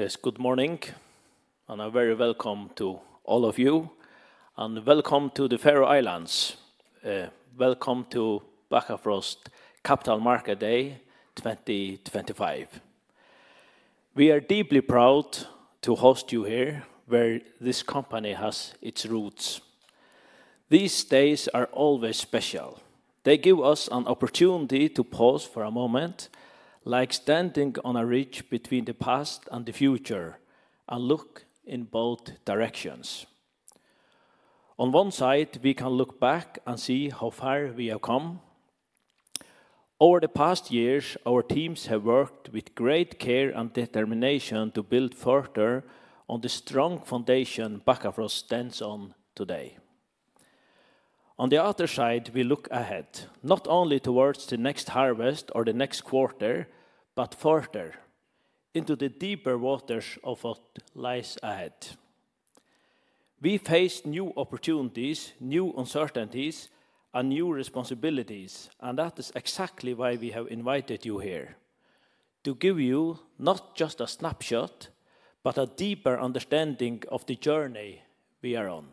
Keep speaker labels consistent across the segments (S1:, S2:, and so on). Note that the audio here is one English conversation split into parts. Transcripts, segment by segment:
S1: Yes, good morning, and a very welcome to all of you, and welcome to the Faroe Islands. Welcome to Bakkafrost Capital Market Day 2025. We are deeply proud to host you here, where this company has its roots. These days are always special. They give us an opportunity to pause for a moment, like standing on a ridge between the past and the future, and look in both directions. On one side, we can look back and see how far we have come. Over the past years, our teams have worked with great care and determination to build further on the strong foundation Bakkafrost stands on today. On the other side, we look ahead, not only towards the next harvest or the next quarter, but further, into the deeper waters of what lies ahead. We face new opportunities, new uncertainties, and new responsibilities, and that is exactly why we have invited you here, to give you not just a snapshot, but a deeper understanding of the journey we are on.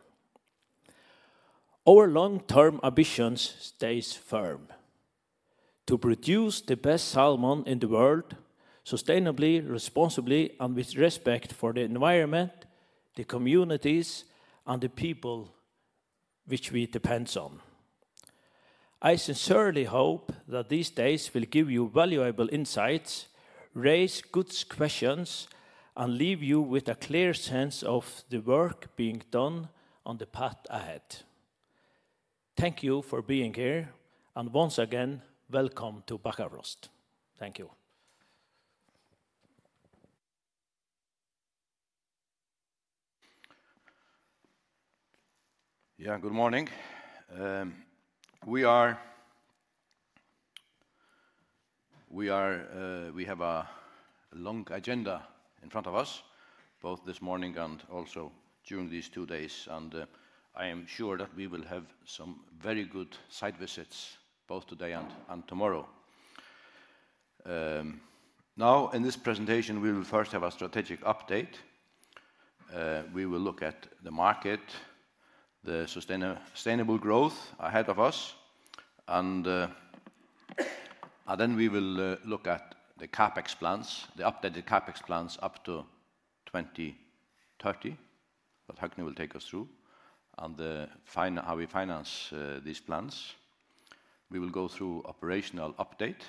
S1: Our long-term ambition stays firm: to produce the best salmon in the world, sustainably, responsibly, and with respect for the environment, the communities, and the people which we depend on. I sincerely hope that these days will give you valuable insights, raise good questions, and leave you with a clear sense of the work being done on the path ahead. Thank you for being here, and once again, welcome to Bakkafrost. Thank you.
S2: Yeah, good morning. We have a long agenda in front of us, both this morning and also during these two days, and I am sure that we will have some very good site visits, both today and tomorrow. Now, in this presentation, we will first have a strategic update. We will look at the market, the sustainable growth ahead of us, and then we will look at the CaPex plans, the updated CaPex plans up to 2030 that Høgni will take us through, and how we finance these plans. We will go through operational update,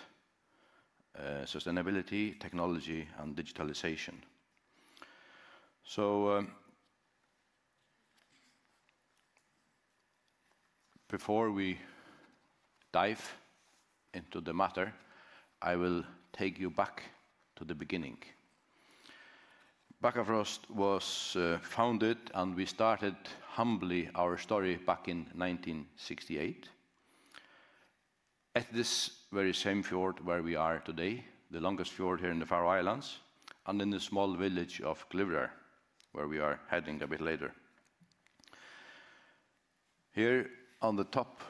S2: sustainability, technology, and digitalization. Before we dive into the matter, I will take you back to the beginning. Bakkafrost was founded, and we started humbly our story back in 1968, at this very same fjord where we are today, the longest fjord here in the Faroe Islands, and in the small village of Klývdur, where we are heading a bit later. Here on the top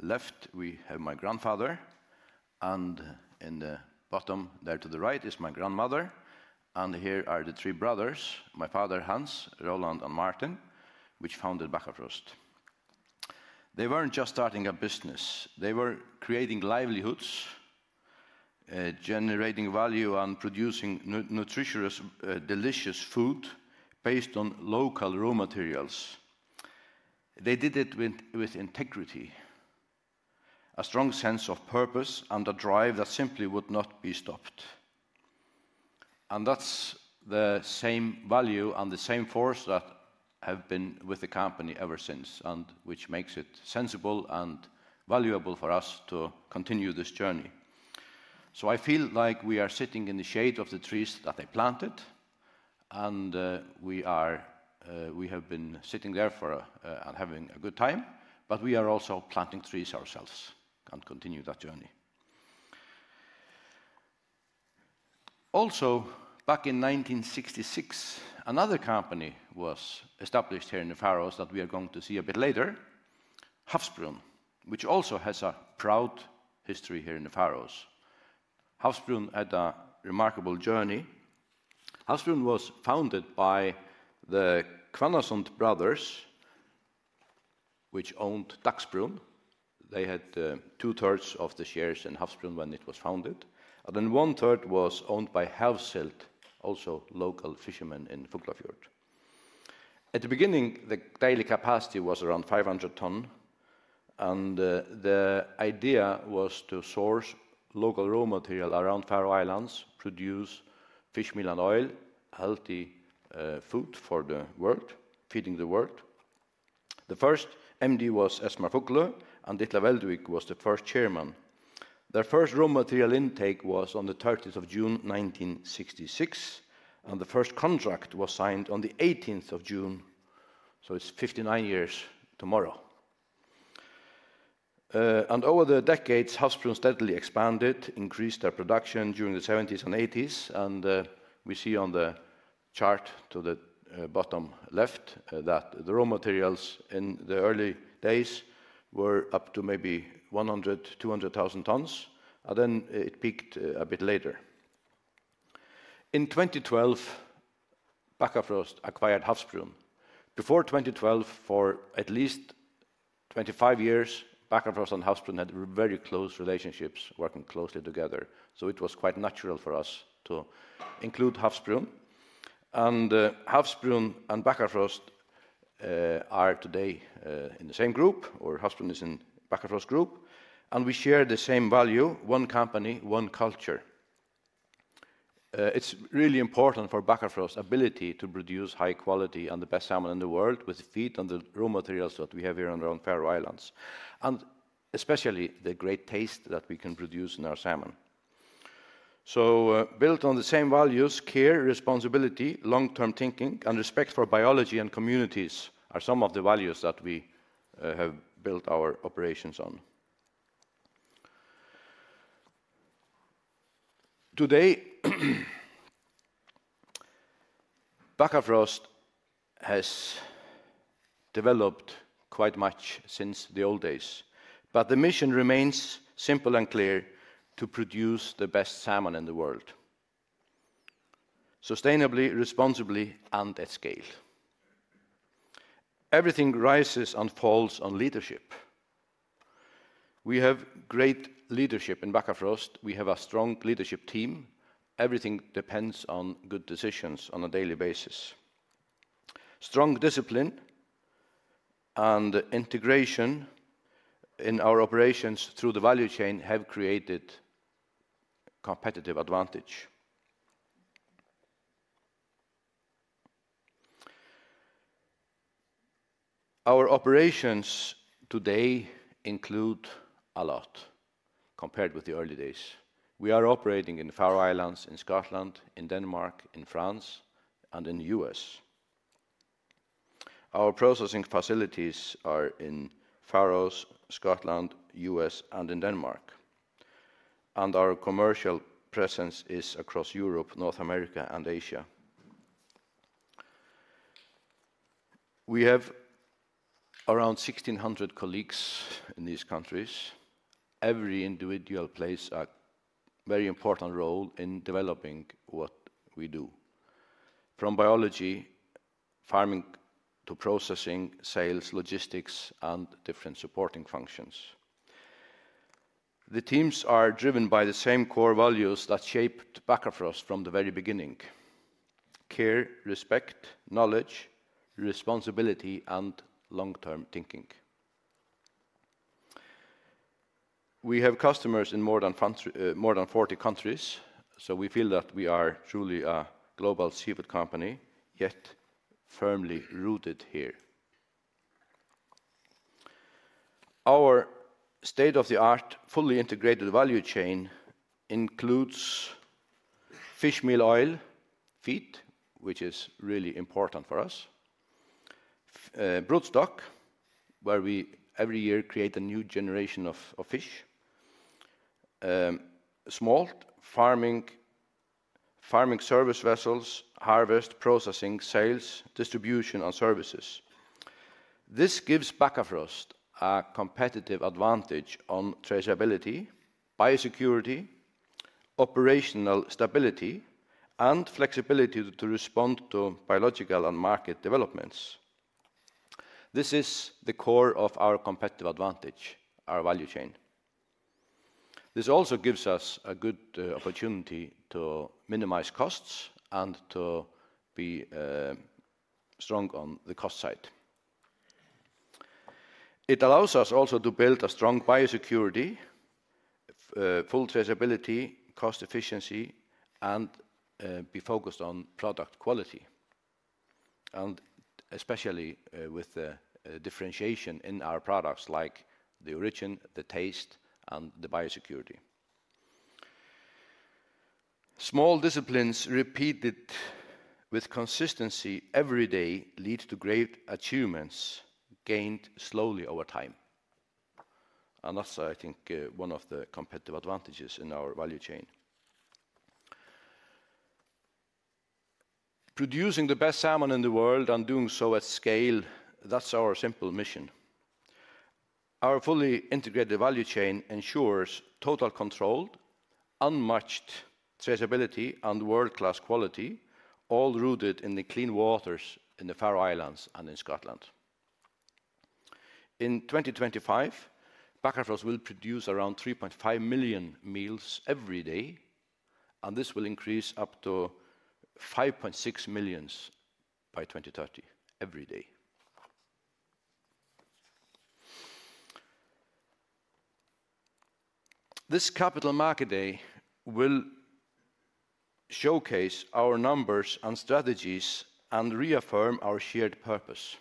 S2: left, we have my grandfather, and in the bottom there to the right is my grandmother, and here are the three brothers, my father, Hans, Roland, and Martin, which founded Bakkafrost. They were not just starting a business. They were creating livelihoods, generating value, and producing nutritious, delicious food based on local raw materials. They did it with integrity, a strong sense of purpose, and a drive that simply would not be stopped. That is the same value and the same force that have been with the company ever since, and which makes it sensible and valuable for us to continue this journey. I feel like we are sitting in the shade of the trees that they planted, and we are, we have been sitting there for, and having a good time, but we are also planting trees ourselves and continue that journey. Also, back in 1966, another company was established here in the Faroes that we are going to see a bit later, Havsbrún, which also has a proud history here in the Faroes. Havsbrún had a remarkable journey. Havsbrún was founded by the Kvanesund brothers, which owned Dagsbrun. They had two-thirds of the shares in Havsbrún when it was founded, and then one-third was owned by Hævseld, also a local fisherman in Fuglafjord. At the beginning, the daily capacity was around 500 tons, and the idea was to source local raw material around Faroe Islands, produce fishmeal and oil, healthy food for the world, feeding the world. The first MD was Esmer Fuglu, and Ditla Veldvik was the first chairman. Their first raw material intake was on the 30th of June, 1966, and the first contract was signed on the 18th of June, so it's 59 years tomorrow. Over the decades, Havsbrun steadily expanded, increased their production during the '70s and '80s, and we see on the chart to the bottom left that the raw materials in the early days were up to maybe 100,000-200,000 tons, and then it peaked a bit later. In 2012, Bakkafrost acquired Havsbrun. Before 2012, for at least 25 years, Bakkafrost and Havsbrun had very close relationships, working closely together, so it was quite natural for us to include Havsbrun. Havsbrun and Bakkafrost are today in the same group, or Havsbrun is in Bakkafrost group, and we share the same value, one company, one culture. It's really important for Bakkafrost's ability to produce high-quality and the best salmon in the world with the feed and the raw materials that we have here around Faroe Islands, and especially the great taste that we can produce in our salmon. Built on the same values, care, responsibility, long-term thinking, and respect for biology and communities are some of the values that we have built our operations on. Today, Bakkafrost has developed quite much since the old days, but the mission remains simple and clear: to produce the best salmon in the world, sustainably, responsibly, and at scale. Everything rises and falls on leadership. We have great leadership in Bakkafrost. We have a strong leadership team. Everything depends on good decisions on a daily basis. Strong discipline and integration in our operations through the value chain have created a competitive advantage. Our operations today include a lot compared with the early days. We are operating in the Faroe Islands, in Scotland, in Denmark, in France, and in the U.S. Our processing facilities are in the Faroe Islands, Scotland, the U.S., and in Denmark, and our commercial presence is across Europe, North America, and Asia. We have around 1,600 colleagues in these countries. Every individual plays a very important role in developing what we do, from biology, farming, to processing, sales, logistics, and different supporting functions. The teams are driven by the same core values that shaped Bakkafrost from the very beginning: care, respect, knowledge, responsibility, and long-term thinking. We have customers in more than 40 countries, so we feel that we are truly a global seafood company, yet firmly rooted here. Our state-of-the-art, fully integrated value chain includes fishmeal, oil, feed, which is really important for us, broodstock, where we every year create a new generation of fish, smolt farming, farming service vessels, harvest, processing, sales, distribution, and services. This gives Bakkafrost a competitive advantage on traceability, biosecurity, operational stability, and flexibility to respond to biological and market developments. This is the core of our competitive advantage, our value chain. This also gives us a good opportunity to minimize costs and to be strong on the cost side. It allows us also to build a strong biosecurity, full traceability, cost efficiency, and be focused on product quality, and especially, with the differentiation in our products like the origin, the taste, and the biosecurity. Small disciplines repeated with consistency every day lead to great achievements gained slowly over time. That is, I think, one of the competitive advantages in our value chain. Producing the best salmon in the world and doing so at scale, that's our simple mission. Our fully integrated value chain ensures total control, unmatched traceability, and world-class quality, all rooted in the clean waters in the Faroe Islands and in Scotland. In 2025, Bakkafrost will produce around 3.5 million meals every day, and this will increase up to 5.6 million by 2030 every day. This Capital Market Day will showcase our numbers and strategies and reaffirm our shared purpose.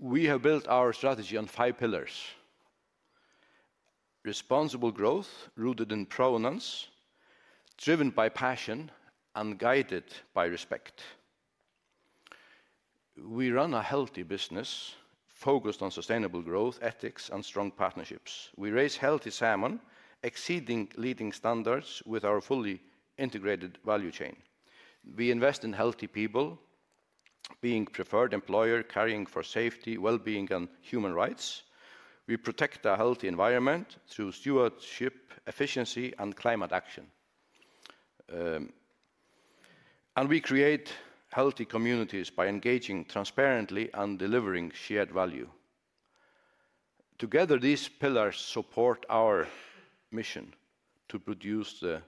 S2: We have built our strategy on five pillars: responsible growth, rooted in provenance, driven by passion, and guided by respect. We run a healthy business focused on sustainable growth, ethics, and strong partnerships. We raise healthy salmon, exceeding leading standards with our fully integrated value chain. We invest in healthy people, being a preferred employer, caring for safety, well-being, and human rights. We protect our healthy environment through stewardship, efficiency, and climate action. We create healthy communities by engaging transparently and delivering shared value. Together, these pillars support our mission to produce the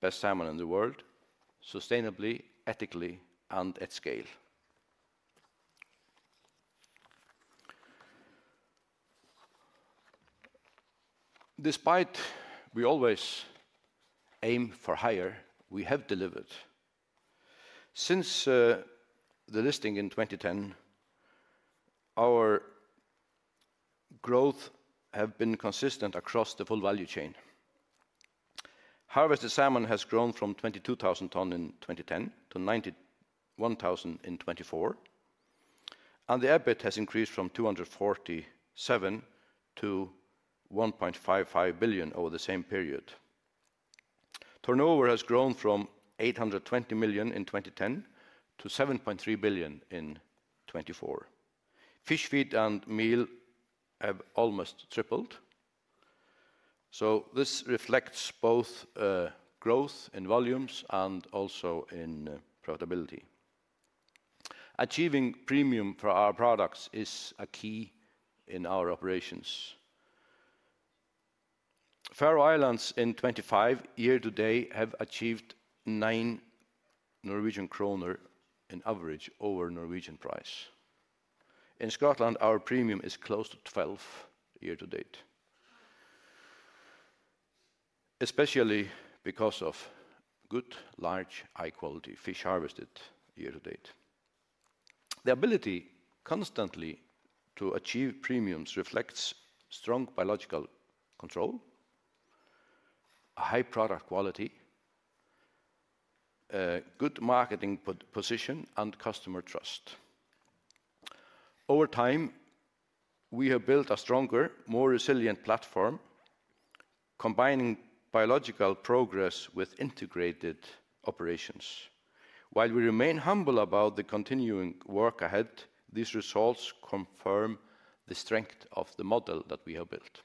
S2: best salmon in the world sustainably, ethically, and at scale. Despite we always aim for higher, we have delivered. Since the listing in 2010, our growth has been consistent across the full value chain. Harvested salmon has grown from 22,000 tons in 2010 to 91,000 in 2024, and the EBIT has increased from 247 million to 1.55 billion over the same period. Turnover has grown from 820 million in 2010 to 7.3 billion in 2024. Fish feed and meal have almost tripled, so this reflects both growth in volumes and also in profitability. Achieving premium for our products is a key in our operations. Faroe Islands in 2025, year to date, have achieved 9 Norwegian kroner in average over Norwegian price. In Scotland, our premium is close to 12 year to date, especially because of good, large, high-quality fish harvested year to date. The ability constantly to achieve premiums reflects strong biological control, high product quality, good marketing position, and customer trust. Over time, we have built a stronger, more resilient platform, combining biological progress with integrated operations. While we remain humble about the continuing work ahead, these results confirm the strength of the model that we have built.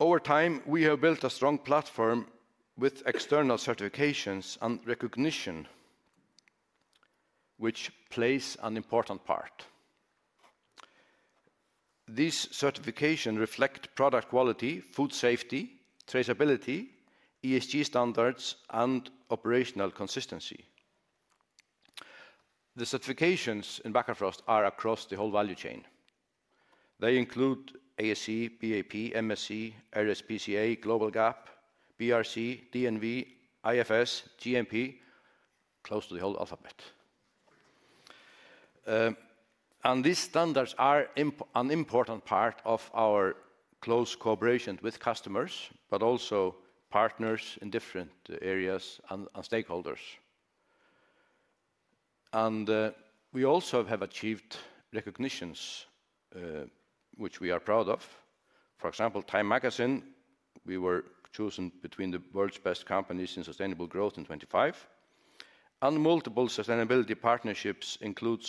S2: Over time, we have built a strong platform with external certifications and recognition, which plays an important part. These certifications reflect product quality, food safety, traceability, ESG standards, and operational consistency. The certifications in Bakkafrost are across the whole value chain. They include ASC, BAP, MSC, RSPCA, Global GAP, BRC, DNV, IFS, GMP, close to the whole alphabet. These standards are an important part of our close cooperation with customers, but also partners in different areas and stakeholders. We also have achieved recognitions, which we are proud of. For example, Time Magazine, we were chosen between the world's best companies in sustainable growth in 2025, and multiple sustainability partnerships include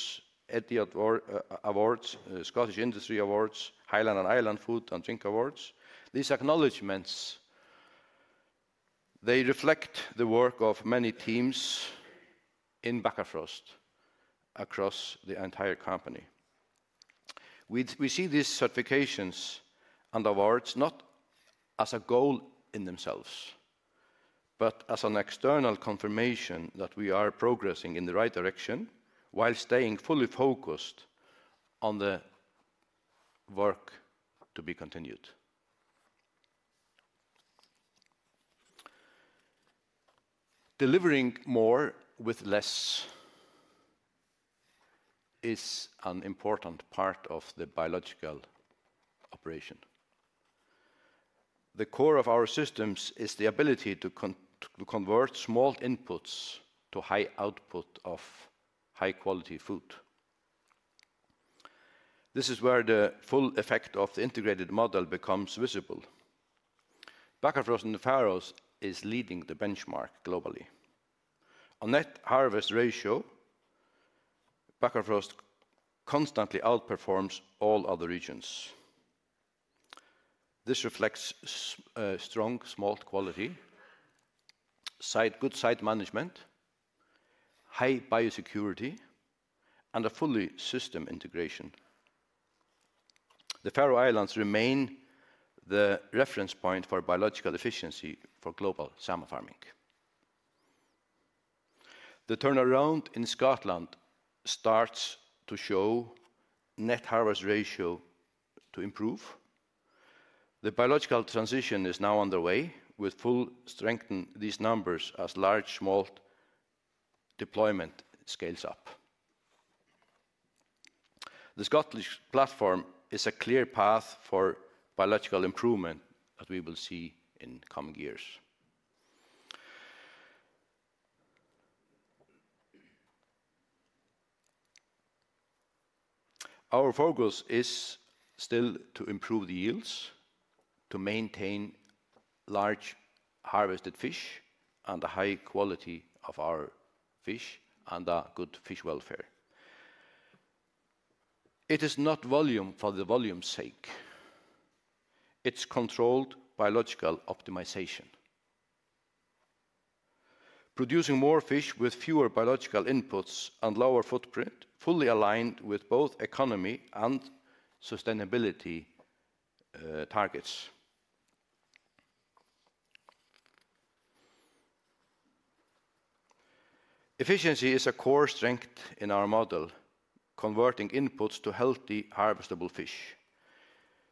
S2: Etihad Awards, Scottish Industry Awards, Highland and Island Food and Drink Awards. These acknowledgments, they reflect the work of many teams in Bakkafrost across the entire company. We see these certifications and awards not as a goal in themselves, but as an external confirmation that we are progressing in the right direction while staying fully focused on the work to be continued. Delivering more with less is an important part of the biological operation. The core of our systems is the ability to convert small inputs to high output of high-quality food. This is where the full effect of the integrated model becomes visible. Bakkafrost in the Faroes is leading the benchmark globally. On that harvest ratio, Bakkafrost constantly outperforms all other regions. This reflects strong smolt quality, good site management, high biosecurity, and a fully system integration. The Faroe Islands remain the reference point for biological efficiency for global salmon farming. The turnaround in Scotland starts to show net harvest ratio to improve. The biological transition is now underway with full strength in these numbers as large smolt deployment scales up. The Scottish platform is a clear path for biological improvement that we will see in coming years. Our focus is still to improve the yields, to maintain large harvested fish and the high quality of our fish and good fish welfare. It is not volume for the volume's sake. It's controlled biological optimization, producing more fish with fewer biological inputs and lower footprint, fully aligned with both economy and sustainability targets. Efficiency is a core strength in our model, converting inputs to healthy harvestable fish.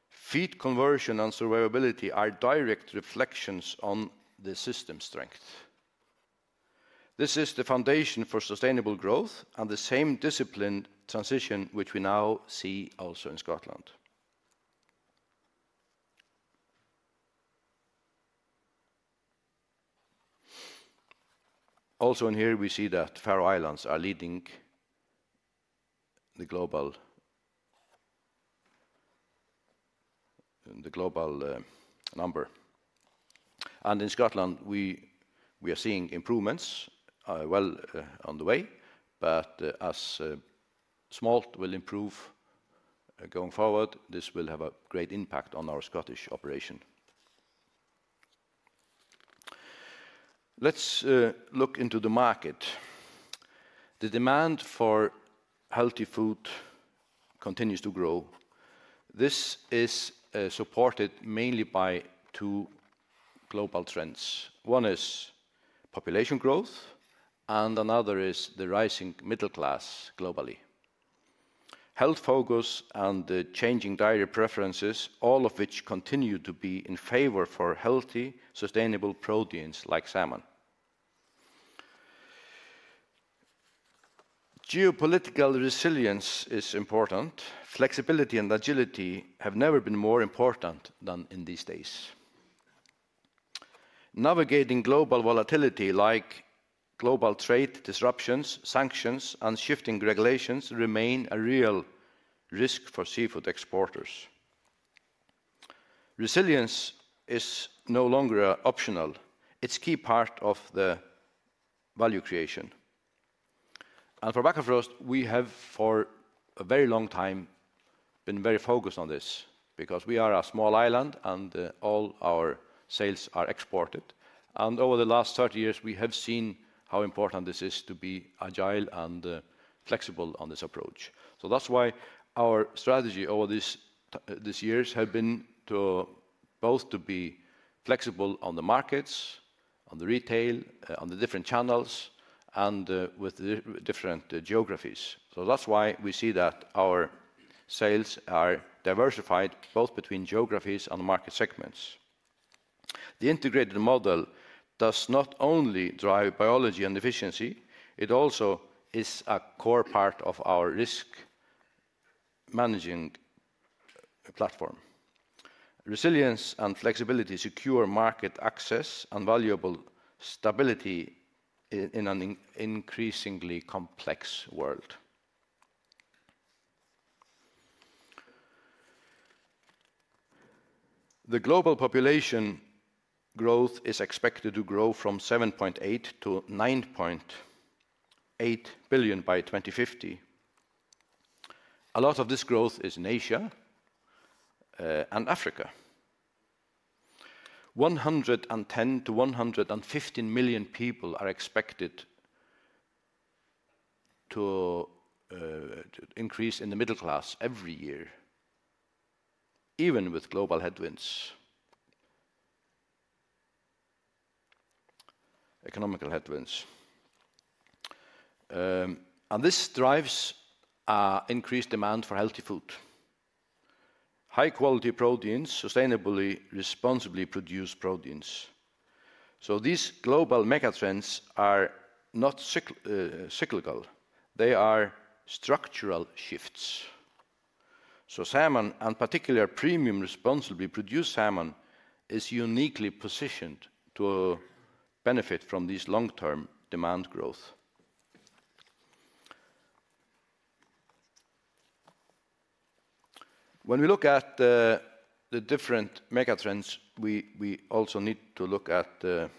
S2: Feed conversion and survivability are direct reflections on the system strength. This is the foundation for sustainable growth and the same discipline transition which we now see also in Scotland. Also in here, we see that Faroe Islands are leading the global number. In Scotland, we are seeing improvements, well on the way, but as smolt will improve, going forward, this will have a great impact on our Scottish operation. Let's look into the market. The demand for healthy food continues to grow. This is supported mainly by two global trends. One is population growth, and another is the rising middle class globally. Health focus and the changing dietary preferences, all of which continue to be in favor for healthy, sustainable proteins like salmon. Geopolitical resilience is important. Flexibility and agility have never been more important than in these days. Navigating global volatility like global trade disruptions, sanctions, and shifting regulations remain a real risk for seafood exporters. Resilience is no longer optional. It is a key part of the value creation. For Bakkafrost, we have for a very long time been very focused on this because we are a small island and all our sales are exported. Over the last 30 years, we have seen how important this is to be agile and flexible on this approach. That is why our strategy over these years has been to both to be flexible on the markets, on the retail, on the different channels, and, with the different geographies. That is why we see that our sales are diversified both between geographies and market segments. The integrated model does not only drive biology and efficiency, it also is a core part of our risk managing platform. Resilience and flexibility secure market access and valuable stability in an increasingly complex world. The global population growth is expected to grow from 7.8 billion to 9.8 billion by 2050. A lot of this growth is in Asia and Africa. 110-115 million people are expected to increase in the middle class every year, even with global headwinds, economical headwinds. This drives an increased demand for healthy food, high-quality proteins, sustainably, responsibly produced proteins. These global mega trends are not cyclical. They are structural shifts. Salmon, and particularly premium responsibly produced salmon, is uniquely positioned to benefit from this long-term demand growth. When we look at the different mega trends, we also need to look at the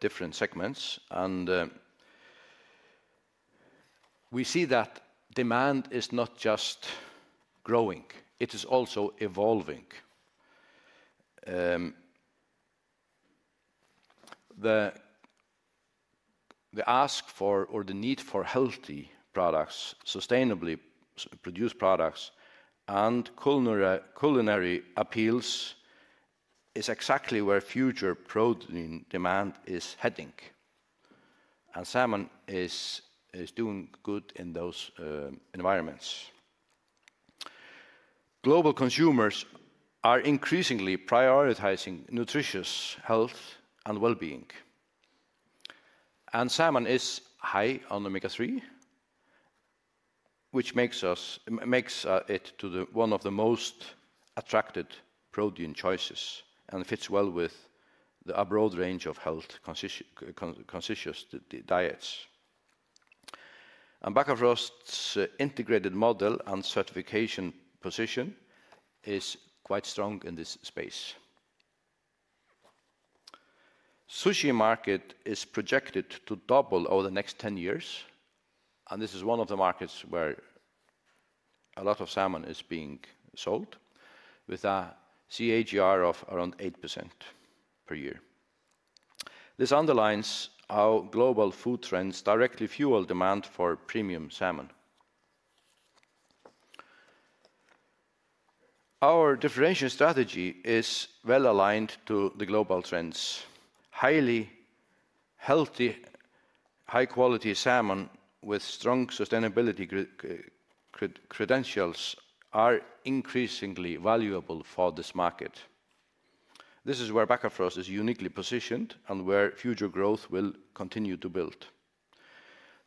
S2: different segments, and we see that demand is not just growing; it is also evolving. The ask for or the need for healthy products, sustainably produced products, and culinary appeals is exactly where future protein demand is heading. Salmon is doing good in those environments. Global consumers are increasingly prioritizing nutritious health and well-being. Salmon is high on omega-3, which makes us, makes it to one of the most attracted protein choices and fits well with the broad range of health conscious diets. Bakkafrost's integrated model and certification position is quite strong in this space. Sushi market is projected to double over the next 10 years, and this is one of the markets where a lot of salmon is being sold with a CAGR of around 8% per year. This underlines how global food trends directly fuel demand for premium salmon. Our differentiation strategy is well aligned to the global trends. Highly healthy, high-quality salmon with strong sustainability credentials are increasingly valuable for this market. This is where Bakkafrost is uniquely positioned and where future growth will continue to build.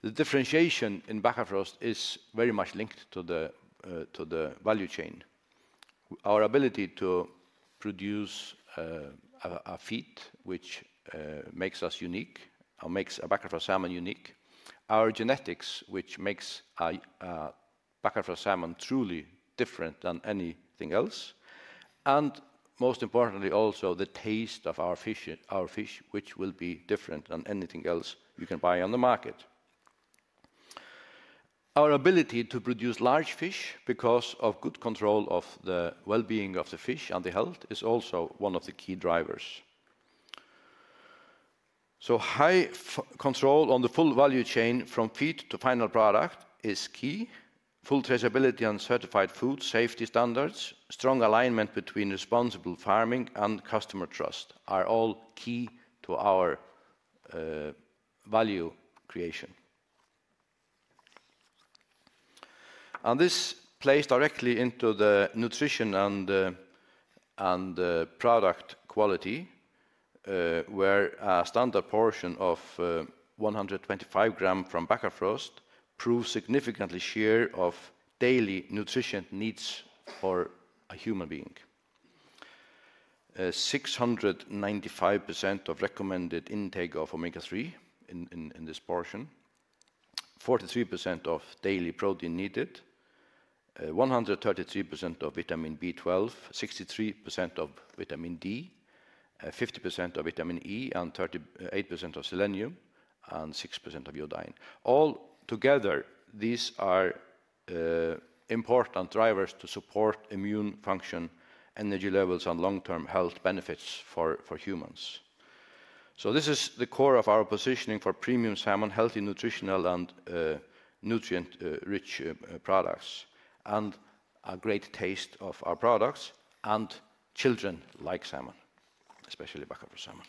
S2: The differentiation in Bakkafrost is very much linked to the value chain. Our ability to produce a feed which makes us unique or makes a Bakkafrost salmon unique, our genetics which makes a Bakkafrost salmon truly different than anything else, and most importantly, also the taste of our fish, our fish, which will be different than anything else you can buy on the market. Our ability to produce large fish because of good control of the well-being of the fish and the health is also one of the key drivers. High control on the full value chain from feed to final product is key. Full traceability and certified food safety standards, strong alignment between responsible farming and customer trust are all key to our value creation. This plays directly into the nutrition and product quality, where a standard portion of 125 grams from Bakkafrost proves a significant share of daily nutrition needs for a human being. 695% of recommended intake of omega-3 in this portion, 43% of daily protein needed, 133% of vitamin B12, 63% of vitamin D, 50% of vitamin E, 38% of selenium, and 6% of iodine. All together, these are important drivers to support immune function, energy levels, and long-term health benefits for humans. This is the core of our positioning for premium salmon, healthy nutritional and nutrient-rich products, and a great taste of our products, and children like salmon, especially Bakkafrost salmon.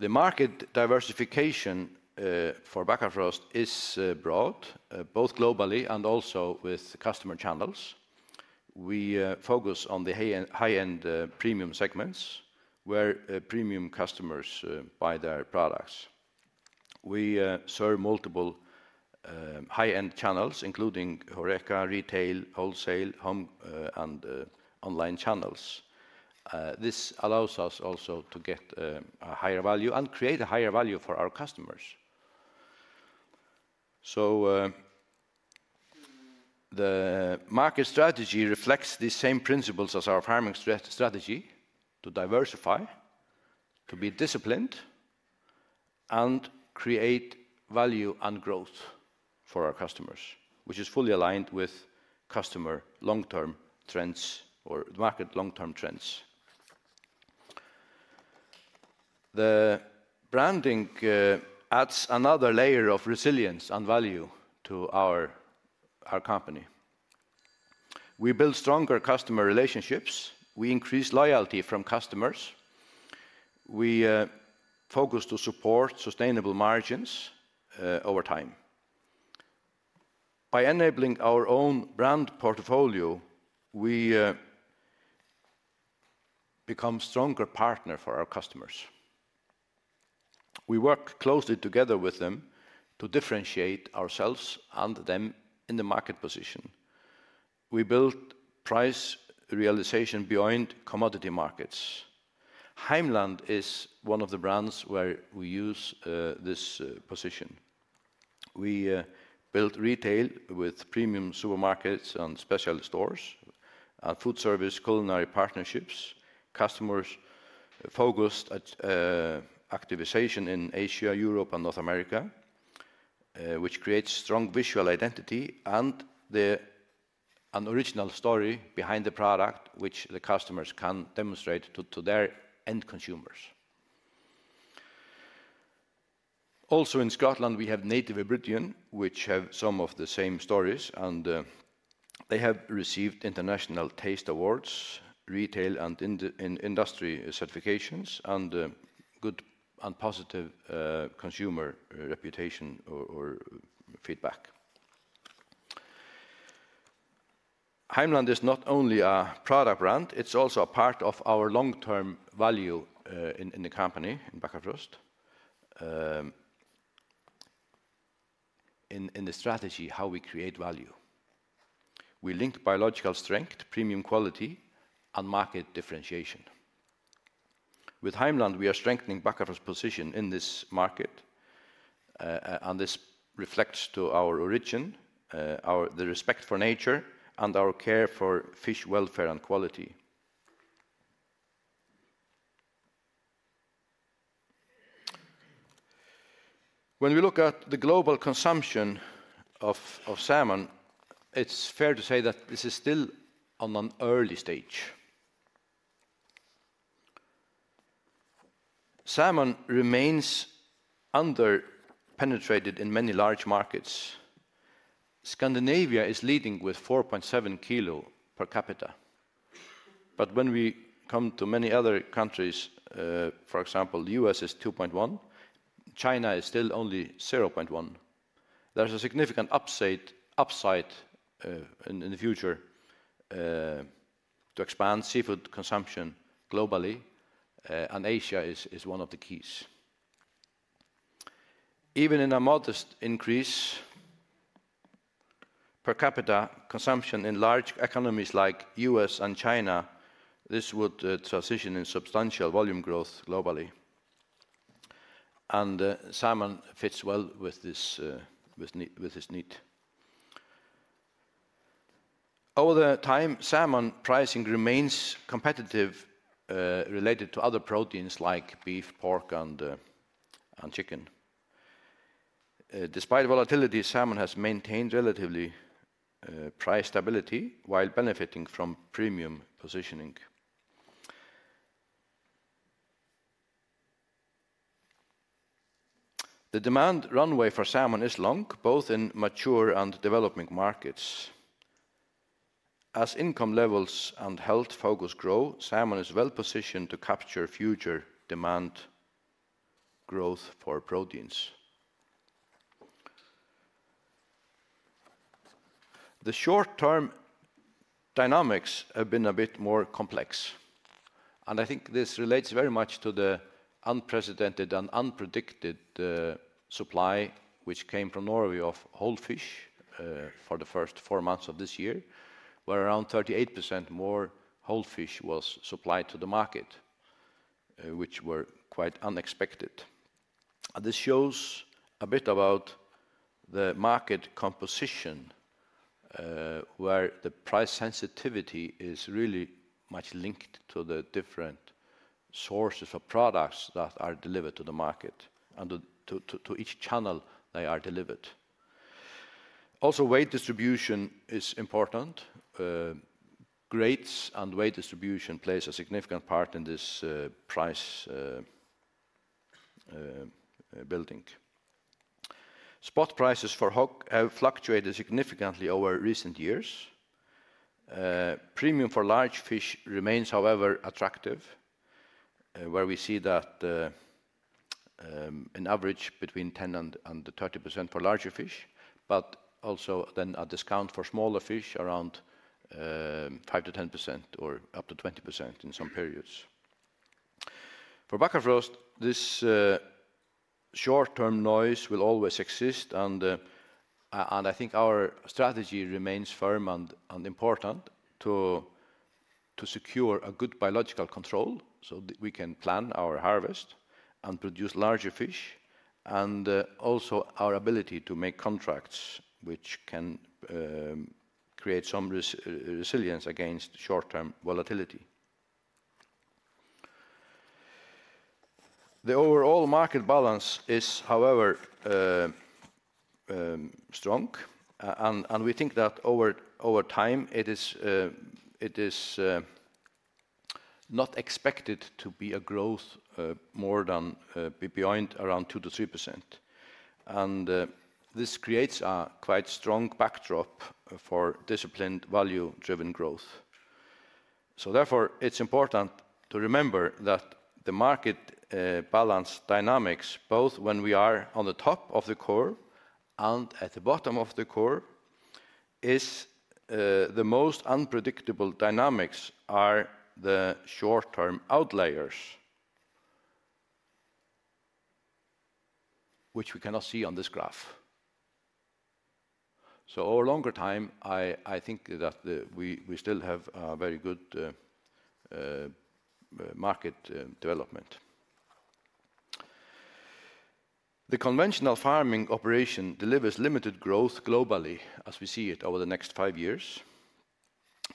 S2: The market diversification for Bakkafrost is broad, both globally and also with customer channels. We focus on the high-end premium segments where premium customers buy their products. We serve multiple high-end channels, including Horeca, retail, wholesale, home, and online channels. This allows us also to get a higher value and create a higher value for our customers. The market strategy reflects the same principles as our farming strategy: to diversify, to be disciplined, and create value and growth for our customers, which is fully aligned with customer long-term trends or market long-term trends. The branding adds another layer of resilience and value to our company. We build stronger customer relationships. We increase loyalty from customers. We focus to support sustainable margins over time. By enabling our own brand portfolio, we become a stronger partner for our customers. We work closely together with them to differentiate ourselves and them in the market position. We build price realization beyond commodity markets. Heimland is one of the brands where we use this position. We build retail with premium supermarkets and special stores, and food service culinary partnerships, customers-focused activization in Asia, Europe, and North America, which creates strong visual identity and the original story behind the product, which the customers can demonstrate to their end consumers. Also in Scotland, we have Native Aboriginal, which have some of the same stories, and they have received international taste awards, retail and industry certifications, and good and positive consumer reputation or feedback. Heimland is not only a product brand; it's also a part of our long-term value in the company in Bakkafrost, in the strategy how we create value. We link biological strength, premium quality, and market differentiation. With Heimland, we are strengthening Bakkafrost's position in this market, and this reflects our origin, the respect for nature, and our care for fish welfare and quality. When we look at the global consumption of salmon, it's fair to say that this is still on an early stage. Salmon remains under-penetrated in many large markets. Scandinavia is leading with 4.7 kg per capita. When we come to many other countries, for example, the U.S. is 2.1, China is still only 0.1. There is a significant upside in the future to expand seafood consumption globally, and Asia is one of the keys. Even in a modest increase per capita consumption in large economies like the U.S. and China, this would transition in substantial volume growth globally. Salmon fits well with this need. Over time, salmon pricing remains competitive related to other proteins like beef, pork, and chicken. Despite volatility, salmon has maintained relatively price stability while benefiting from premium positioning. The demand runway for salmon is long, both in mature and developing markets. As income levels and health focus grow, salmon is well-positioned to capture future demand growth for proteins. The short-term dynamics have been a bit more complex, and I think this relates very much to the unprecedented and unpredicted supply, which came from Norway of whole fish for the first four months of this year, where around 38% more whole fish was supplied to the market, which were quite unexpected. This shows a bit about the market composition, where the price sensitivity is really much linked to the different sources of products that are delivered to the market and to each channel they are delivered. Also, weight distribution is important. Grades and weight distribution play a significant part in this price building. Spot prices for hog have fluctuated significantly over recent years. Premium for large fish remains, however, attractive, where we see that an average between 10% and 30% for larger fish, but also then a discount for smaller fish around 5%-10% or up to 20% in some periods. For Bakkafrost, this short-term noise will always exist, and I think our strategy remains firm and important to secure a good biological control so that we can plan our harvest and produce larger fish, and also our ability to make contracts which can create some resilience against short-term volatility. The overall market balance is, however, strong, and we think that over time it is not expected to be a growth more than beyond around 2%-3%. This creates a quite strong backdrop for disciplined, value-driven growth. Therefore, it's important to remember that the market balance dynamics, both when we are on the top of the core and at the bottom of the core, is the most unpredictable dynamics are the short-term outliers, which we cannot see on this graph. Over a longer time, I think that we still have a very good market development. The conventional farming operation delivers limited growth globally as we see it over the next five years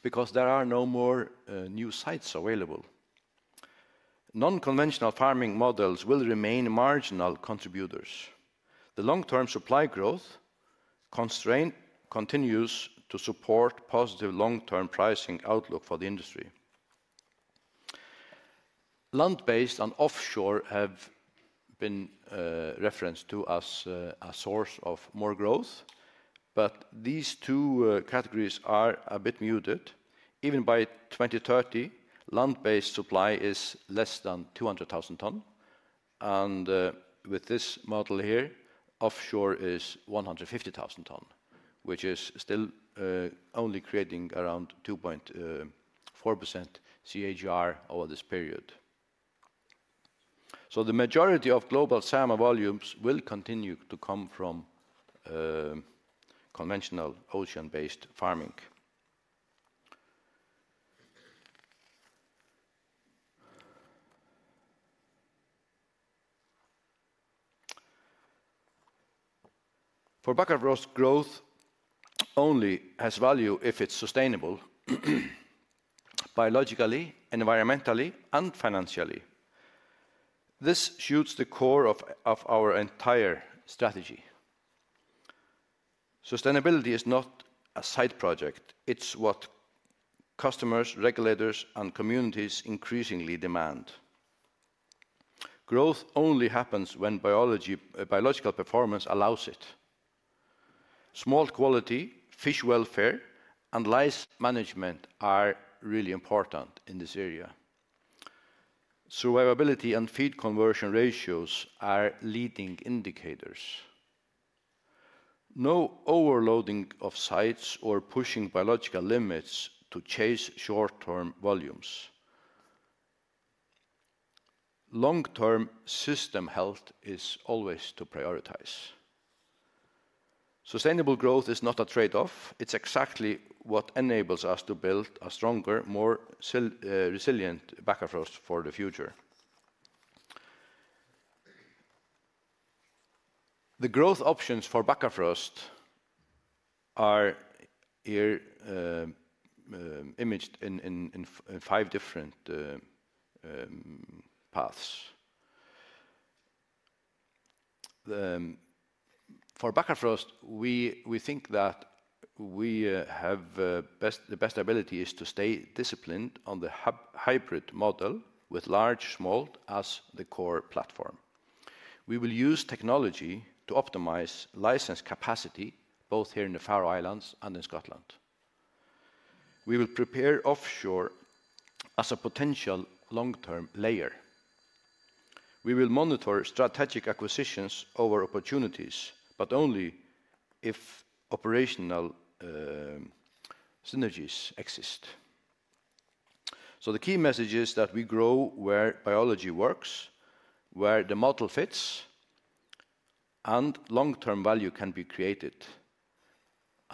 S2: because there are no more new sites available. Non-conventional farming models will remain marginal contributors. The long-term supply growth constraint continues to support positive long-term pricing outlook for the industry. Land-based and offshore have been referenced to us as a source of more growth, but these two categories are a bit muted. Even by 2030, land-based supply is less than 200,000 tonnes, and with this model here, offshore is 150,000 tonnes, which is still only creating around 2.4% CAGR over this period. The majority of global salmon volumes will continue to come from conventional ocean-based farming. For Bakkafrost, growth only has value if it's sustainable biologically, environmentally, and financially. This shoots the core of our entire strategy. Sustainability is not a side project. It's what customers, regulators, and communities increasingly demand. Growth only happens when biological performance allows it. Smolt quality, fish welfare, and life management are really important in this area. Survivability and feed conversion ratios are leading indicators. No overloading of sites or pushing biological limits to chase short-term volumes. Long-term system health is always to prioritize. Sustainable growth is not a trade-off. It's exactly what enables us to build a stronger, more resilient Bakkafrost for the future. The growth options for Bakkafrost are here imaged in five different paths. For Bakkafrost, we think that the best ability is to stay disciplined on the hybrid model with large smolt as the core platform. We will use technology to optimize license capacity both here in the Faroe Islands and in Scotland. We will prepare offshore as a potential long-term layer. We will monitor strategic acquisitions over opportunities, but only if operational synergies exist. The key message is that we grow where biology works, where the model fits, and long-term value can be created.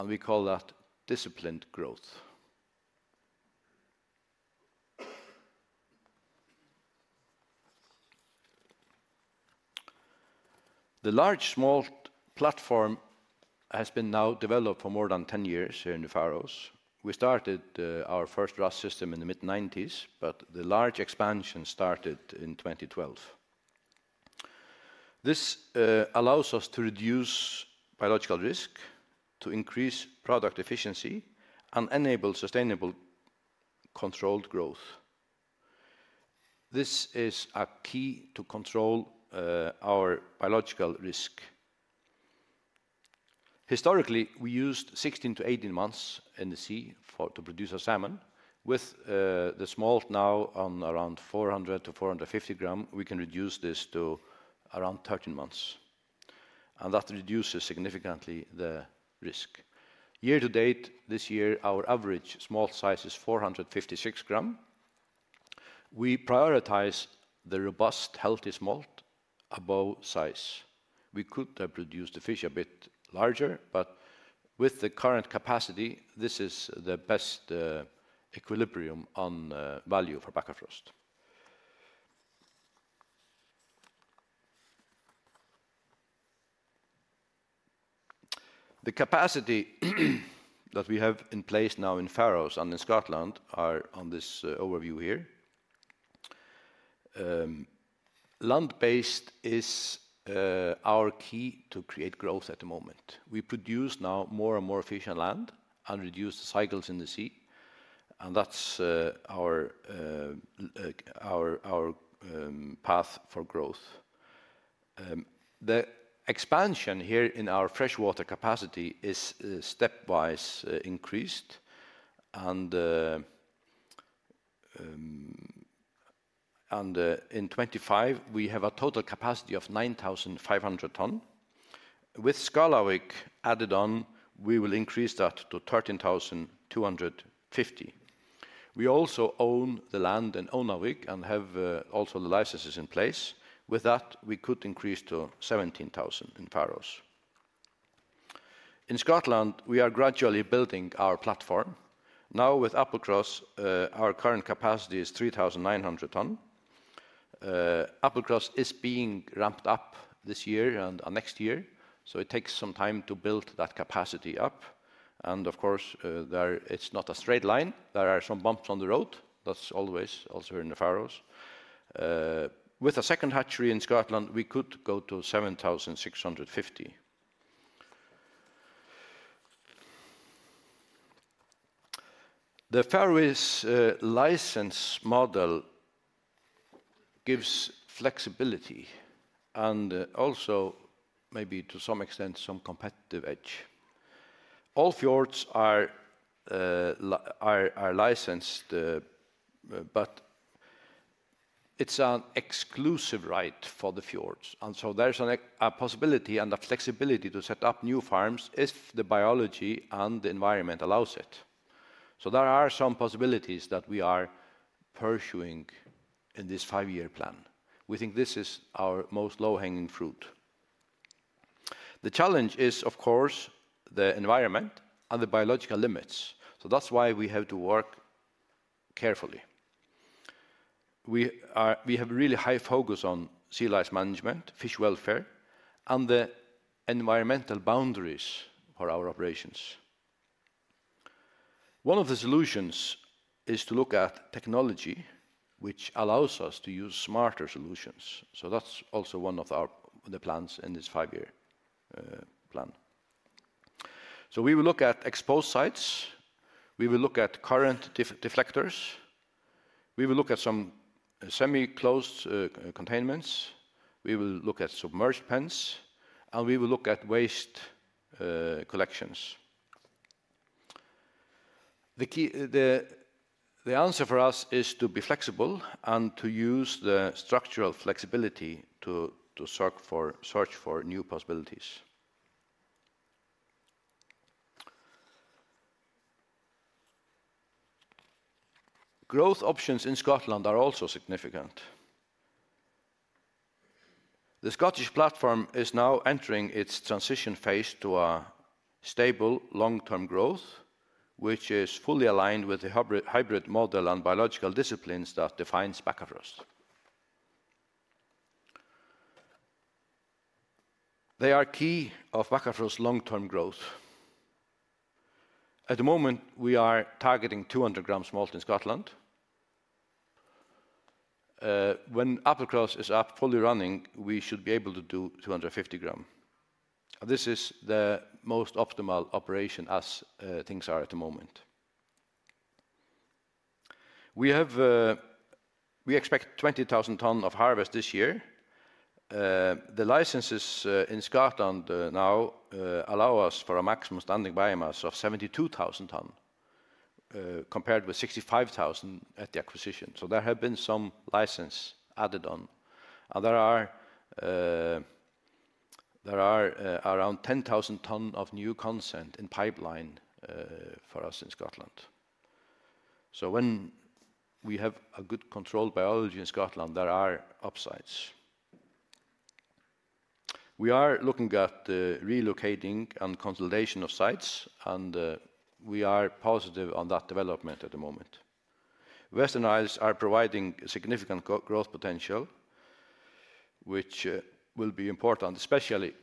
S2: We call that disciplined growth. The large smolt platform has been now developed for more than 10 years here in the Faroes. We started our first RAS system in the mid-1990s, but the large expansion started in 2012. This allows us to reduce biological risk, to increase product efficiency, and enable sustainable controlled growth. This is a key to control our biological risk. Historically, we used 16-18 months in the sea to produce our salmon. With the smolt now on around 400-450 grams, we can reduce this to around 13 months. That reduces significantly the risk. Year to date, this year, our average smolt size is 456 grams. We prioritize the robust, healthy smolt above size. We could have produced the fish a bit larger, but with the current capacity, this is the best equilibrium on value for Bakkafrost. The capacity that we have in place now in Faroe Islands and in Scotland are on this overview here. Land-based is our key to create growth at the moment. We produce now more and more fish on land and reduce the cycles in the sea, and that is our path for growth. The expansion here in our freshwater capacity is stepwise increased, and in 2025, we have a total capacity of 9,500 tonnes. With Skarlavik added on, we will increase that to 13,250. We also own the land in Onavik and have also the licenses in place. With that, we could increase to 17,000 in Faroe Islands. In Scotland, we are gradually building our platform. Now, with Applecross, our current capacity is 3,900 tonnes. Applecross is being ramped up this year and next year, so it takes some time to build that capacity up. Of course, it's not a straight line. There are some bumps on the road. That's always also in the Faroe Islands. With a second hatchery in Scotland, we could go to 7,650. The Faroe Islands license model gives flexibility and also, maybe to some extent, some competitive edge. All fjords are licensed, but it's an exclusive right for the fjords. There is a possibility and a flexibility to set up new farms if the biology and the environment allows it. There are some possibilities that we are pursuing in this five-year plan. We think this is our most low-hanging fruit. The challenge is, of course, the environment and the biological limits. That is why we have to work carefully. We have a really high focus on sea life management, fish welfare, and the environmental boundaries for our operations. One of the solutions is to look at technology, which allows us to use smarter solutions. That is also one of the plans in this five-year plan. We will look at exposed sites. We will look at current deflectors. We will look at some semi-closed containments. We will look at submerged pens, and we will look at waste collections. The answer for us is to be flexible and to use the structural flexibility to search for new possibilities. Growth options in Scotland are also significant. The Scottish platform is now entering its transition phase to a stable long-term growth, which is fully aligned with the hybrid model and biological disciplines that define Bakkafrost. They are key to Bakkafrost's long-term growth. At the moment, we are targeting 200 grams smolt in Scotland. When Applecross is fully running, we should be able to do 250 grams. This is the most optimal operation as things are at the moment. We expect 20,000 tonnes of harvest this year. The licenses in Scotland now allow us for a maximum standing biomass of 72,000 tonnes, compared with 65,000 at the acquisition. There have been some licenses added on. There are around 10,000 tonnes of new consent in pipeline for us in Scotland. When we have a good controlled biology in Scotland, there are upsides. We are looking at relocating and consolidation of sites, and we are positive on that development at the moment. Western Isles are providing significant growth potential, which will be important, especially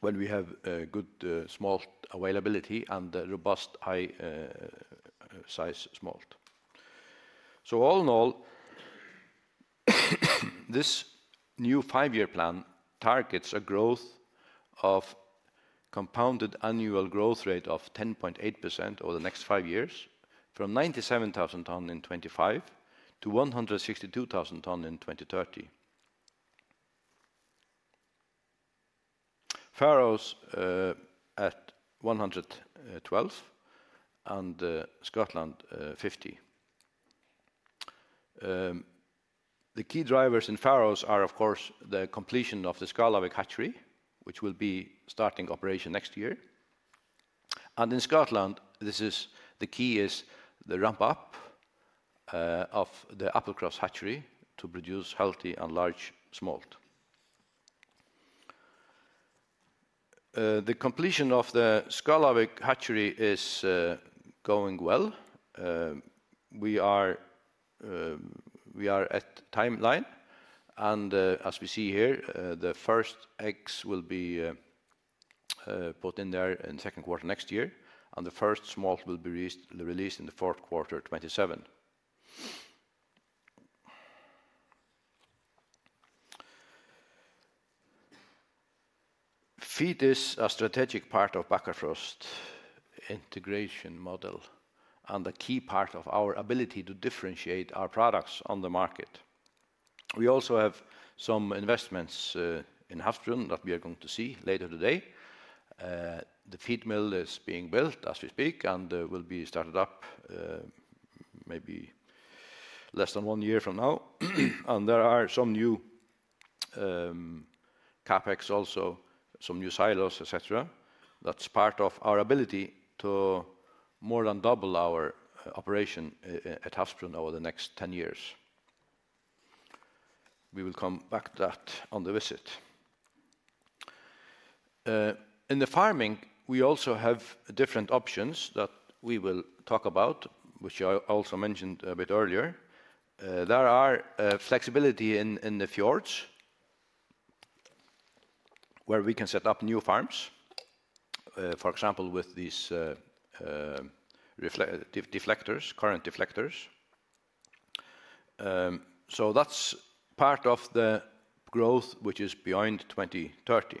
S2: when we have good smolt availability and robust high-size smolt. All in all, this new five-year plan targets a growth of compounded annual growth rate of 10.8% over the next five years, from 97,000 tonnes in 2025 to 162,000 tonnes in 2030. Faroe Islands at 112 and Scotland 50. The key drivers in Faroe Islands are, of course, the completion of the Skarlavik hatchery, which will be starting operation next year. In Scotland, the key is the ramp-up of the Applecross hatchery to produce healthy and large smolt. The completion of the Skarlavik hatchery is going well. We are at timeline, and as we see here, the first eggs will be put in there in the second quarter next year, and the first smolt will be released in the fourth quarter 2027. Feed is a strategic part of Bakkafrost integration model and a key part of our ability to differentiate our products on the market. We also have some investments in Havsbrún that we are going to see later today. The feed mill is being built as we speak and will be started up maybe less than one year from now. There are some new CaPex also, some new silos, etc. That is part of our ability to more than double our operation at Havsbrún over the next 10 years. We will come back to that on the visit. In the farming, we also have different options that we will talk about, which I also mentioned a bit earlier. There is flexibility in the fjords where we can set up new farms, for example, with these current deflectors. That is part of the growth which is beyond 2030.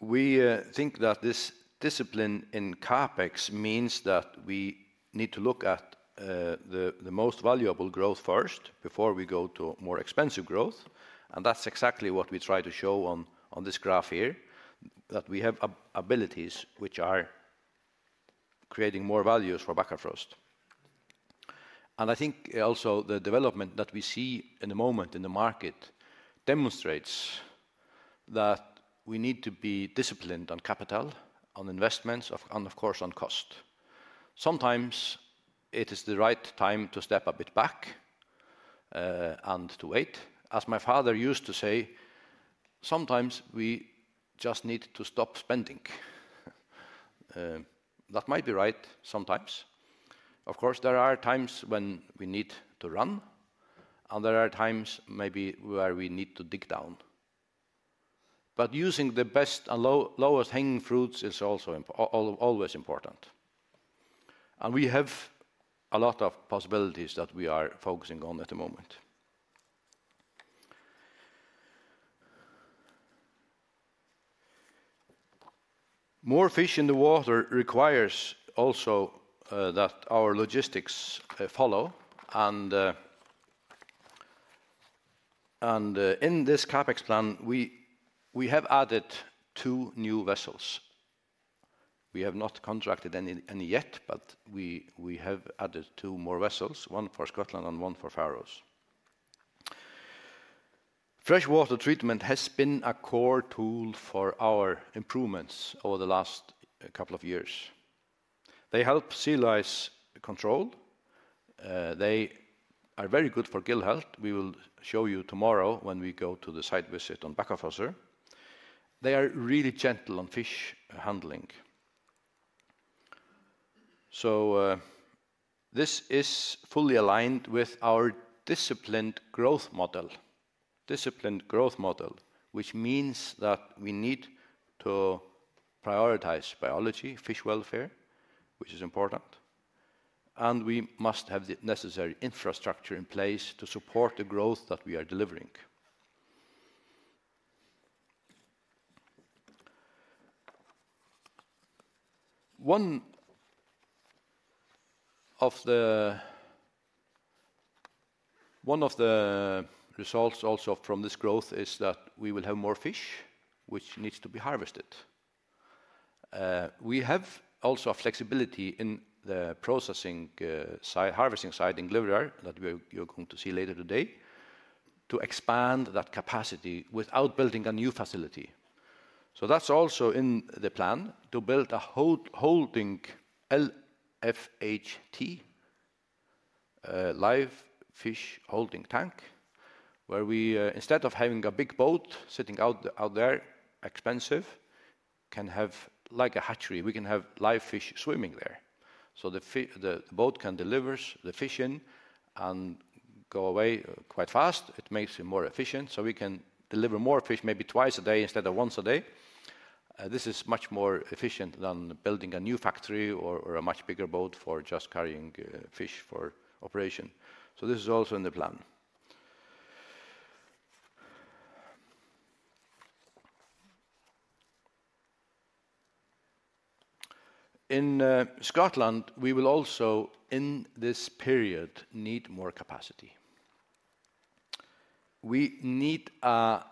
S2: We think that this discipline in CaPex means that we need to look at the most valuable growth first before we go to more expensive growth. That is exactly what we try to show on this graph here, that we have abilities which are creating more values for Bakkafrost. I think also the development that we see in the moment in the market demonstrates that we need to be disciplined on capital, on investments, and of course on cost. Sometimes it is the right time to step a bit back and to wait. As my father used to say, sometimes we just need to stop spending. That might be right sometimes. Of course, there are times when we need to run, and there are times maybe where we need to dig down. Using the best and lowest hanging fruits is also always important. We have a lot of possibilities that we are focusing on at the moment. More fish in the water requires also that our logistics follow. In this CaPex plan, we have added two new vessels. We have not contracted any yet, but we have added two more vessels, one for Scotland and one for Faroe Islands. Freshwater treatment has been a core tool for our improvements over the last couple of years. They help sea lice control. They are very good for gill health. We will show you tomorrow when we go to the site visit on Bakkafrost. They are really gentle on fish handling. This is fully aligned with our disciplined growth model, which means that we need to prioritize biology, fish welfare, which is important. We must have the necessary infrastructure in place to support the growth that we are delivering. One of the results also from this growth is that we will have more fish, which needs to be harvested. We have also a flexibility in the processing harvesting side in Glyvra that you're going to see later today to expand that capacity without building a new facility. That is also in the plan to build a holding LFHT, live fish holding tank, where we, instead of having a big boat sitting out there, expensive, can have like a hatchery. We can have live fish swimming there. The boat can deliver the fish in and go away quite fast. It makes it more efficient. We can deliver more fish maybe twice a day instead of once a day. This is much more efficient than building a new factory or a much bigger boat for just carrying fish for operation. This is also in the plan. In Scotland, we will also in this period need more capacity. We need a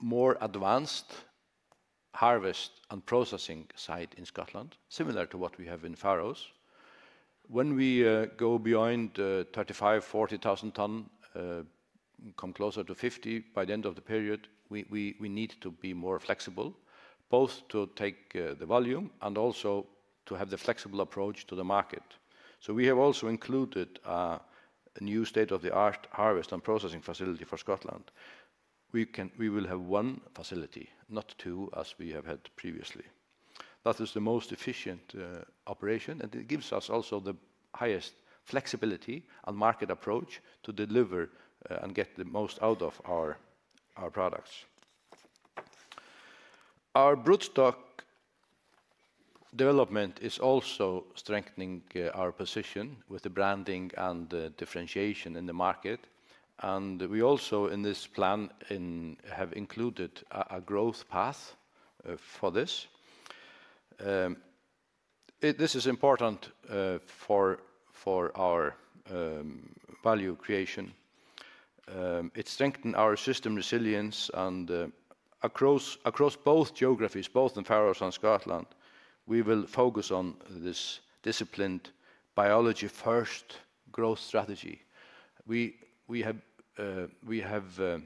S2: more advanced harvest and processing site in Scotland, similar to what we have in the Faroe Islands. When we go beyond 35,000-40,000 tonnes, come closer to 50,000 by the end of the period, we need to be more flexible, both to take the volume and also to have the flexible approach to the market. We have also included a new state-of-the-art harvest and processing facility for Scotland. We will have one facility, not two, as we have had previously. That is the most efficient operation, and it gives us also the highest flexibility and market approach to deliver and get the most out of our products. Our broodstock development is also strengthening our position with the branding and differentiation in the market. We also in this plan have included a growth path for this. This is important for our value creation. It strengthens our system resilience and across both geographies, both in Faroe Islands and Scotland, we will focus on this disciplined biology-first growth strategy. We have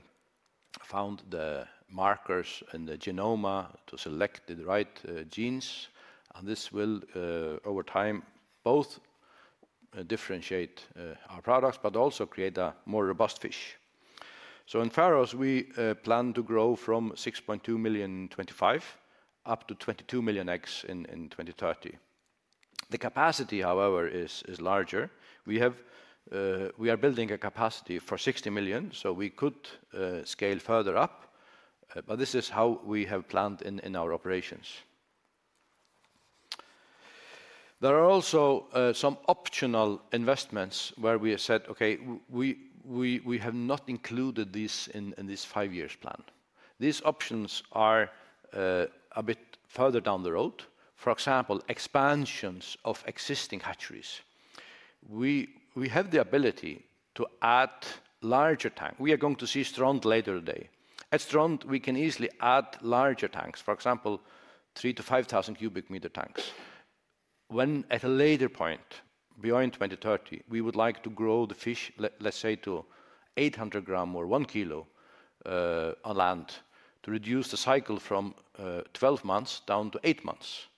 S2: found the markers and the genoma to select the right genes, and this will over time both differentiate our products, but also create a more robust fish. In Faroe Islands, we plan to grow from 6.2 million in 2025 up to 22 million eggs in 2030. The capacity, however, is larger. We are building a capacity for 60 million, so we could scale further up, but this is how we have planned in our operations. There are also some optional investments where we have said, okay, we have not included this in this five-year plan. These options are a bit further down the road. For example, expansions of existing hatcheries. We have the ability to add larger tanks. We are going to see Strand later today. At Strand, we can easily add larger tanks, for example, 3,000-5,000 cubic meter tanks. When at a later point, beyond 2030, we would like to grow the fish, let's say to 800 grams or one kilo on land to reduce the cycle from 12 months down to 8 months.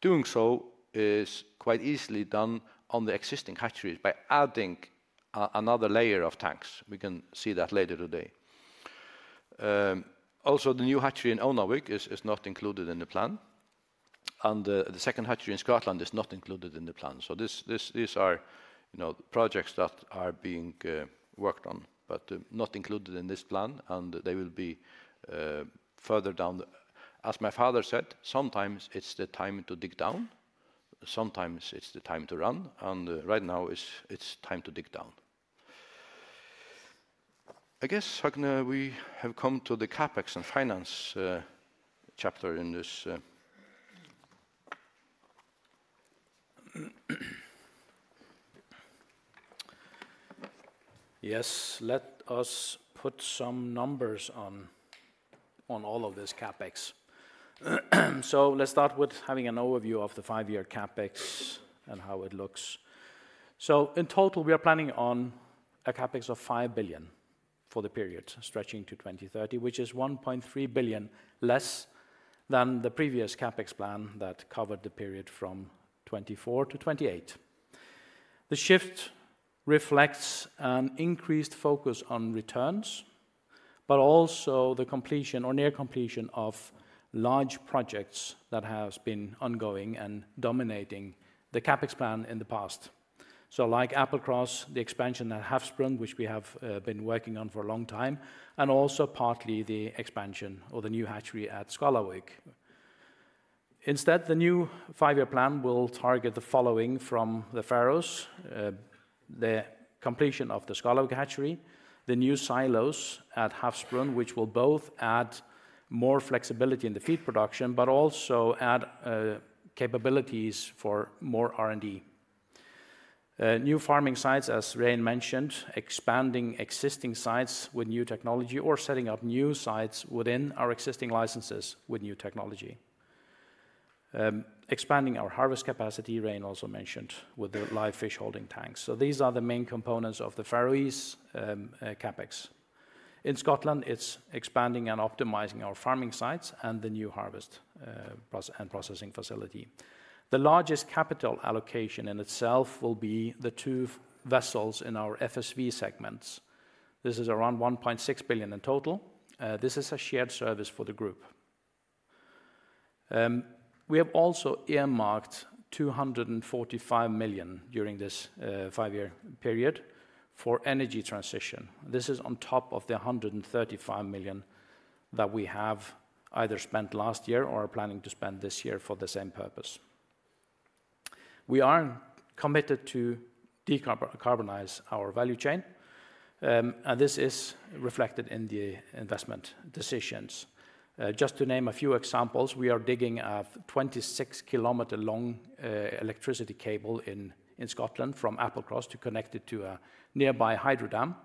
S2: Doing so is quite easily done on the existing hatcheries by adding another layer of tanks. We can see that later today. Also, the new hatchery in Onavik is not included in the plan, and the second hatchery in Scotland is not included in the plan. These are projects that are being worked on, but not included in this plan, and they will be further down. As my father said, sometimes it's the time to dig down, sometimes it's the time to run, and right now it's time to dig down. I guess we have come to the CaPex and finance chapter in this.
S1: Yes, let us put some numbers on all of this CaPex. Let's start with having an overview of the five-year CaPex and how it looks. In total, we are planning on a CaPex of 5 billion for the period stretching to 2030, which is 1.3 billion less than the previous CaPex plan that covered the period from 2024 to 2028. The shift reflects an increased focus on returns, but also the completion or near completion of large projects that have been ongoing and dominating the CaPex plan in the past. Like Applecross, the expansion at Havsbrún, which we have been working on for a long time, and also partly the expansion or the new hatchery at Skarlavik. Instead, the new five-year plan will target the following from the Faroe Islands: the completion of the Skarlavik hatchery, the new silos at Havsbrún, which will both add more flexibility in the feed production, but also add capabilities for more R&D. New farming sites, as Rain mentioned, expanding existing sites with new technology or setting up new sites within our existing licenses with new technology. Expanding our harvest capacity, Rain also mentioned, with the live fish holding tanks. These are the main components of the Faroe Islands CaPex. In Scotland, it's expanding and optimizing our farming sites and the new harvest and processing facility. The largest capital allocation in itself will be the two vessels in our FSV segments. This is around 1.6 billion in total. This is a shared service for the group. We have also earmarked 245 million during this five-year period for energy transition. This is on top of the 135 million that we have either spent last year or are planning to spend this year for the same purpose. We are committed to decarbonize our value chain, and this is reflected in the investment decisions. Just to name a few examples, we are digging a 26-kilometer-long electricity cable in Scotland from Applecross to connect it to a nearby hydro dam,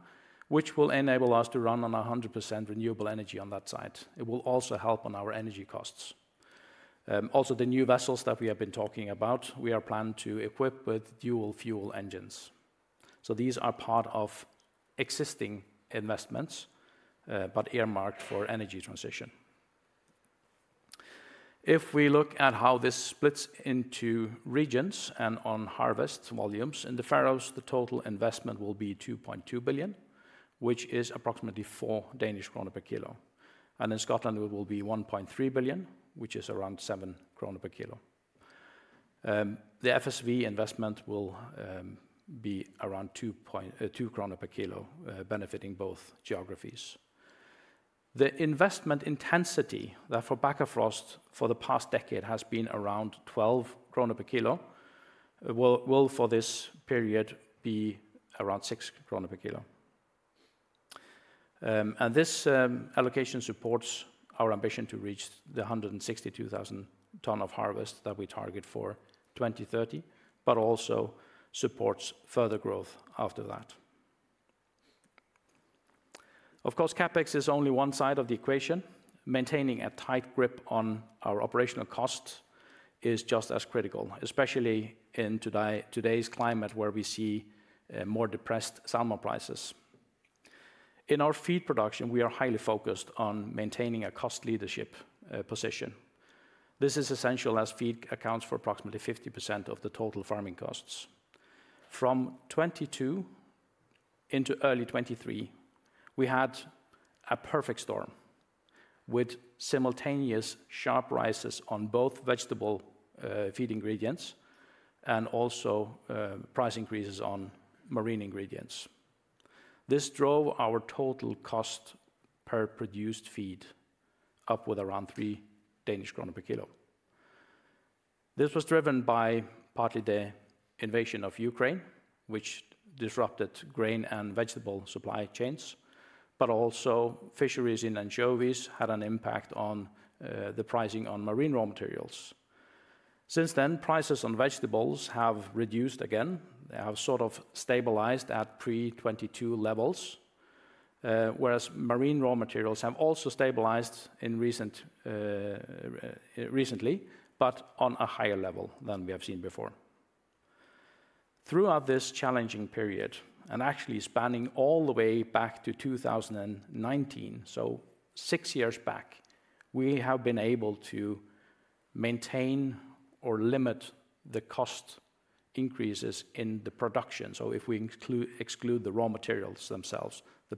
S1: which will enable us to run on 100% renewable energy on that site. It will also help on our energy costs. Also, the new vessels that we have been talking about, we are planned to equip with dual fuel engines. These are part of existing investments, but earmarked for energy transition. If we look at how this splits into regions and on harvest volumes, in the Faroe Islands, the total investment will be 2.2 billion, which is approximately 4 Danish kroner per kilo. In Scotland, it will be 1.3 billion, which is around 7 kroner per kilo. The FSV investment will be around 2 krone per kilo, benefiting both geographies. The investment intensity for Bakkafrost for the past decade has been around 12 krone per kilo and for this period will be around DKK 6 per kilo. This allocation supports our ambition to reach the 162,000 ton of harvest that we target for 2030, but also supports further growth after that. Of course, CaPex is only one side of the equation. Maintaining a tight grip on our operational costs is just as critical, especially in today's climate where we see more depressed salmon prices. In our feed production, we are highly focused on maintaining a cost leadership position. This is essential as feed accounts for approximately 50% of the total farming costs. From 2022 into early 2023, we had a perfect storm with simultaneous sharp rises on both vegetable feed ingredients and also price increases on marine ingredients. This drove our total cost per produced feed up with around 3 Danish kroner per kilo. This was driven by partly the invasion of Ukraine, which disrupted grain and vegetable supply chains, but also fisheries in anchovies had an impact on the pricing on marine raw materials. Since then, prices on vegetables have reduced again. They have sort of stabilized at pre-2022 levels, whereas marine raw materials have also stabilized recently, but on a higher level than we have seen before. Throughout this challenging period, and actually spanning all the way back to 2019, so six years back, we have been able to maintain or limit the cost increases in the production. If we exclude the raw materials themselves, the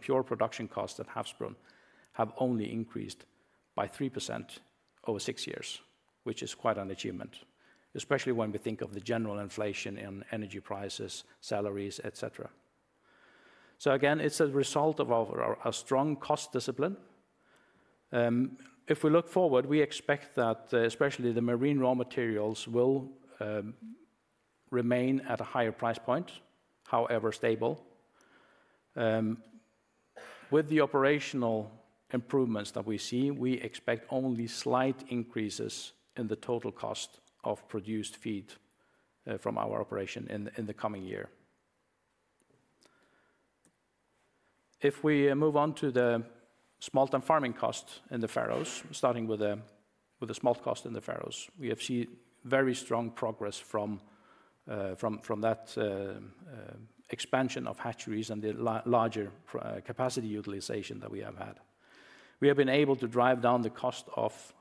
S1: pure production costs at Havsbrún have only increased by 3% over six years, which is quite an achievement, especially when we think of the general inflation in energy prices, salaries, etc. It is a result of our strong cost discipline. If we look forward, we expect that especially the marine raw materials will remain at a higher price point, however stable. With the operational improvements that we see, we expect only slight increases in the total cost of produced feed from our operation in the coming year. If we move on to the smolt farming costs in the Faroe Islands, starting with the smolt cost in the Faroe Islands, we have seen very strong progress from that expansion of hatcheries and the larger capacity utilization that we have had. We have been able to drive down the cost of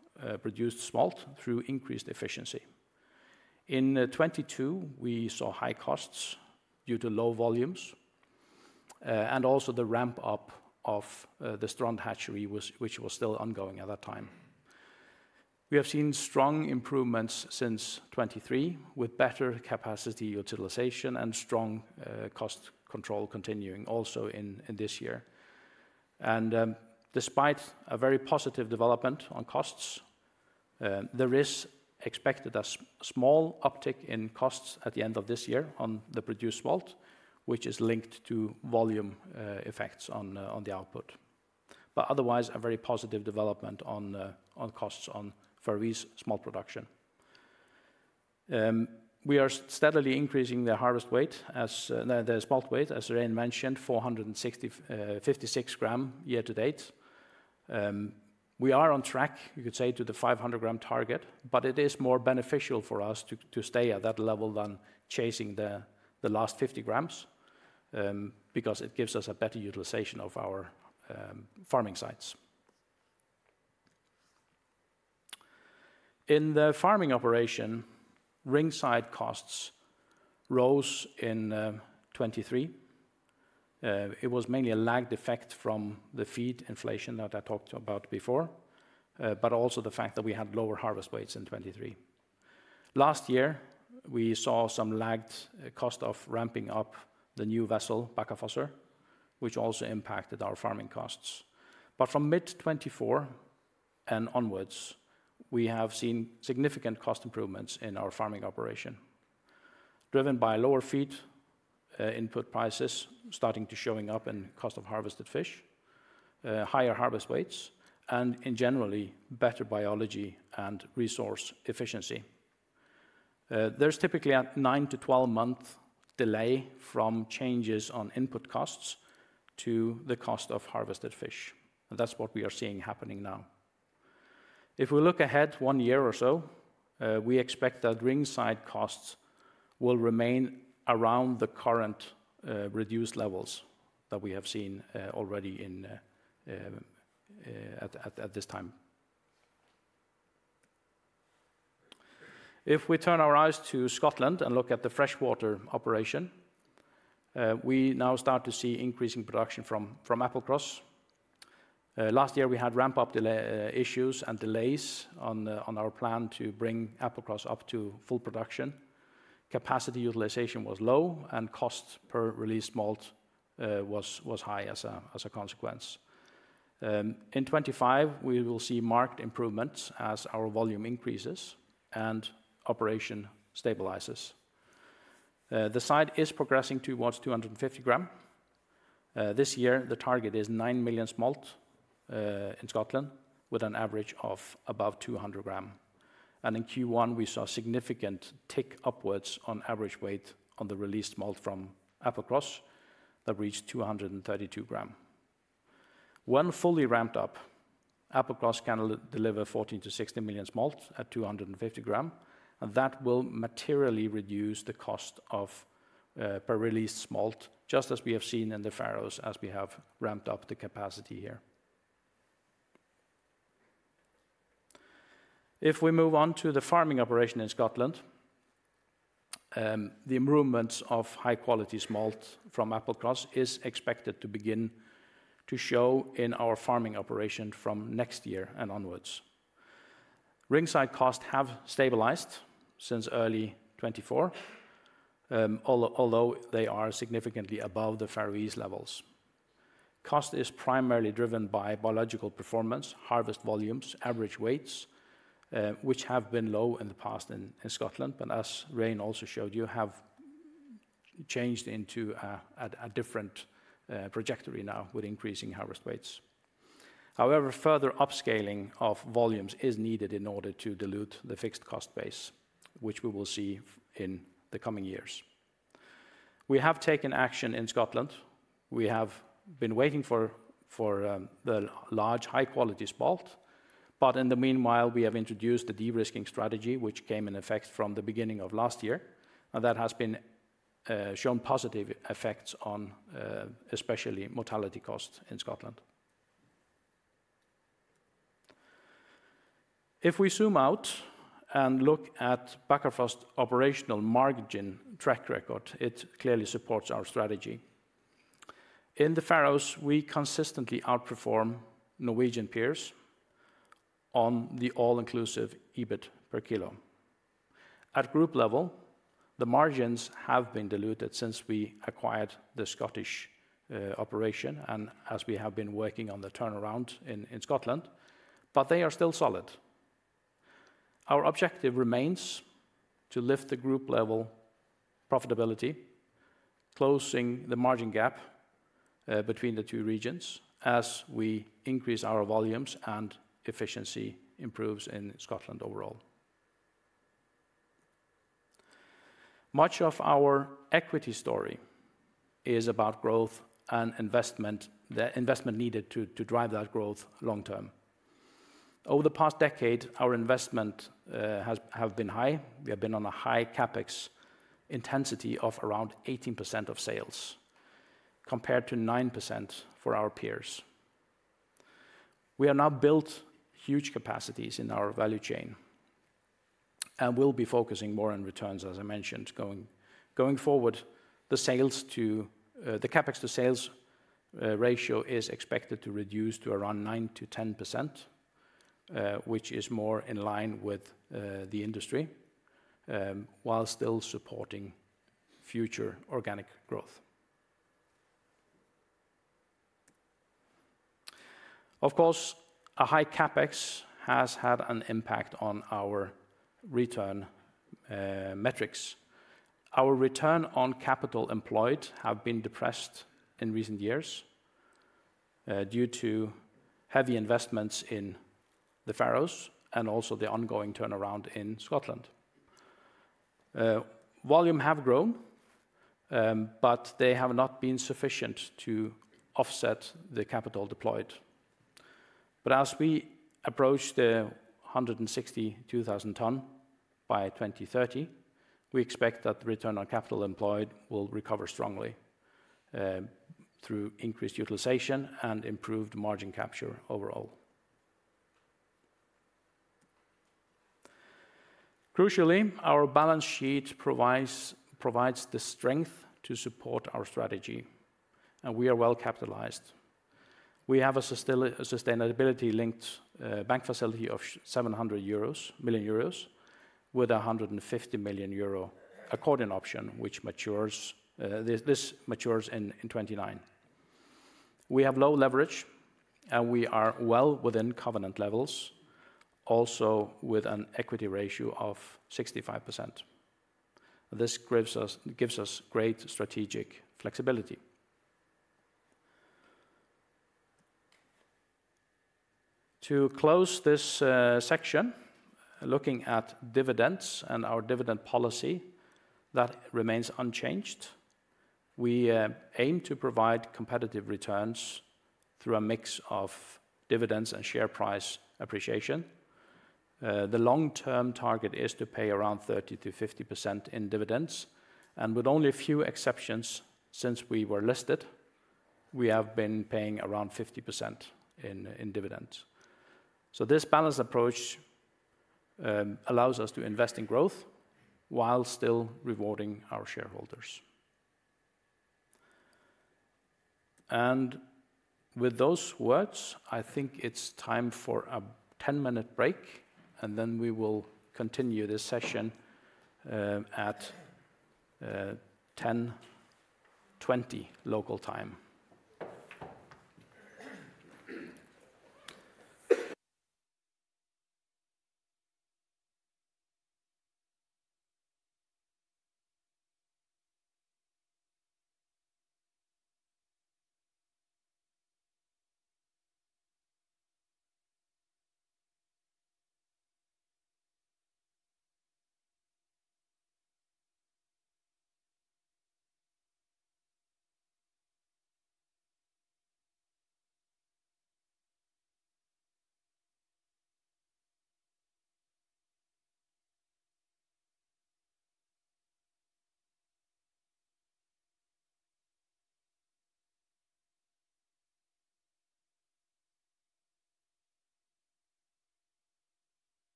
S1: produced smolt through increased efficiency. In 2022, we saw high costs due to low volumes and also the ramp-up of the Strand hatchery, which was still ongoing at that time. We have seen strong improvements since 2023 with better capacity utilization and strong cost control continuing also in this year. Despite a very positive development on costs, there is expected a small uptick in costs at the end of this year on the produced smolt, which is linked to volume effects on the output. Otherwise, a very positive development on costs on Faroe Islands smolt production. We are steadily increasing the smolt weight, as Rain mentioned, 456 grams year to date. We are on track, you could say, to the 500-gram target, but it is more beneficial for us to stay at that level than chasing the last 50 grams because it gives us a better utilization of our farming sites. In the farming operation, ringside costs rose in 2023. It was mainly a lagged effect from the feed inflation that I talked about before, but also the fact that we had lower harvest weights in 2023. Last year, we saw some lagged cost of ramping up the new vessel, Bakkafrost, which also impacted our farming costs. From mid-2024 and onwards, we have seen significant cost improvements in our farming operation, driven by lower feed input prices starting to show up in cost of harvested fish, higher harvest weights, and in general, better biology and resource efficiency. There is typically a 9-12 month delay from changes on input costs to the cost of harvested fish. That is what we are seeing happening now. If we look ahead one year or so, we expect that ringside costs will remain around the current reduced levels that we have seen already at this time. If we turn our eyes to Scotland and look at the freshwater operation, we now start to see increasing production from Applecross. Last year, we had ramp-up issues and delays on our plan to bring Applecross up to full production. Capacity utilization was low, and cost per released smolt was high as a consequence. In 2025, we will see marked improvements as our volume increases and operation stabilizes. The site is progressing towards 250 grams. This year, the target is 9 million smolt in Scotland with an average of above 200 grams. In Q1, we saw a significant tick upwards on average weight on the released smolt from Applecross that reached 232 grams. When fully ramped up, Applecross can deliver 14-16 million smolt at 250 grams, and that will materially reduce the cost per released smolt, just as we have seen in the Faroe Islands as we have ramped up the capacity here. If we move on to the farming operation in Scotland, the improvements of high-quality smolt from Applecross is expected to begin to show in our farming operation from next year and onwards. Ringside costs have stabilized since early 2024, although they are significantly above the Faroe Islands levels. Cost is primarily driven by biological performance, harvest volumes, average weights, which have been low in the past in Scotland, but as Rain also showed you, have changed into a different trajectory now with increasing harvest weights. However, further upscaling of volumes is needed in order to dilute the fixed cost base, which we will see in the coming years. We have taken action in Scotland. We have been waiting for the large, high-quality smolt, but in the meanwhile, we have introduced the de-risking strategy, which came in effect from the beginning of last year, and that has shown positive effects on especially mortality costs in Scotland. If we zoom out and look at Bakkafrost's operational margin track record, it clearly supports our strategy. In the Faroes, we consistently outperform Norwegian peers on the all-inclusive EBIT per kilo. At group level, the margins have been diluted since we acquired the Scottish operation and as we have been working on the turnaround in Scotland, but they are still solid. Our objective remains to lift the group-level profitability, closing the margin gap between the two regions as we increase our volumes and efficiency improves in Scotland overall. Much of our equity story is about growth and investment needed to drive that growth long-term. Over the past decade, our investment has been high. We have been on a high CaPex intensity of around 18% of sales compared to 9% for our peers. We have now built huge capacities in our value chain and will be focusing more on returns, as I mentioned. Going forward, the CaPex to sales ratio is expected to reduce to around 9%-10%, which is more in line with the industry while still supporting future organic growth. Of course, a high CaPex has had an impact on our return metrics. Our return on capital employed has been depressed in recent years due to heavy investments in the Faroe Islands and also the ongoing turnaround in Scotland. Volumes have grown, but they have not been sufficient to offset the capital deployed. As we approach the 162,000 ton by 2030, we expect that the return on capital employed will recover strongly through increased utilization and improved margin capture overall. Crucially, our balance sheet provides the strength to support our strategy, and we are well capitalized. We have a sustainability-linked bank facility of 700 million euros with a 150 million euro accordion option, which matures in 2029. We have low leverage, and we are well within covenant levels, also with an equity ratio of 65%. This gives us great strategic flexibility. To close this section, looking at dividends and our dividend policy that remains unchanged, we aim to provide competitive returns through a mix of dividends and share price appreciation. The long-term target is to pay around 30%-50% in dividends, and with only a few exceptions since we were listed, we have been paying around 50% in dividends. This balanced approach allows us to invest in growth while still rewarding our shareholders. With those words, I think it's time for a 10-minute break, and then we will continue this session at 10:20 A.M. local time.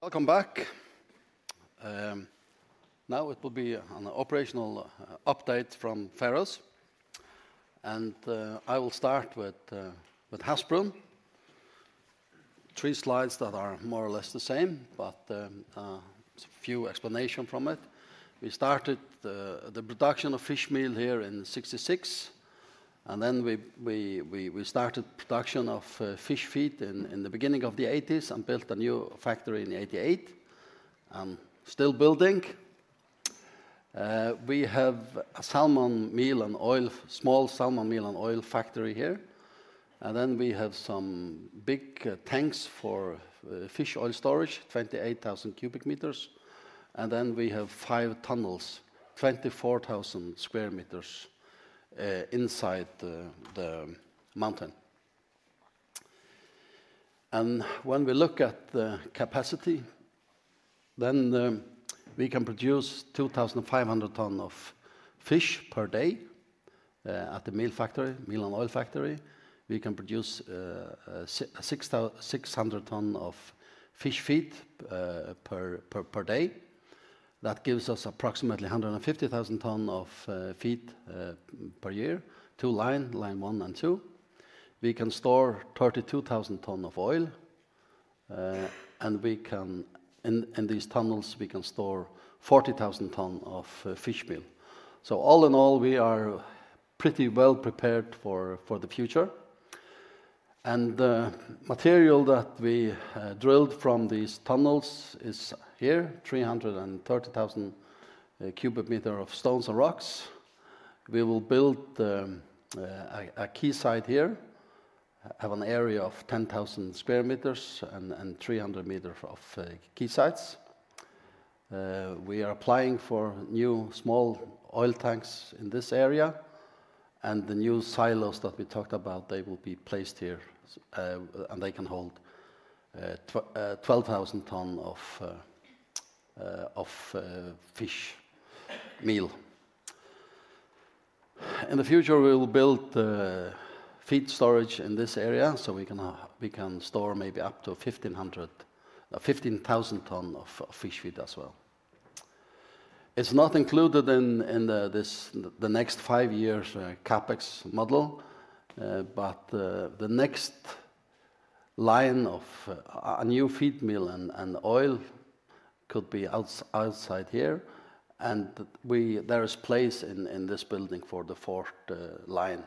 S3: Welcome back. Now it will be an operational update from Faroe, and I will start with Havsbrún, three slides that are more or less the same, but a few explanations from it. We started the production of fishmeal here in 1966, and then we started production of fish feed in the beginning of the 1980s and built a new factory in 1988. I'm still building. We have a salmon meal and oil, small salmon meal and oil factory here, and then we have some big tanks for fish oil storage, 28,000 cubic meters, and then we have five tunnels, 24,000 square meters inside the mountain. When we look at the capacity, we can produce 2,500 tons of fish per day at the meal and oil factory. We can produce 600 tons of fish feed per day. That gives us approximately 150,000 tons of feed per year, two lines, line one and two. We can store 32,000 tons of oil, and in these tunnels, we can store 40,000 tons of fishmeal. All in all, we are pretty well prepared for the future. The material that we drilled from these tunnels is here, 330,000 cubic meters of stones and rocks. We will build a quayside here, have an area of 10,000 square meters and 300 meters of quaysides. We are applying for new small oil tanks in this area, and the new silos that we talked about, they will be placed here, and they can hold 12,000 tons of fishmeal. In the future, we will build feed storage in this area, so we can store maybe up to 15,000 tons of fish feed as well. It is not included in the next five years' CaPex model, but the next line of a new feed meal and oil could be outside here, and there is a place in this building for the fourth line.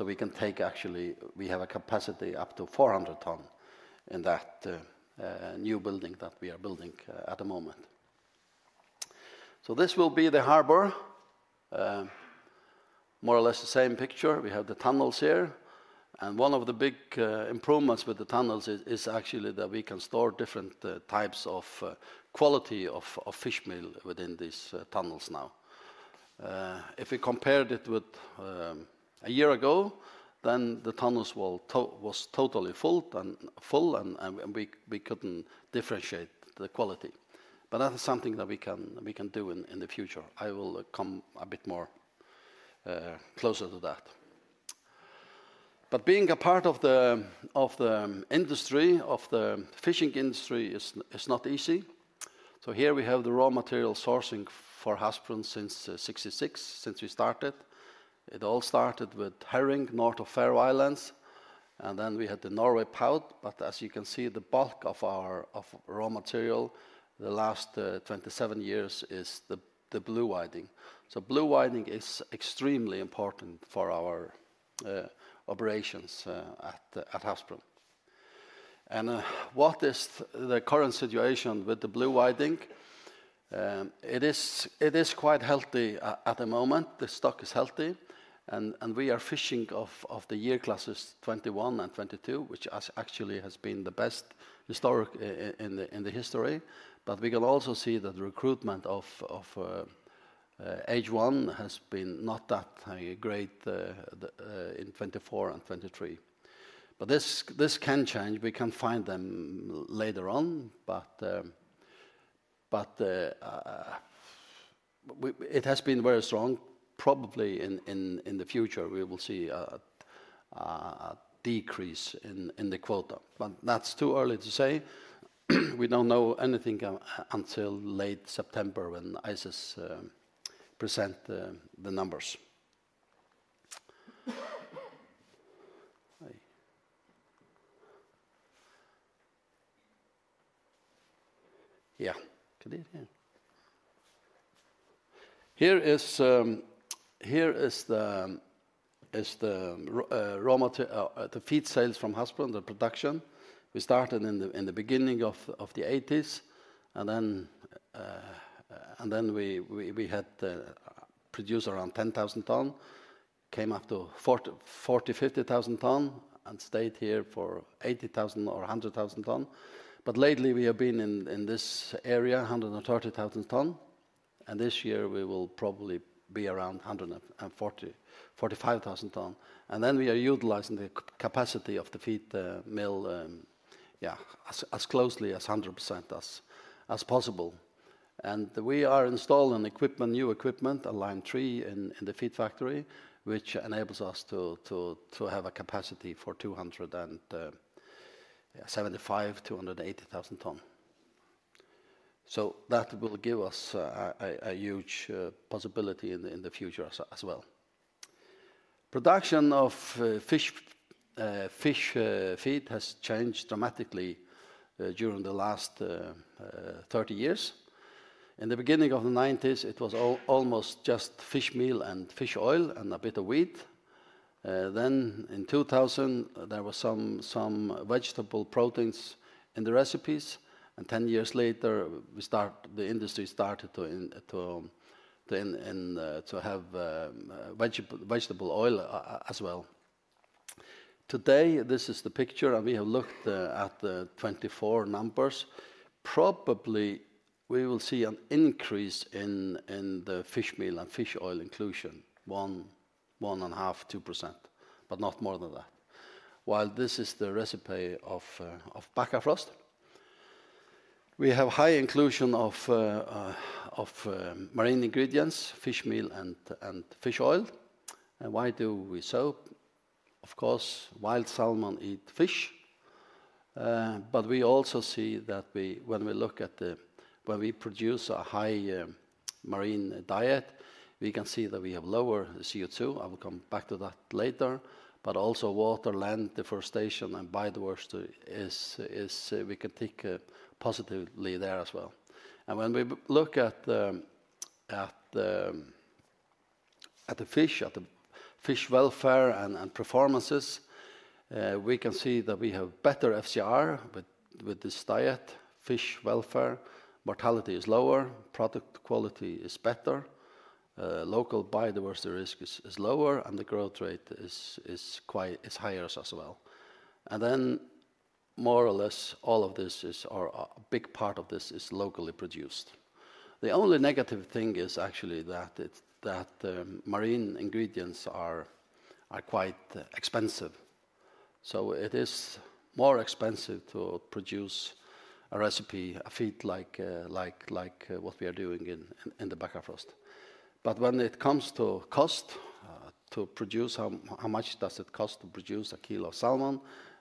S3: We can take actually, we have a capacity up to 400 tons in that new building that we are building at the moment. This will be the harbor, more or less the same picture. We have the tunnels here, and one of the big improvements with the tunnels is actually that we can store different types of quality of fishmeal within these tunnels now. If we compared it with a year ago, then the tunnels were totally full, and we could not differentiate the quality. That is something that we can do in the future. I will come a bit closer to that. Being a part of the industry, of the fishing industry, is not easy. Here we have the raw material sourcing for Havsbrún since 1966, since we started. It all started with herring, north of Faroe Islands, and then we had the Norway pout, but as you can see, the bulk of our raw material the last 27 years is the blue whiting. Blue whiting is extremely important for our operations at Havsbrún. What is the current situation with the Blue Whiting? It is quite healthy at the moment. The stock is healthy, and we are fishing off the year classes 2021 and 2022, which actually have been the best historically in the history. We can also see that the recruitment of age one has not been that great in 2024 and 2023. This can change. We can find them later on, but it has been very strong. Probably in the future, we will see a decrease in the quota, but that is too early to say. We do not know anything until late September when ICES presents the numbers. Here is the feed sales from Havsbrún, the production. We started in the beginning of the 1980s, and then we had produced around 10,000 tons, came up to 40,000-50,000 tons, and stayed here for 80,000 or 100,000 tons. Lately, we have been in this area, 130,000 tons, and this year we will probably be around 45,000 tons. We are utilizing the capacity of the feed mill, yeah, as closely as 100% as possible. We are installing new equipment, a line three in the feed factory, which enables us to have a capacity for 275,000-280,000 tons. That will give us a huge possibility in the future as well. Production of fish feed has changed dramatically during the last 30 years. In the beginning of the 1990s, it was almost just fishmeal and fish oil and a bit of wheat. In 2000, there were some vegetable proteins in the recipes, and 10 years later, the industry started to have vegetable oil as well. Today, this is the picture, and we have looked at the 2024 numbers. Probably we will see an increase in the fishmeal and fish oil inclusion, 1.5%-2%, but not more than that. While this is the recipe of Bakkafrost, we have high inclusion of marine ingredients, fishmeal and fish oil. Why do we so? Of course, wild salmon eat fish, but we also see that when we look at where we produce a high marine diet, we can see that we have lower CO2. I will come back to that later, but also water, land deforestation, and biodiversity, we can take positively there as well. When we look at the fish, at the fish welfare and performances, we can see that we have better FCR with this diet. Fish welfare, mortality is lower, product quality is better, local biodiversity risk is lower, and the growth rate is higher as well. More or less all of this is, or a big part of this is, locally produced. The only negative thing is actually that marine ingredients are quite expensive. It is more expensive to produce a recipe, a feed like what we are doing in Bakkafrost. When it comes to cost, to produce, how much does it cost to produce a kilo of salmon?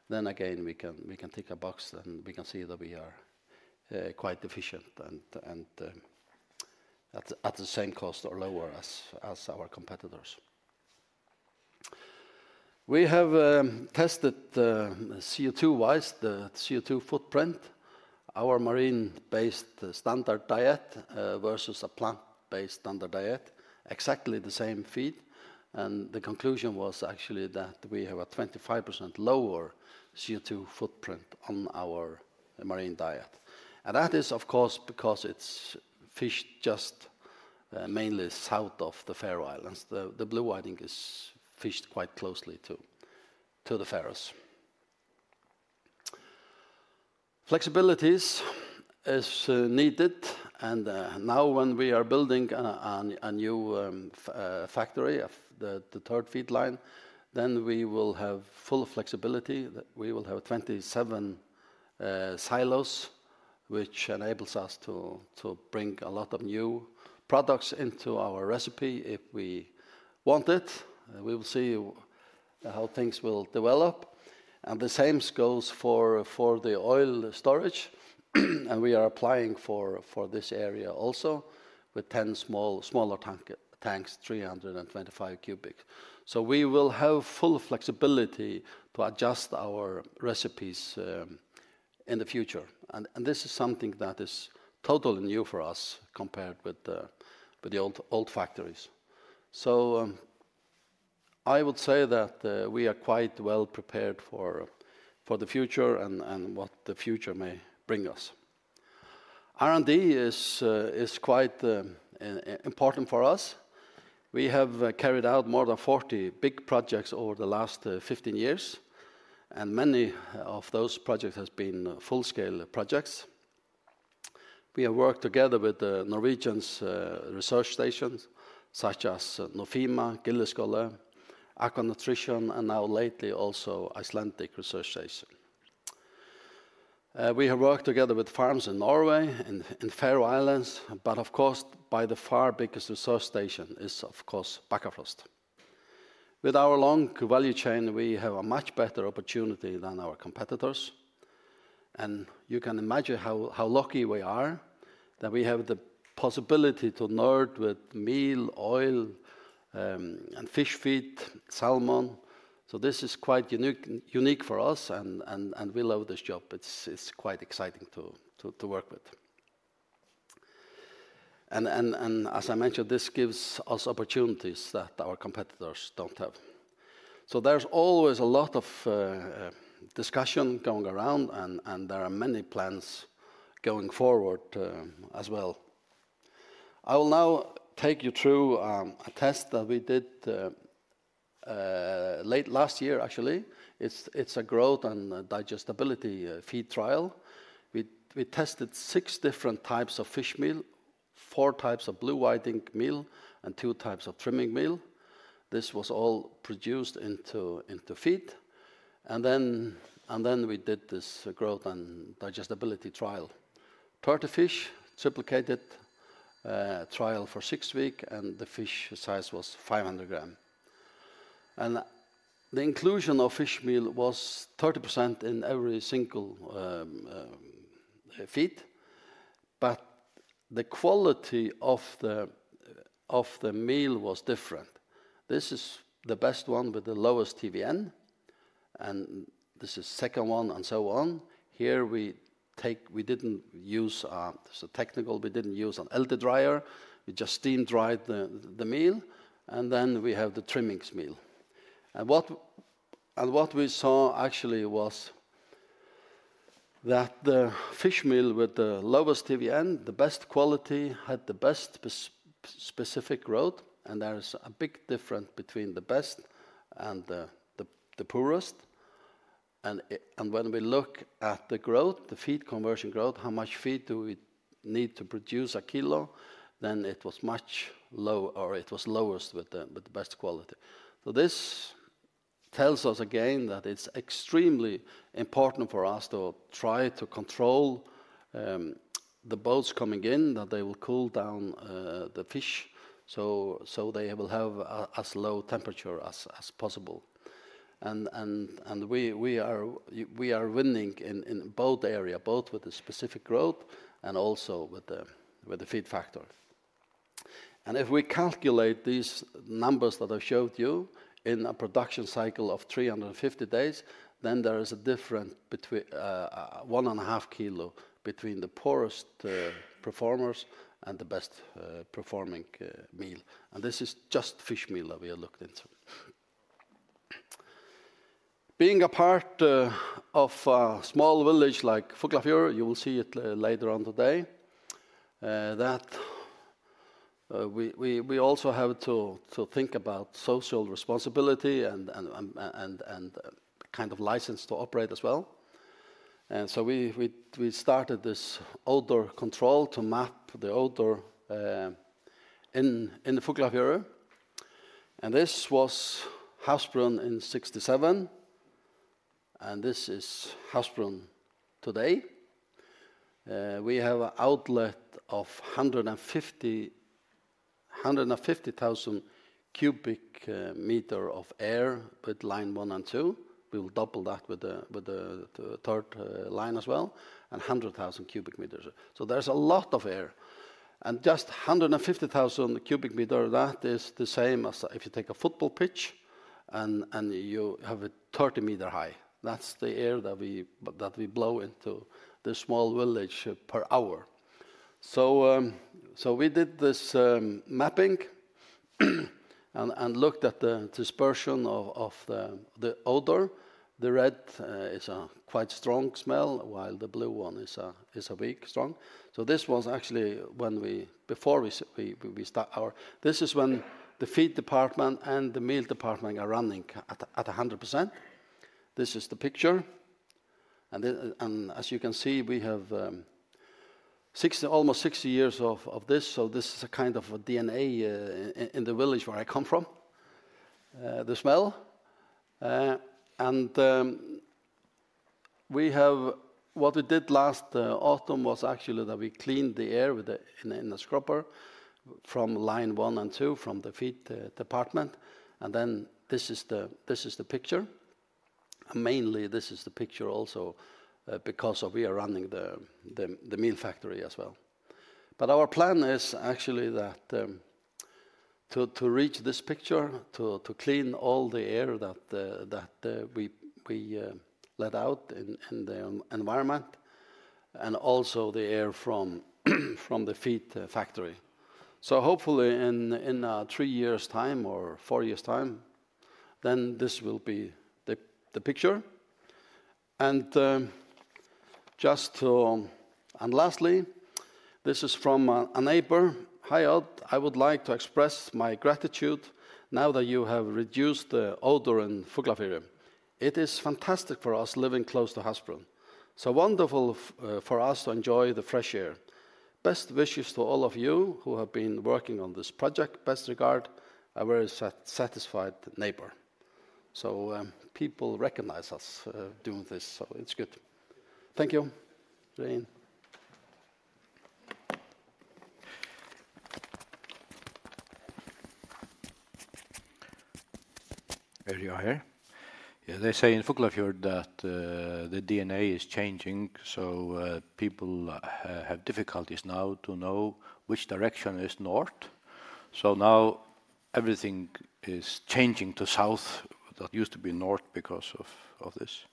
S3: We can take a box and we can see that we are quite efficient and at the same cost or lower as our competitors. We have tested CO2-wise, the CO2 footprint, our marine-based standard diet versus a plant-based standard diet, exactly the same feed. The conclusion was actually that we have a 25% lower CO2 footprint on our marine diet. That is, of course, because it is fished just mainly south of the Faroe Islands. The Blue Whiting is fished quite closely to the Faroes. Flexibility is needed. Now when we are building a new factory, the third feed line, we will have full flexibility. We will have 27 silos, which enables us to bring a lot of new products into our recipe if we want it. We will see how things will develop. The same goes for the oil storage. We are applying for this area also with 10 smaller tanks, 325 cubic. We will have full flexibility to adjust our recipes in the future. This is something that is totally new for us compared with the old factories. I would say that we are quite well prepared for the future and what the future may bring us. R&D is quite important for us. We have carried out more than 40 big projects over the last 15 years, and many of those projects have been full-scale projects. We have worked together with Norwegian research stations, such as Nofima, Gildeskål, Aquanutrition, and now lately also Icelandic Research Station. We have worked together with farms in Norway and Faroe Islands, but of course, by far the biggest research station is, of course, Bakkafrost. With our long value chain, we have a much better opportunity than our competitors. You can imagine how lucky we are that we have the possibility to nerd with meal, oil, and fish feed, salmon. This is quite unique for us, and we love this job. It's quite exciting to work with. As I mentioned, this gives us opportunities that our competitors don't have. There is always a lot of discussion going around, and there are many plans going forward as well. I will now take you through a test that we did late last year, actually. It is a growth and digestibility feed trial. We tested six different types of fishmeal, four types of blue whiting meal, and two types of trimming meal. This was all produced into feed. We did this growth and digestibility trial. Thirty fish, triplicated trial for six weeks, and the fish size was 500 grams. The inclusion of fishmeal was 30% in every single feed, but the quality of the meal was different. This is the best one with the lowest TVN, and this is the second one and so on. Here we did not use a technical; we did not use an LD dryer. We just steam-dried the meal, and then we have the trimmings meal. What we saw actually was that the fishmeal with the lowest TVN, the best quality, had the best specific growth, and there is a big difference between the best and the poorest. When we look at the growth, the feed conversion growth, how much feed do we need to produce a kilo, it was much lower, or it was lowest with the best quality. This tells us again that it is extremely important for us to try to control the boats coming in, that they will cool down the fish so they will have as low temperature as possible. We are winning in both areas, both with the specific growth and also with the feed factor. If we calculate these numbers that I showed you in a production cycle of 350 days, there is a difference of 1.5 kilos between the poorest performers and the best performing meal. This is just fishmeal that we have looked into. Being a part of a small village like Fuglafjord, you will see it later on today, we also have to think about social responsibility and kind of license to operate as well. We started this outdoor control to map the outdoor in the Fuglafjord. This was Havsbrún in 1967, and this is Havsbrún today. We have an outlet of 150,000 cubic meters of air with line one and two. We will double that with the third line as well, and 100,000 cubic meters. There is a lot of air. Just 150,000 cubic meters, that is the same as if you take a football pitch and you have a 30-meter high. That is the air that we blow into the small village per hour. We did this mapping and looked at the dispersion of the outdoor. The red is a quite strong smell, while the blue one is a weak strong. This was actually when we, before we start, this is when the feed department and the meal department are running at 100%. This is the picture. As you can see, we have almost 60 years of this. This is a kind of DNA in the village where I come from, the smell. What we did last autumn was actually that we cleaned the air in the scrubber from line one and two from the feed department. This is the picture. Mainly, this is the picture also because we are running the meal factory as well. Our plan is actually that to reach this picture, to clean all the air that we let out in the environment and also the air from the feed factory. Hopefully in three years' time or four years' time, this will be the picture. Lastly, this is from a neighbor. Hi out. I would like to express my gratitude now that you have reduced the outdoor in Fuglafjord. It is fantastic for us living close to Havsbrún. So wonderful for us to enjoy the fresh air. Best wishes to all of you who have been working on this project. Best regards. A very satisfied neighbor. People recognize us doing this, so it's good. Thank you. There you are.
S2: Yeah, they say in Fuglafjord that the DNA is changing, so people have difficulties now to know which direction is north. Now everything is changing to south. That used to be north because of this.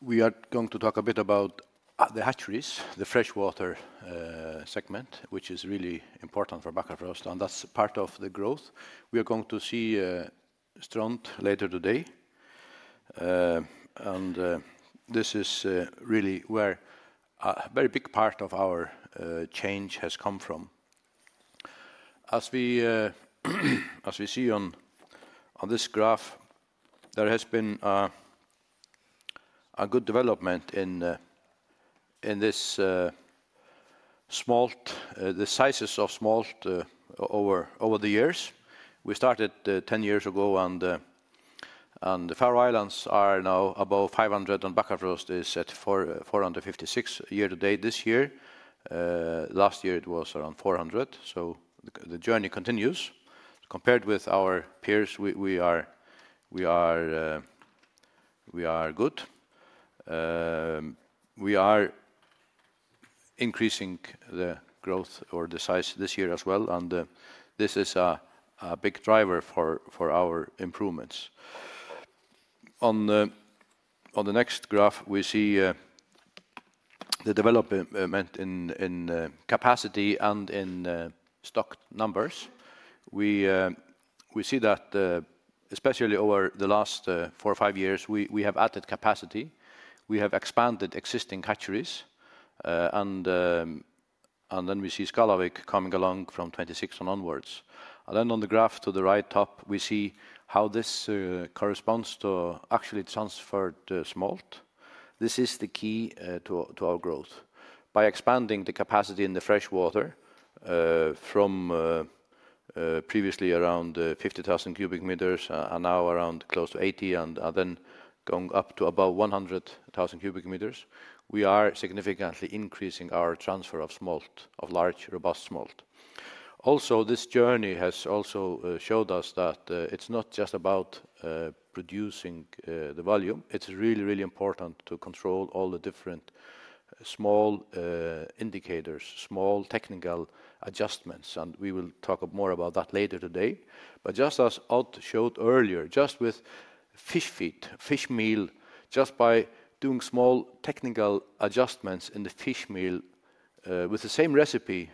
S2: We are going to talk a bit about the hatcheries, the freshwater segment, which is really important for Bakkafrost, and that is part of the growth. We are going to see strong later today. This is really where a very big part of our change has come from. As we see on this graph, there has been a good development in the sizes of smolt over the years. We started 10 years ago, and the Faroe Islands are now above 500, and Bakkafrost is at 456 year to date this year. Last year, it was around 400. The journey continues. Compared with our peers, we are good. We are increasing the growth or the size this year as well, and this is a big driver for our improvements. On the next graph, we see the development in capacity and in stock numbers. We see that especially over the last four or five years, we have added capacity. We have expanded existing hatcheries, and we see Skarlavik coming along from 2026 onwards. On the graph to the top right, we see how this corresponds to actually transferred smolt. This is the key to our growth. By expanding the capacity in the freshwater from previously around 50,000 cubic meters and now around close to 80,000, and then going up to about 100,000 cubic meters, we are significantly increasing our transfer of large robust smolt. Also, this journey has also showed us that it is not just about producing the volume. It's really, really important to control all the different small indicators, small technical adjustments, and we will talk more about that later today. Just as Odd showed earlier, just with fish feed, fishmeal, just by doing small technical adjustments in the fishmeal with the same recipe,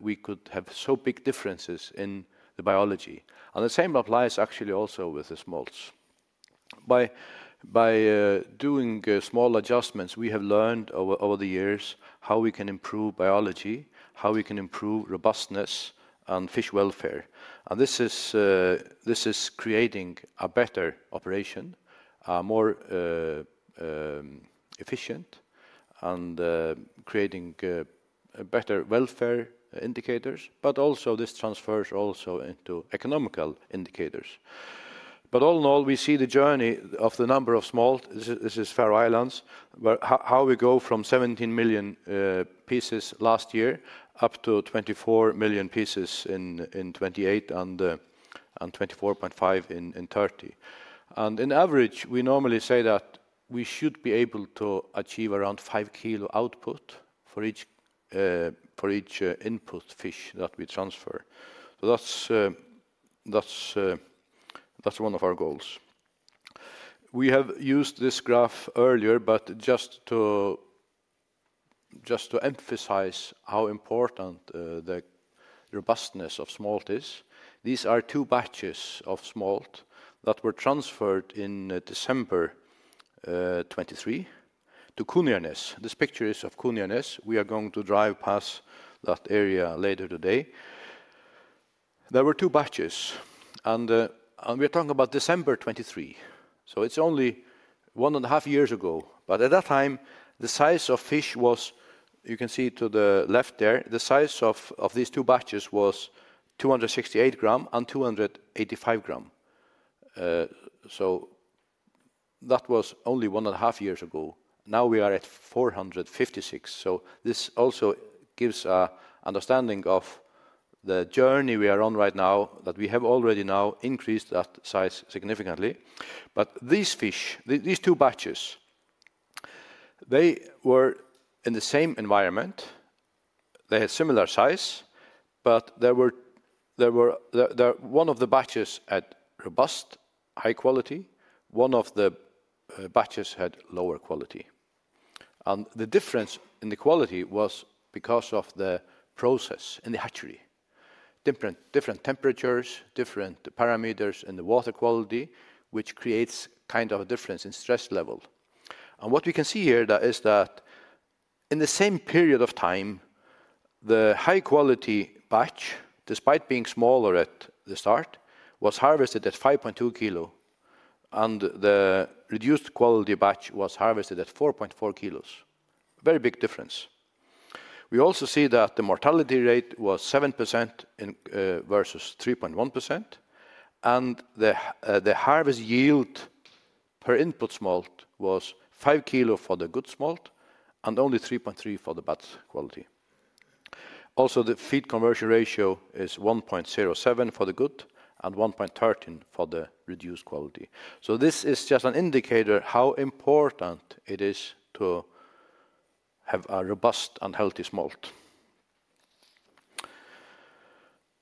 S2: we could have so big differences in the biology. The same applies actually also with the smolts. By doing small adjustments, we have learned over the years how we can improve biology, how we can improve robustness, and fish welfare. This is creating a better operation, more efficient, and creating better welfare indicators, but also this transfers also into economical indicators. All in all, we see the journey of the number of small, this is Faroe Islands, how we go from 17 million pieces last year up to 24 million pieces in 2028 and 24.5 million in 2030. In average, we normally say that we should be able to achieve around 5 kilo output for each input fish that we transfer. That is one of our goals. We have used this graph earlier, but just to emphasize how important the robustness of smolt is, these are two batches of smolt that were transferred in December 2023 to Kunjarnes. This picture is of Kunjarnes. We are going to drive past that area later today. There were two batches, and we are talking about December 2023. It is only one and a half years ago. At that time, the size of fish was, you can see to the left there, the size of these two batches was 268 grams and 285 grams. That was only one and a half years ago. Now we are at 456. This also gives an understanding of the journey we are on right now that we have already now increased that size significantly. These fish, these two batches, they were in the same environment. They had similar size, but one of the batches had robust, high quality. One of the batches had lower quality. The difference in the quality was because of the process in the hatchery. Different temperatures, different parameters in the water quality, which creates kind of a difference in stress level. What we can see here is that in the same period of time, the high-quality batch, despite being smaller at the start, was harvested at 5.2 kg, and the reduced quality batch was harvested at 4.4 kg. Very big difference. We also see that the mortality rate was 7% versus 3.1%, and the harvest yield per input smolt was 5 kilos for the good smolt and only 3.3 for the bad quality. Also, the feed conversion ratio is 1.07 for the good and 1.13 for the reduced quality. This is just an indicator of how important it is to have a robust and healthy smolt.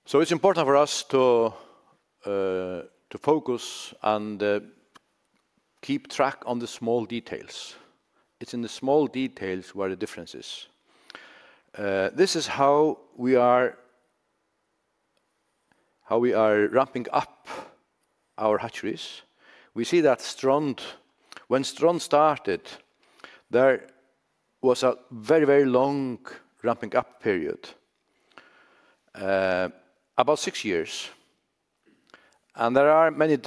S2: It is important for us to focus and keep track on the small details. It is in the small details where the difference is. This is how we are ramping up our hatcheries. We see that when Strand started, there was a very, very long ramping up period, about six years. There are many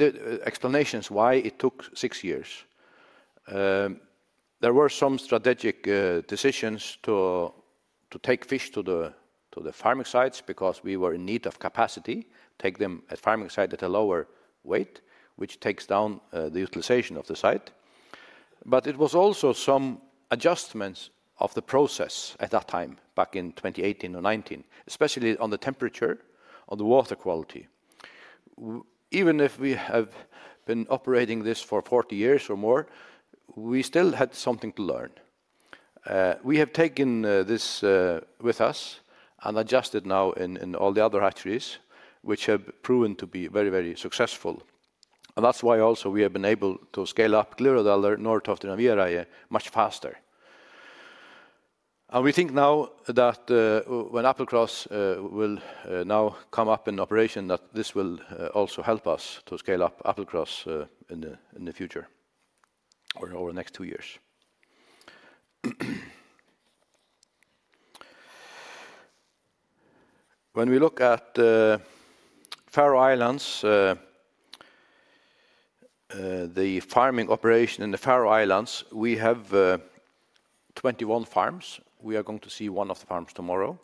S2: explanations why it took six years. There were some strategic decisions to take fish to the farming sites because we were in need of capacity, take them at farming site at a lower weight, which takes down the utilization of the site. It was also some adjustments of the process at that time, back in 2018 or 2019, especially on the temperature, on the water quality. Even if we have been operating this for 40 years or more, we still had something to learn. We have taken this with us and adjusted now in all the other hatcheries, which have proven to be very, very successful. That is why also we have been able to scale up Glyvra north of the Naviera much faster. We think now that when Applecross will now come up in operation, this will also help us to scale up Applecross in the future or over the next two years. When we look at Faroe Islands, the farming operation in the Faroe Islands, we have 21 farms. We are going to see one of the farms tomorrow.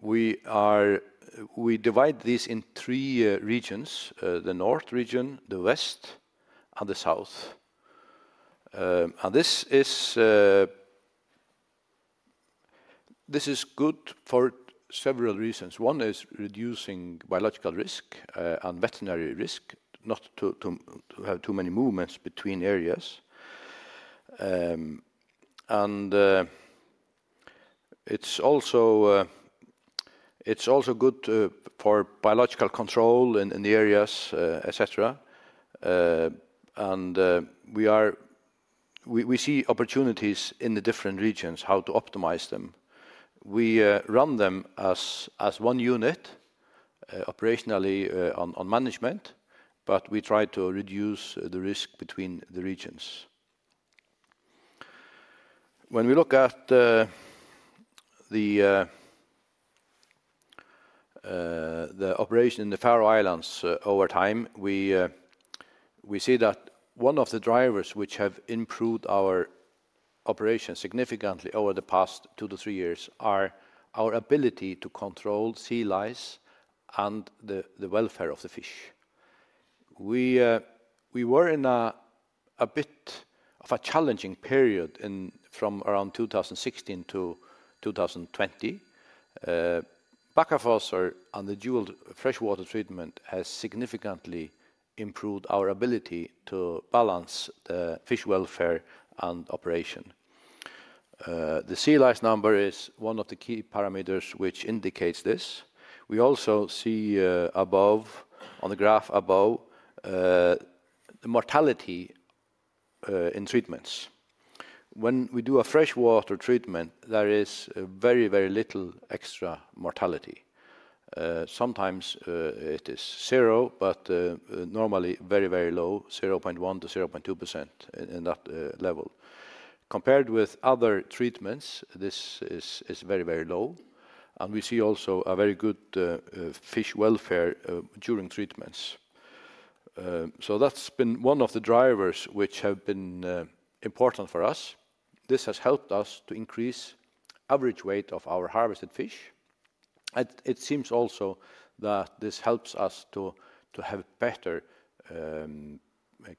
S2: We divide these in three regions: the north region, the west, and the south. This is good for several reasons. One is reducing biological risk and veterinary risk, not to have too many movements between areas. It is also good for biological control in the areas, etc. We see opportunities in the different regions, how to optimize them. We run them as one unit operationally on management, but we try to reduce the risk between the regions. When we look at the operation in the Faroe Islands over time, we see that one of the drivers which have improved our operation significantly over the past two to three years are our ability to control sea lice and the welfare of the fish. We were in a bit of a challenging period from around 2016 to 2020. Bakkafrost and the dual freshwater treatment has significantly improved our ability to balance the fish welfare and operation. The sea lice number is one of the key parameters which indicates this. We also see above on the graph above the mortality in treatments. When we do a freshwater treatment, there is very, very little extra mortality. Sometimes it is zero, but normally very, very low, 0.1% to 0.2% in that level. Compared with other treatments, this is very, very low. We see also a very good fish welfare during treatments. That's been one of the drivers which have been important for us. This has helped us to increase average weight of our harvested fish. It seems also that this helps us to have better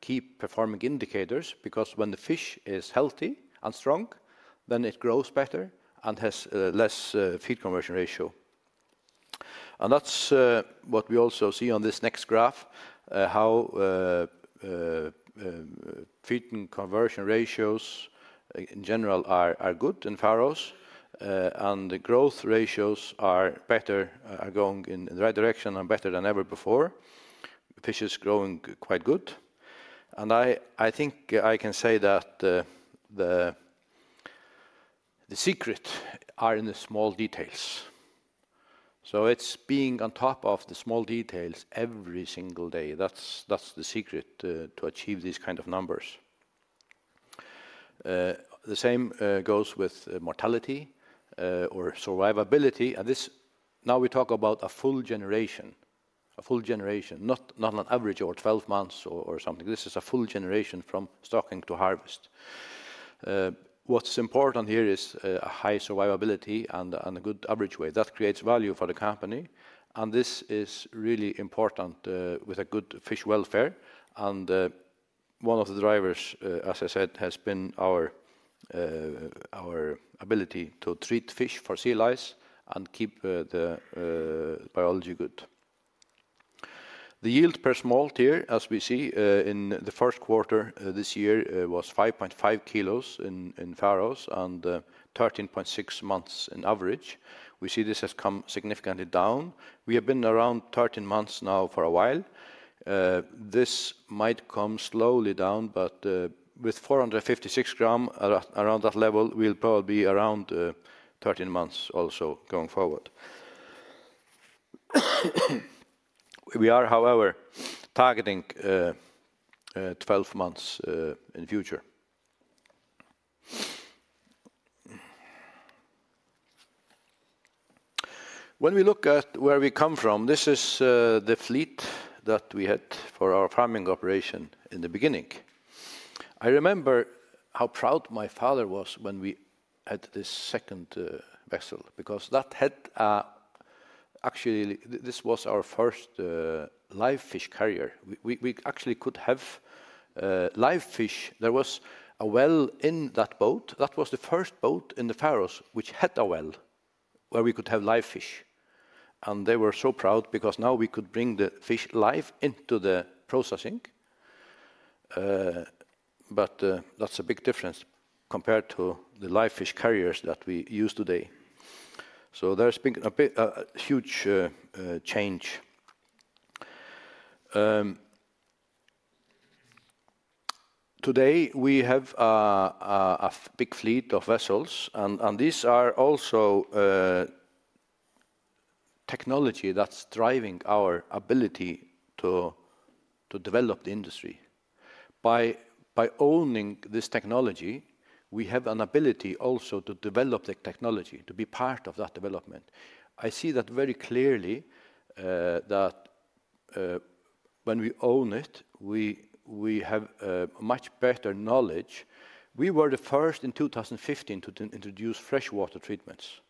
S2: key performing indicators because when the fish is healthy and strong, then it grows better and has less feed conversion ratio. That's what we also see on this next graph, how feed conversion ratios in general are good in Faroes, and the growth ratios are better, are going in the right direction and better than ever before. The fish is growing quite good. I think I can say that the secret are in the small details. It's being on top of the small details every single day. That's the secret to achieve these kinds of numbers. The same goes with mortality or survivability. We talk about a full generation, a full generation, not an average of 12 months or something. This is a full generation from stocking to harvest. What's important here is a high survivability and a good average weight. That creates value for the company. This is really important with a good fish welfare. One of the drivers, as I said, has been our ability to treat fish for sea lice and keep the biology good. The yield per smolt here, as we see in the first quarter this year, was 5.5 kg in Faroes and 13.6 months in average. We see this has come significantly down. We have been around 13 months now for a while. This might come slowly down, but with 456 g around that level, we'll probably be around 13 months also going forward. We are, however, targeting 12 months in the future. When we look at where we come from, this is the fleet that we had for our farming operation in the beginning. I remember how proud my father was when we had this second vessel because that had actually, this was our first live fish carrier. We actually could have live fish. There was a well in that boat. That was the first boat in the Faroes which had a well where we could have live fish. They were so proud because now we could bring the fish live into the processing. That is a big difference compared to the live fish carriers that we use today. There has been a huge change. Today, we have a big fleet of vessels, and these are also technology that is driving our ability to develop the industry. By owning this technology, we have an ability also to develop the technology, to be part of that development. I see that very clearly that when we own it, we have much better knowledge. We were the first in 2015 to introduce freshwater treatments.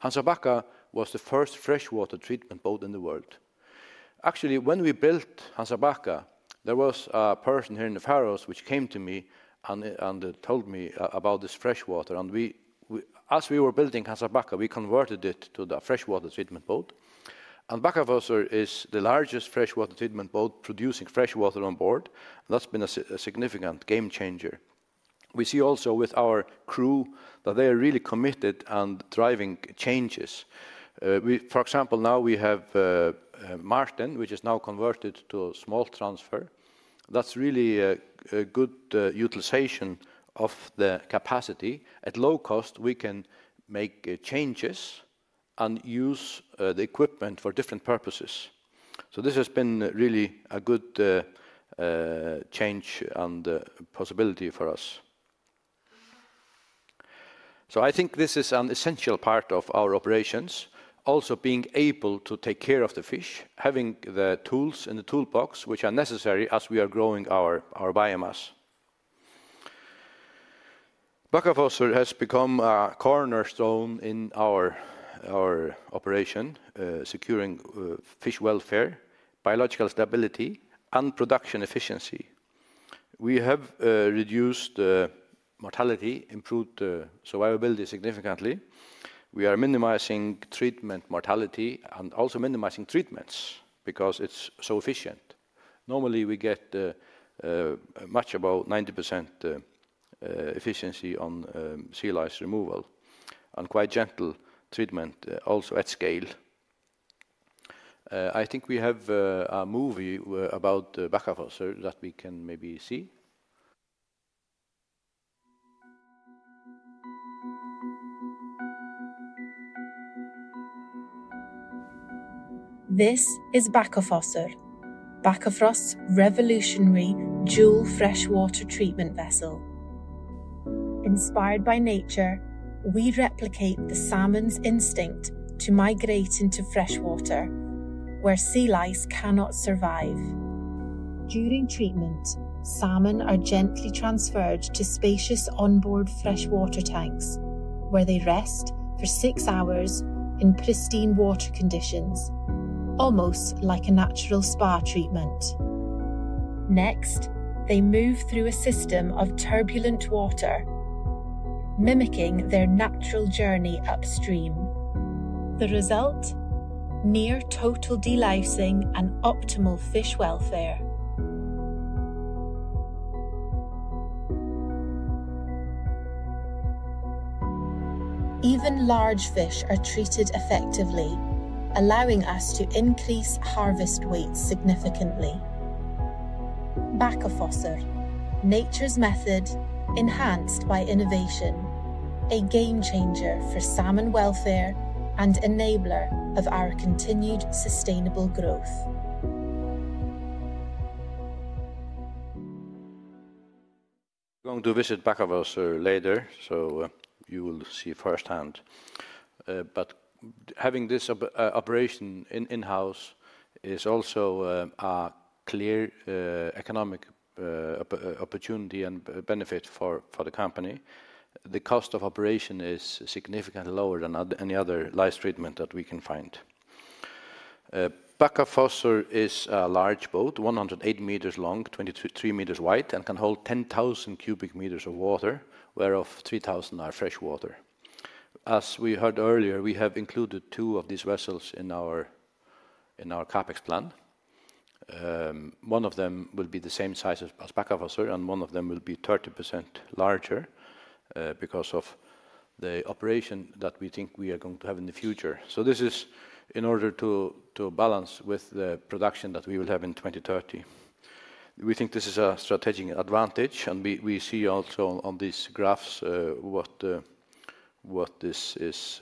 S2: Hansa Backa was the first freshwater treatment boat in the world. Actually, when we built Hansa Backa, there was a person here in the Faroes which came to me and told me about this freshwater. As we were building Hansa Backa, we converted it to the freshwater treatment boat. Backafosser is the largest freshwater treatment boat producing freshwater on board. That has been a significant game changer. We see also with our crew that they are really committed and driving changes. For example, now we have Martin, which is now converted to a smolt transfer. That is really a good utilization of the capacity. At low cost, we can make changes and use the equipment for different purposes. This has been really a good change and possibility for us. I think this is an essential part of our operations, also being able to take care of the fish, having the tools in the toolbox, which are necessary as we are growing our biomass. Bakkafrost has become a cornerstone in our operation, securing fish welfare, biological stability, and production efficiency. We have reduced mortality, improved survivability significantly. We are minimizing treatment mortality and also minimizing treatments because it is so efficient. Normally, we get much about 90% efficiency on sea lice removal and quite gentle treatment also at scale. I think we have a movie about Bakkafrost that we can maybe see.
S4: This is Bakkafrost, Bakkafrost's revolutionary dual freshwater treatment vessel. Inspired by nature, we replicate the salmon's instinct to migrate into freshwater where sea lice cannot survive. During treatment, salmon are gently transferred to spacious onboard freshwater tanks where they rest for six hours in pristine water conditions, almost like a natural spa treatment. Next, they move through a system of turbulent water, mimicking their natural journey upstream. The result: near total de-licing and optimal fish welfare. Even large fish are treated effectively, allowing us to increase harvest weights significantly. Bakkafrost, nature's method enhanced by innovation, a game changer for salmon welfare and enabler of our continued sustainable growth. We are going to visit Bakkafrost later, so you will see firsthand. Having this operation in-house is also a clear economic opportunity and benefit for the company. The cost of operation is significantly lower than any other lice treatment that we can find.
S2: Bakkafossur is a large boat, 108 meters long, 23 meters wide, and can hold 10,000 cubic meters of water, whereof 3,000 are freshwater. As we heard earlier, we have included two of these vessels in our CaPex plan. One of them will be the same size as Bakkafossur, and one of them will be 30% larger because of the operation that we think we are going to have in the future. This is in order to balance with the production that we will have in 2030. We think this is a strategic advantage, and we see also on these graphs what this is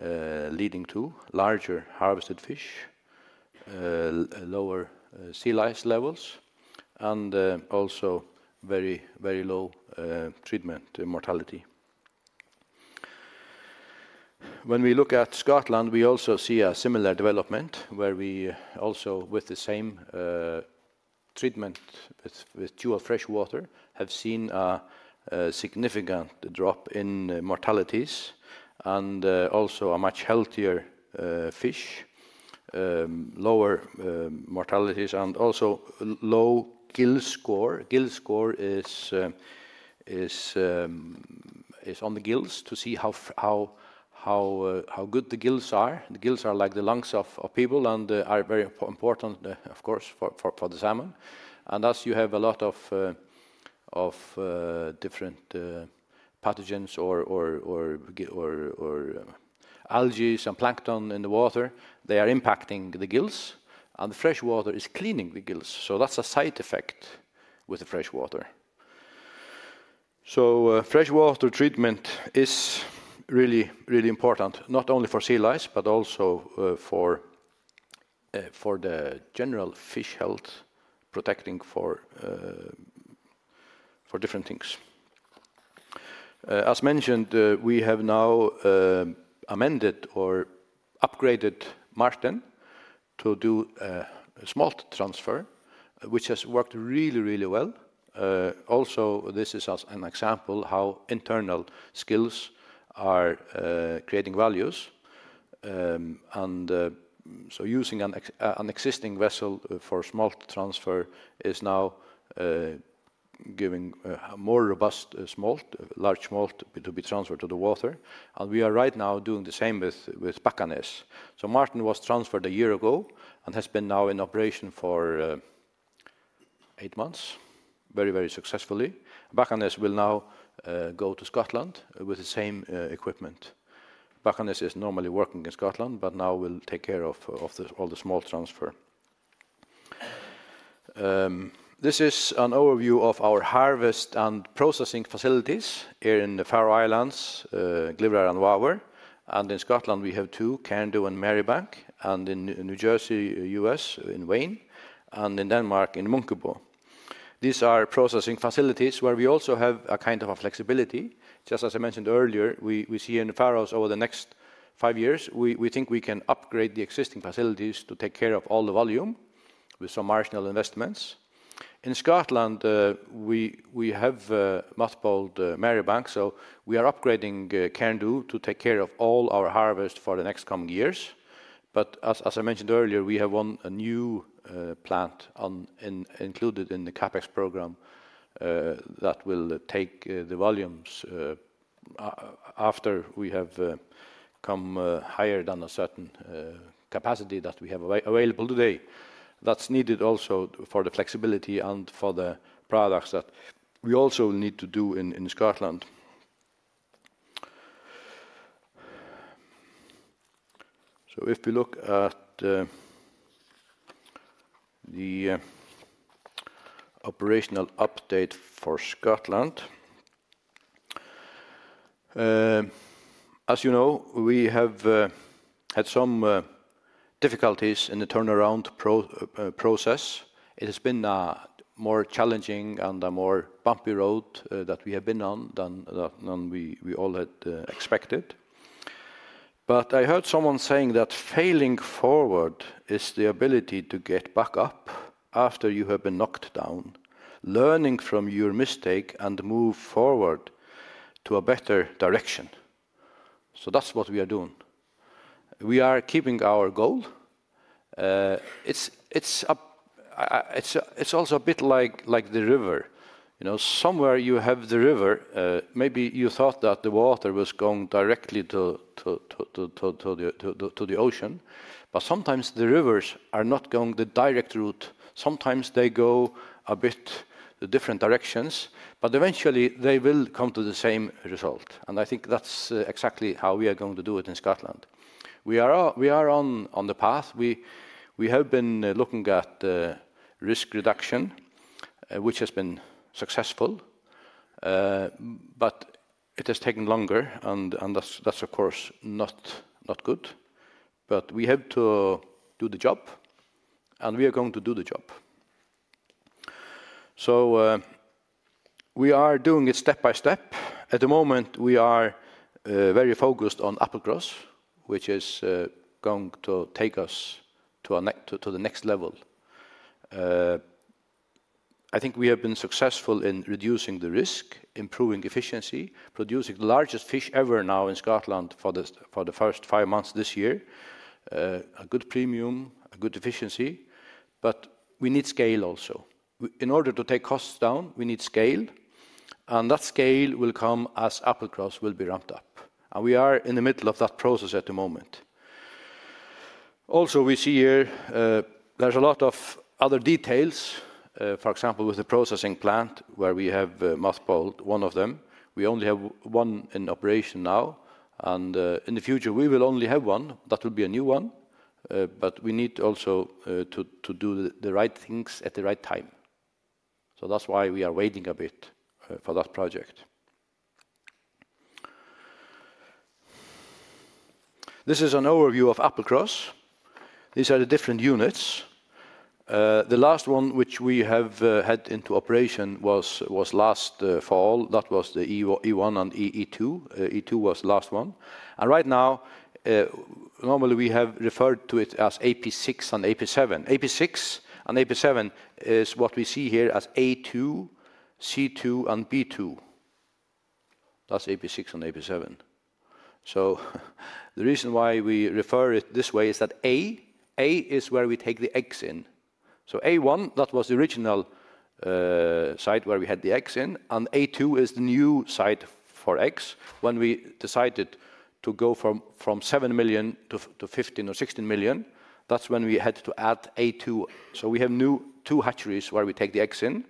S2: leading to: larger harvested fish, lower sea lice levels, and also very, very low treatment mortality. When we look at Scotland, we also see a similar development where we also, with the same treatment with dual freshwater, have seen a significant drop in mortalities and also a much healthier fish, lower mortalities, and also low gill score. Gill score is on the gills to see how good the gills are. The gills are like the lungs of people and are very important, of course, for the salmon. As you have a lot of different pathogens or algae and plankton in the water, they are impacting the gills, and the freshwater is cleaning the gills. That is a side effect with the freshwater. Freshwater treatment is really, really important, not only for sea lice, but also for the general fish health, protecting for different things. As mentioned, we have now amended or upgraded Martin to do a small transfer, which has worked really, really well. Also, this is an example of how internal skills are creating values. Using an existing vessel for smolt transfer is now giving a more robust smolt, large smolt to be transferred to the water. We are right now doing the same with Bakkafrost Ness. Martin was transferred a year ago and has been now in operation for eight months, very, very successfully. Bakkafrost Ness will now go to Scotland with the same equipment. Bakkafrost Ness is normally working in Scotland, but now will take care of all the smolt transfer. This is an overview of our harvest and processing facilities here in the Faroe Islands, Glyvra and Vágur. In Scotland, we have two, Kaldness and Marybank, and in New Jersey, U.S., in Wayne, and in Denmark, in Munkebo. These are processing facilities where we also have a kind of flexibility. Just as I mentioned earlier, we see in the Faroes over the next five years, we think we can upgrade the existing facilities to take care of all the volume with some marginal investments. In Scotland, we have multiple Meribank, so we are upgrading Kandu to take care of all our harvest for the next coming years. As I mentioned earlier, we have one new plant included in the CaPex program that will take the volumes after we have come higher than a certain capacity that we have available today. That is needed also for the flexibility and for the products that we also need to do in Scotland. If we look at the operational update for Scotland, as you know, we have had some difficulties in the turnaround process. It has been a more challenging and a more bumpy road that we have been on than we all had expected. I heard someone saying that failing forward is the ability to get back up after you have been knocked down, learning from your mistake and move forward to a better direction. That is what we are doing. We are keeping our goal. It is also a bit like the river. Somewhere you have the river, maybe you thought that the water was going directly to the ocean, but sometimes the rivers are not going the direct route. Sometimes they go a bit different directions, but eventually they will come to the same result. I think that is exactly how we are going to do it in Scotland. We are on the path. We have been looking at risk reduction, which has been successful, but it has taken longer, and that is, of course, not good. We have to do the job, and we are going to do the job. We are doing it step by step. At the moment, we are very focused on upper growth, which is going to take us to the next level. I think we have been successful in reducing the risk, improving efficiency, producing the largest fish ever now in Scotland for the first five months this year. A good premium, a good efficiency, but we need scale also. In order to take costs down, we need scale, and that scale will come as upper growth will be ramped up. We are in the middle of that process at the moment. Also, we see here there's a lot of other details, for example, with the processing plant where we have multiple. One of them, we only have one in operation now, and in the future, we will only have one. That will be a new one, but we need also to do the right things at the right time. That is why we are waiting a bit for that project. This is an overview of upper growth. These are the different units. The last one which we have had into operation was last fall. That was the E1 and E2. E2 was the last one. Right now, normally we have referred to it as AP6 and AP7. AP6 and AP7 is what we see here as A2, C2, and B2. That is AP6 and AP7. The reason why we refer to it this way is that A is where we take the X in. A1, that was the original site where we had the X in, and A2 is the new site for X. When we decided to go from 7 million to 15 or 16 million, that's when we had to add A2. We have two new hatcheries where we take the X in.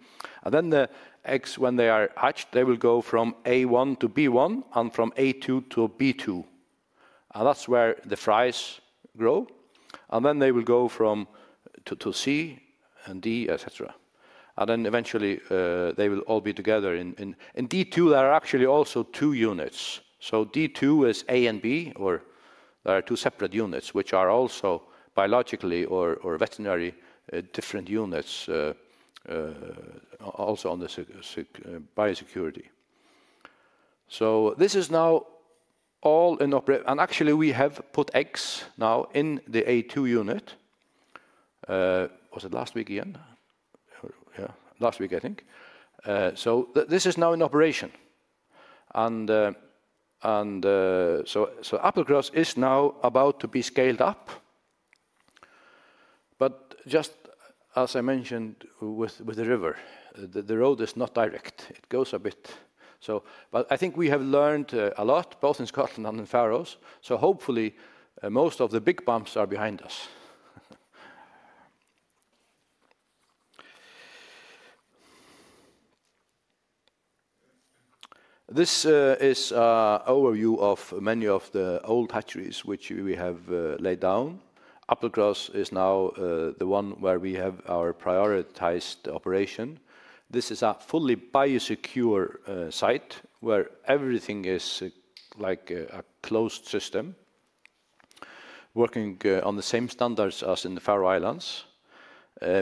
S2: Then the X, when they are hatched, will go from A1 to B1 and from A2 to B2. That's where the fries grow. They will go from there to C and D, etc. Eventually, they will all be together in D2. There are actually also two units. D2 is A and B, or there are two separate units which are also biologically or veterinary different units, also on the biosecurity. This is now all in operation. Actually, we have put eggs now in the A2 unit. Was it last week again? Yeah, last week, I think. This is now in operation. Upper growth is now about to be scaled up. Just as I mentioned with the river, the road is not direct. It goes a bit. I think we have learned a lot, both in Scotland and in Faroes. Hopefully most of the big bumps are behind us. This is an overview of many of the old hatcheries which we have laid down. Upper growth is now the one where we have our prioritized operation. This is a fully biosecure site where everything is like a closed system, working on the same standards as in the Faroe Islands.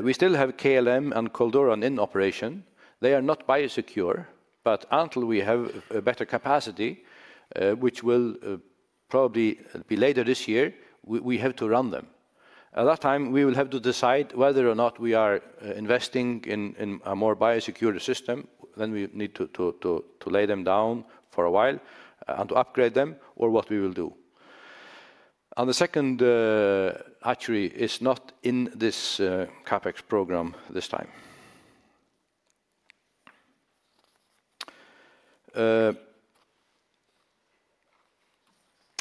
S2: We still have KLM and Caldera in operation. They are not biosecure, but until we have a better capacity, which will probably be later this year, we have to run them. At that time, we will have to decide whether or not we are investing in a more biosecure system. We need to lay them down for a while and to upgrade them or what we will do. The second hatchery is not in this CaPex program this time.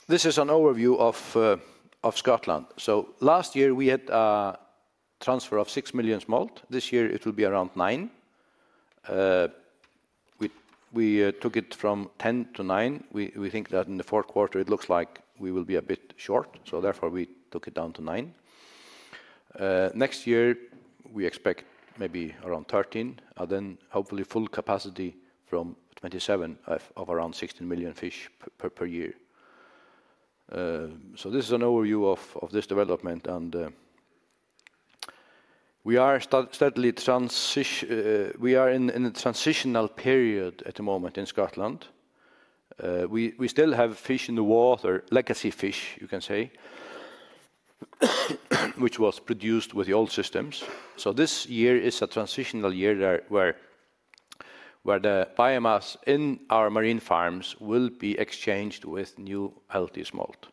S2: This is an overview of Scotland. Last year, we had a transfer of 6 million smolt. This year, it will be around 9. We took it from 10 to 9. We think that in the fourth quarter, it looks like we will be a bit short. Therefore, we took it down to 9. Next year, we expect maybe around 13, and then hopefully full capacity from 2027 of around 16 million fish per year. This is an overview of this development. We are in a transitional period at the moment in Scotland. We still have fish in the water, legacy fish, you can say, which was produced with the old systems. This year is a transitional year where the biomass in our marine farms will be exchanged with new healthy smolt.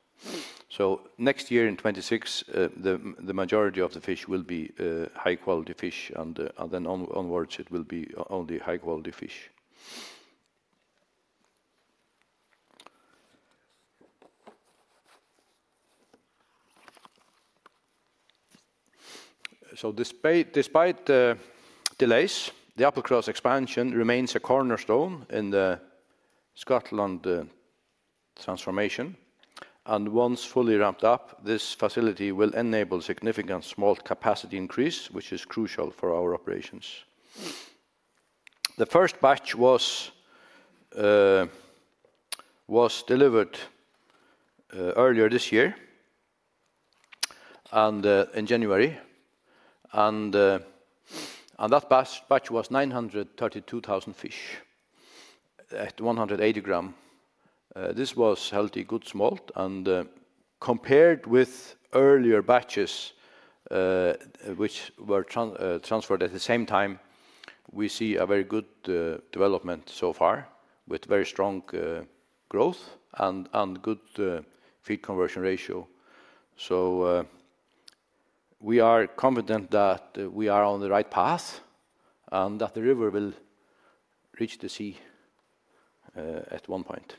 S2: Next year in 2026, the majority of the fish will be high-quality fish, and then onwards, it will be only high-quality fish. Despite delays, the upper growth expansion remains a cornerstone in the Scotland transformation. Once fully ramped up, this facility will enable significant smolt capacity increase, which is crucial for our operations. The first batch was delivered earlier this year and in January. That batch was 932,000 fish at 180 grams. This was healthy, good smolt. Compared with earlier batches, which were transferred at the same time, we see a very good development so far with very strong growth and good feed conversion ratio. We are confident that we are on the right path and that the river will reach the sea at one point.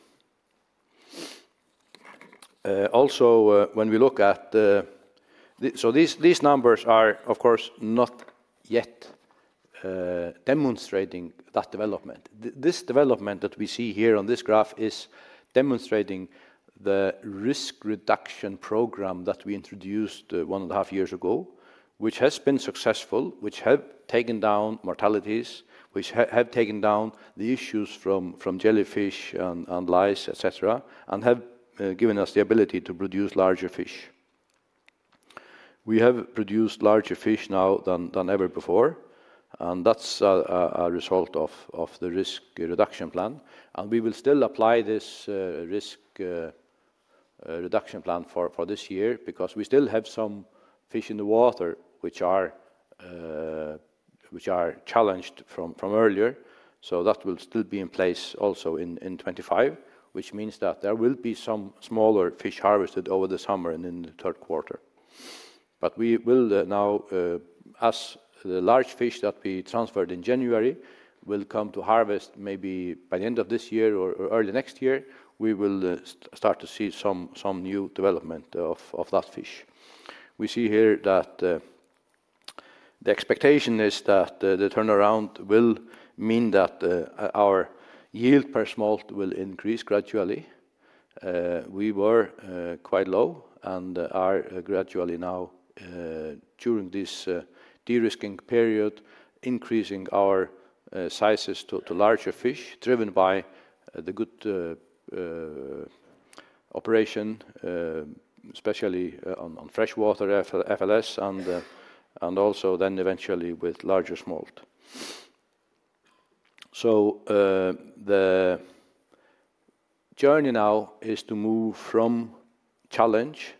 S2: Also, when we look at these numbers, they are, of course, not yet demonstrating that development. This development that we see here on this graph is demonstrating the risk reduction program that we introduced one and a half years ago, which has been successful, which has taken down mortalities, which have taken down the issues from jellyfish and lice, etc., and have given us the ability to produce larger fish. We have produced larger fish now than ever before, and that's a result of the risk reduction plan. We will still apply this risk reduction plan for this year because we still have some fish in the water which are challenged from earlier. That will still be in place also in 2025, which means that there will be some smaller fish harvested over the summer and in the third quarter. We will now, as the large fish that we transferred in January will come to harvest maybe by the end of this year or early next year, start to see some new development of that fish. We see here that the expectation is that the turnaround will mean that our yield per smolt will increase gradually. We were quite low and are gradually now, during this de-risking period, increasing our sizes to larger fish driven by the good operation, especially on freshwater FLS, and also then eventually with larger smolt. The journey now is to move from challenge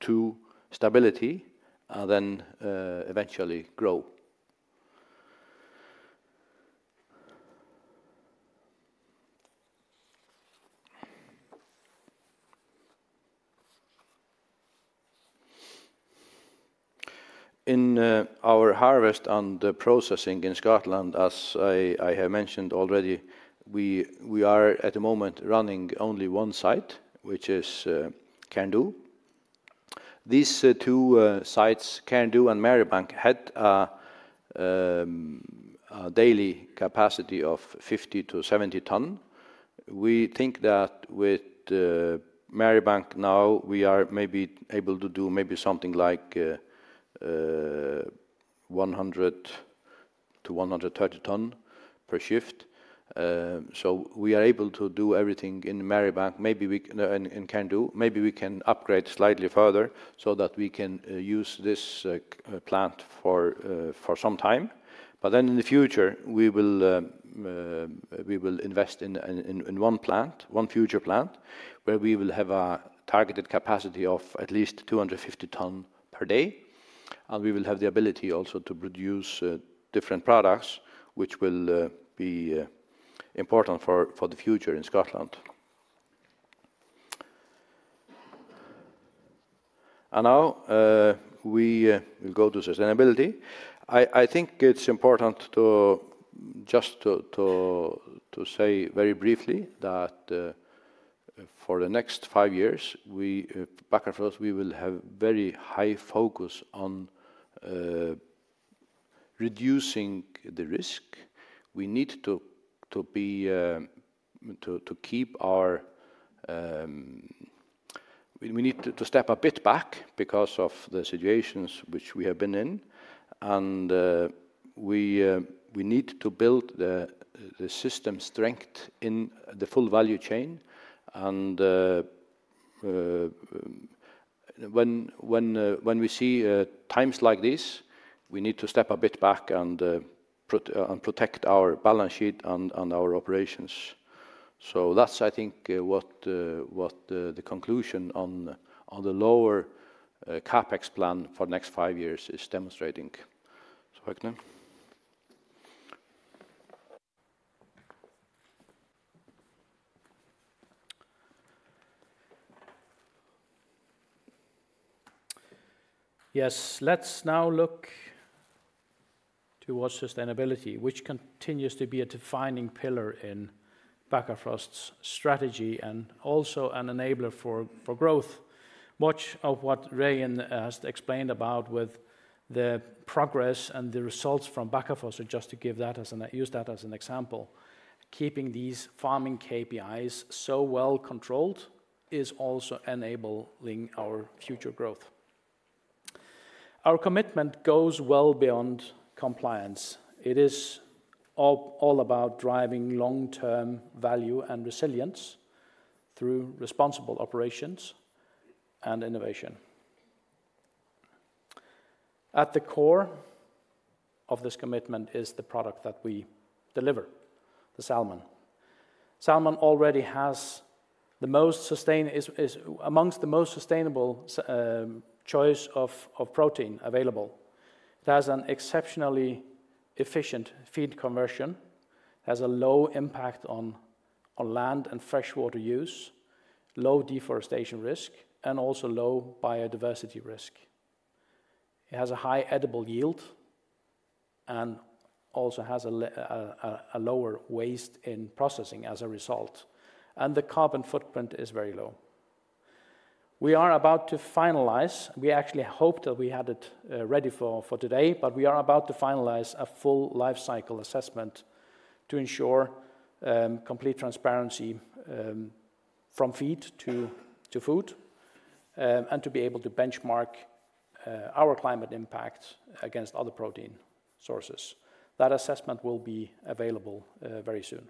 S2: to stability and then eventually grow. In our harvest and processing in Scotland, as I have mentioned already, we are at the moment running only one site, which is Kandu. These two sites, Kandu and Meribank, had a daily capacity of 50-70 tonnes. We think that with Meribank now, we are maybe able to do maybe something like 100-130 tonnes per shift. We are able to do everything in Meribank, maybe in Kandu. Maybe we can upgrade slightly further so that we can use this plant for some time. In the future, we will invest in one plant, one future plant, where we will have a targeted capacity of at least 250 tonnes per day. We will have the ability also to produce different products, which will be important for the future in Scotland. Now we will go to sustainability. I think it is important just to say very briefly that for the next five years, back and forth, we will have very high focus on reducing the risk. We need to keep our—we need to step a bit back because of the situations which we have been in. We need to build the system strength in the full value chain. When we see times like this, we need to step a bit back and protect our balance sheet and our operations. That is, I think, what the conclusion on the lower CaPex plan for the next five years is demonstrating.
S5: Yes, let's now look towards sustainability, which continues to be a defining pillar in Bakkafrost's strategy and also an enabler for growth. Much of what Rain has explained about with the progress and the results from Bakkafrost, just to give that as an—use that as an example, keeping these farming KPIs so well controlled is also enabling our future growth. Our commitment goes well beyond compliance. It is all about driving long-term value and resilience through responsible operations and innovation. At the core of this commitment is the product that we deliver, the salmon. Salmon already has the most sustainable—is amongst the most sustainable choice of protein available. It has an exceptionally efficient feed conversion. It has a low impact on land and freshwater use, low deforestation risk, and also low biodiversity risk. It has a high edible yield and also has a lower waste in processing as a result. The carbon footprint is very low. We are about to finalize. We actually hoped that we had it ready for today, but we are about to finalize a full life cycle assessment to ensure complete transparency from feed to food and to be able to benchmark our climate impact against other protein sources. That assessment will be available very soon.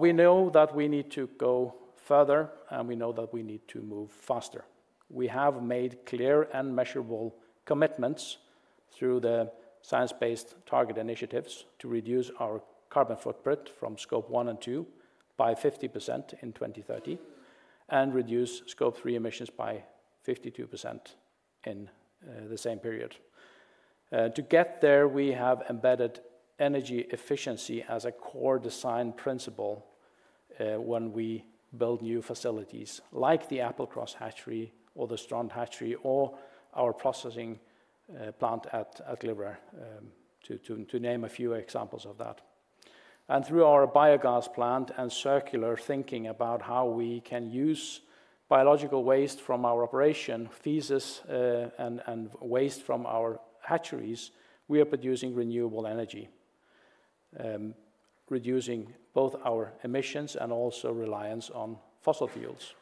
S5: We know that we need to go further, and we know that we need to move faster. We have made clear and measurable commitments through the science-based target initiatives to reduce our carbon footprint from scope one and two by 50% in 2030 and reduce scope three emissions by 52% in the same period. To get there, we have embedded energy efficiency as a core design principle when we build new facilities like the Applecross hatchery or the Strand hatchery or our processing plant at Glyvra, to name a few examples of that. Through our biogas plant and circular thinking about how we can use biological waste from our operation, feeds, and waste from our hatcheries, we are producing renewable energy, reducing both our emissions and also reliance on fossil fuels.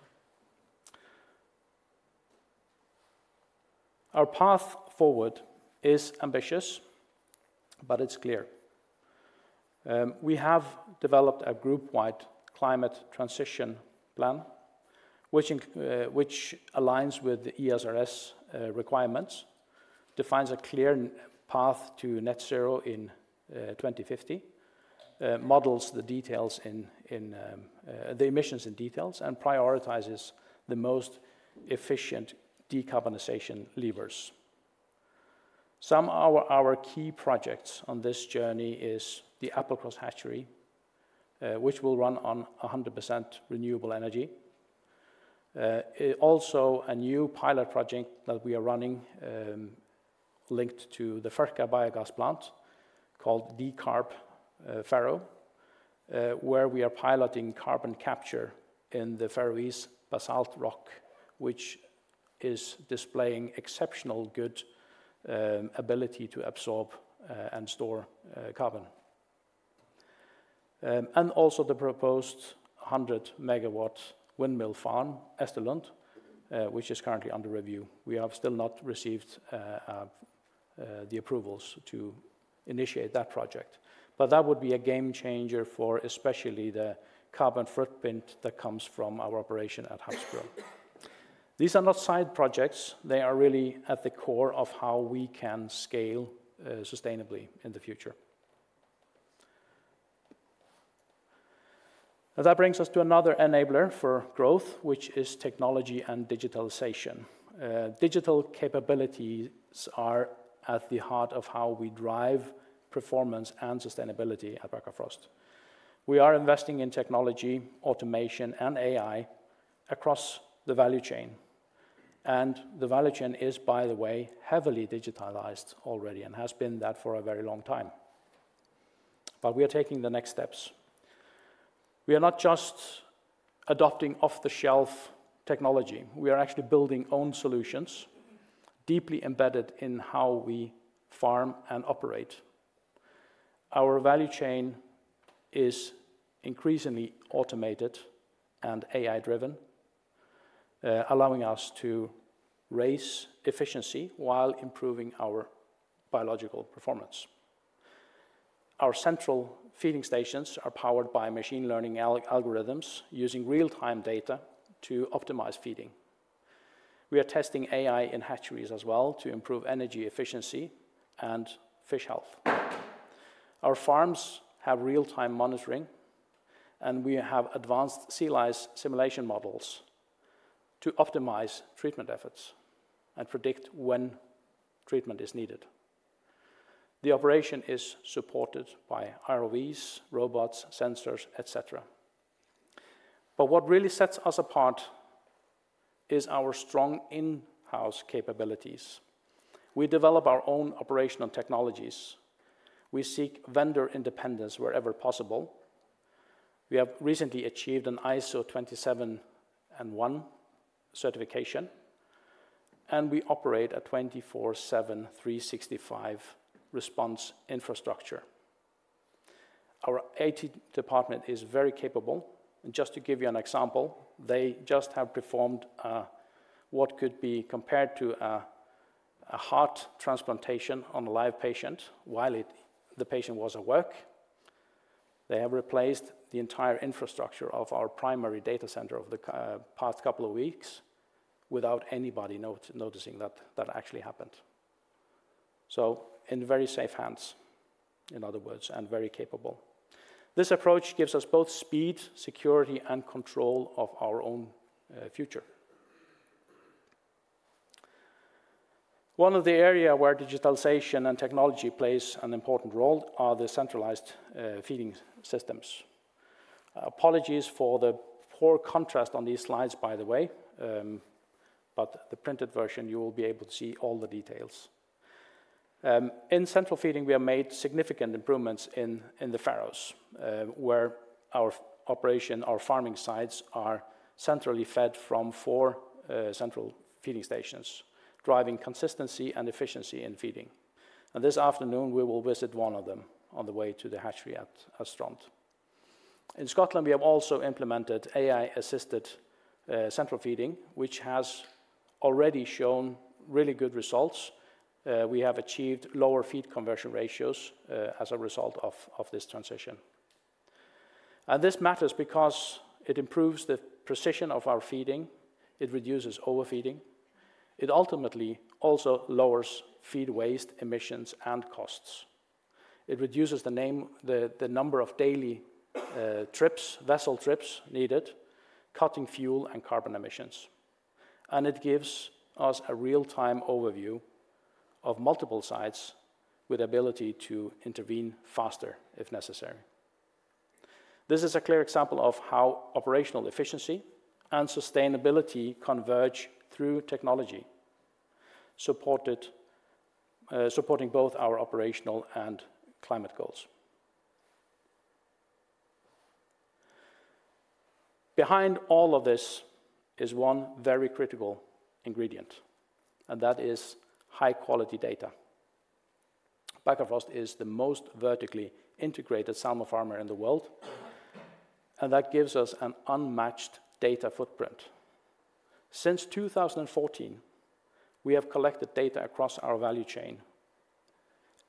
S5: Our path forward is ambitious, but it is clear. We have developed a group-wide climate transition plan, which aligns with the ESRS requirements, defines a clear path to net zero in 2050, models the emissions in detail, and prioritizes the most efficient decarbonization levers. Some of our key projects on this journey are the Applecross hatchery, which will run on 100% renewable energy. Also, a new pilot project that we are running linked to the Ferker biogas plant called Decarb Ferro, where we are piloting carbon capture in the Faroese basalt rock, which is displaying exceptionally good ability to absorb and store carbon. Also, the proposed 100-megawatt windmill farm, Estellund, which is currently under review. We have still not received the approvals to initiate that project. That would be a game changer for especially the carbon footprint that comes from our operation at Hafsbrun. These are not side projects. They are really at the core of how we can scale sustainably in the future. That brings us to another enabler for growth, which is technology and digitalization. Digital capabilities are at the heart of how we drive performance and sustainability at Bakkafrost. We are investing in technology, automation, and AI across the value chain. The value chain is, by the way, heavily digitalized already and has been that for a very long time. We are taking the next steps. We are not just adopting off-the-shelf technology. We are actually building own solutions deeply embedded in how we farm and operate. Our value chain is increasingly automated and AI-driven, allowing us to raise efficiency while improving our biological performance. Our central feeding stations are powered by machine learning algorithms using real-time data to optimize feeding. We are testing AI in hatcheries as well to improve energy efficiency and fish health. Our farms have real-time monitoring, and we have advanced sea lice simulation models to optimize treatment efforts and predict when treatment is needed. The operation is supported by ROVs, robots, sensors, etc. What really sets us apart is our strong in-house capabilities. We develop our own operational technologies. We seek vendor independence wherever possible. We have recently achieved an ISO 27001 certification, and we operate a 24/7 365 response infrastructure. Our IT department is very capable. Just to give you an example, they just have performed what could be compared to a heart transplantation on a live patient while the patient was at work. They have replaced the entire infrastructure of our primary data center over the past couple of weeks without anybody noticing that that actually happened. In very safe hands, in other words, and very capable. This approach gives us both speed, security, and control of our own future. One of the areas where digitalization and technology plays an important role are the centralized feeding systems. Apologies for the poor contrast on these slides, by the way, but the printed version, you will be able to see all the details. In central feeding, we have made significant improvements in the Faroe Islands, where our operation, our farming sites are centrally fed from four central feeding stations, driving consistency and efficiency in feeding. This afternoon, we will visit one of them on the way to the hatchery at Strand. In Scotland, we have also implemented AI-assisted central feeding, which has already shown really good results. We have achieved lower feed conversion ratios as a result of this transition. This matters because it improves the precision of our feeding. It reduces overfeeding. It ultimately also lowers feed waste emissions and costs. It reduces the number of daily trips, vessel trips needed, cutting fuel and carbon emissions. It gives us a real-time overview of multiple sites with the ability to intervene faster if necessary. This is a clear example of how operational efficiency and sustainability converge through technology, supporting both our operational and climate goals. Behind all of this is one very critical ingredient, and that is high-quality data. Bakkafrost is the most vertically integrated salmon farmer in the world, and that gives us an unmatched data footprint. Since 2014, we have collected data across our value chain.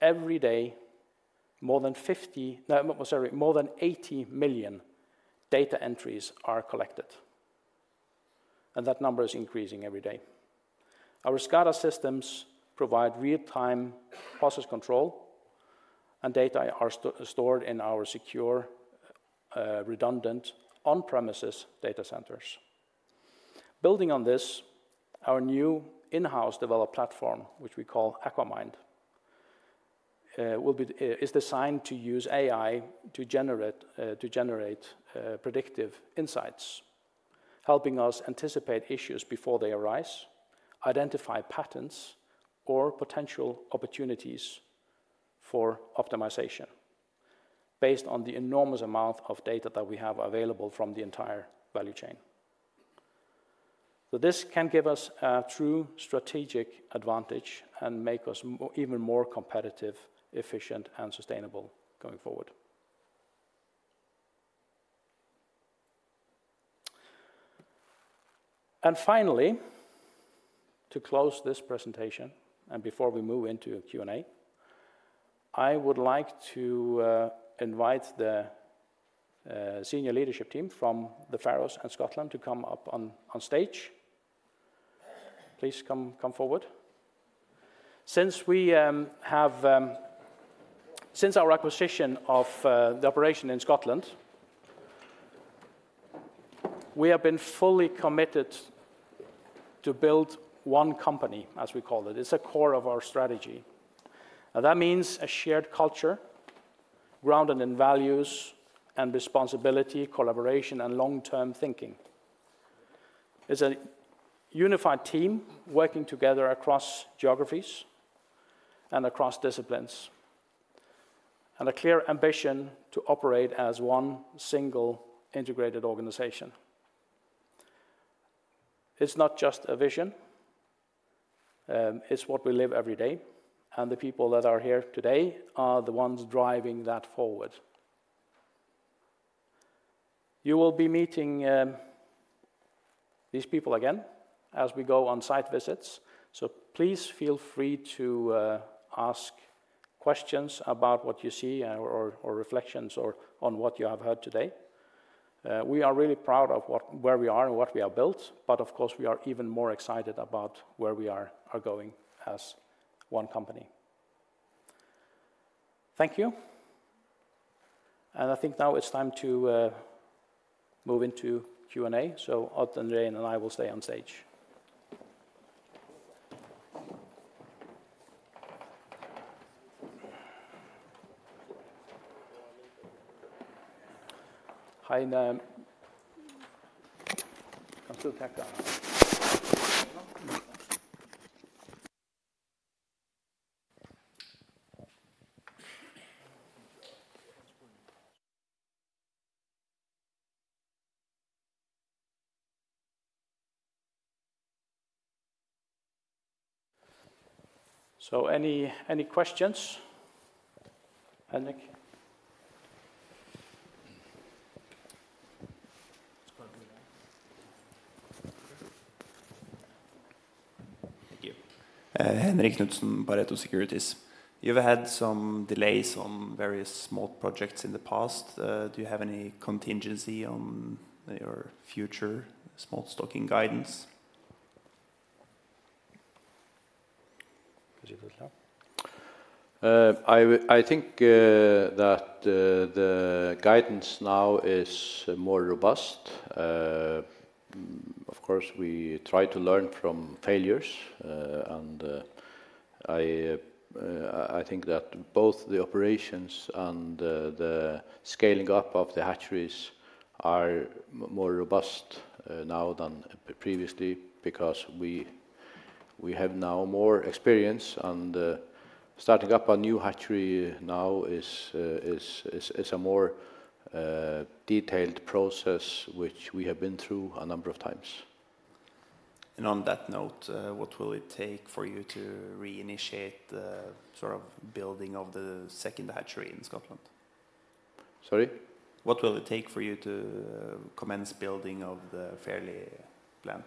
S5: Every day, more than 80 million data entries are collected, and that number is increasing every day. Our SCADA systems provide real-time process control, and data are stored in our secure, redundant, on-premises data centers. Building on this, our new in-house developed platform, which we call AquaMind, is designed to use AI to generate predictive insights, helping us anticipate issues before they arise, identify patterns, or potential opportunities for optimization based on the enormous amount of data that we have available from the entire value chain. This can give us a true strategic advantage and make us even more competitive, efficient, and sustainable going forward. Finally, to close this presentation and before we move into Q&A, I would like to invite the senior leadership team from the Faroe Islands and Scotland to come up on stage. Please come forward. Since our acquisition of the operation in Scotland, we have been fully committed to build one company, as we call it. It is a core of our strategy. That means a shared culture, grounded in values and responsibility, collaboration, and long-term thinking. It is a unified team working together across geographies and across disciplines and a clear ambition to operate as one single integrated organization. It is not just a vision. It is what we live every day. The people that are here today are the ones driving that forward. You will be meeting these people again as we go on site visits. Please feel free to ask questions about what you see or reflections on what you have heard today. We are really proud of where we are and what we have built. Of course, we are even more excited about where we are going as one company. Thank you. I think now it's time to move into Q&A. Odd and Rei and I will stay on stage. Hi. Any questions? Henrik?
S6: Thank you. Henrik Knutson, Pareto Securities. You've had some delays on various smolt projects in the past. Do you have any contingency on your future smolt stocking guidance?
S2: I think that the guidance now is more robust. Of course, we try to learn from failures. I think that both the operations and the scaling up of the hatcheries are more robust now than previously because we have now more experience. Starting up a new hatchery now is a more detailed process, which we have been through a number of times. On that note, what will it take for you to reinitiate the sort of building of the second hatchery in Scotland? Sorry? What will it take for you to commence building of the ferry plant?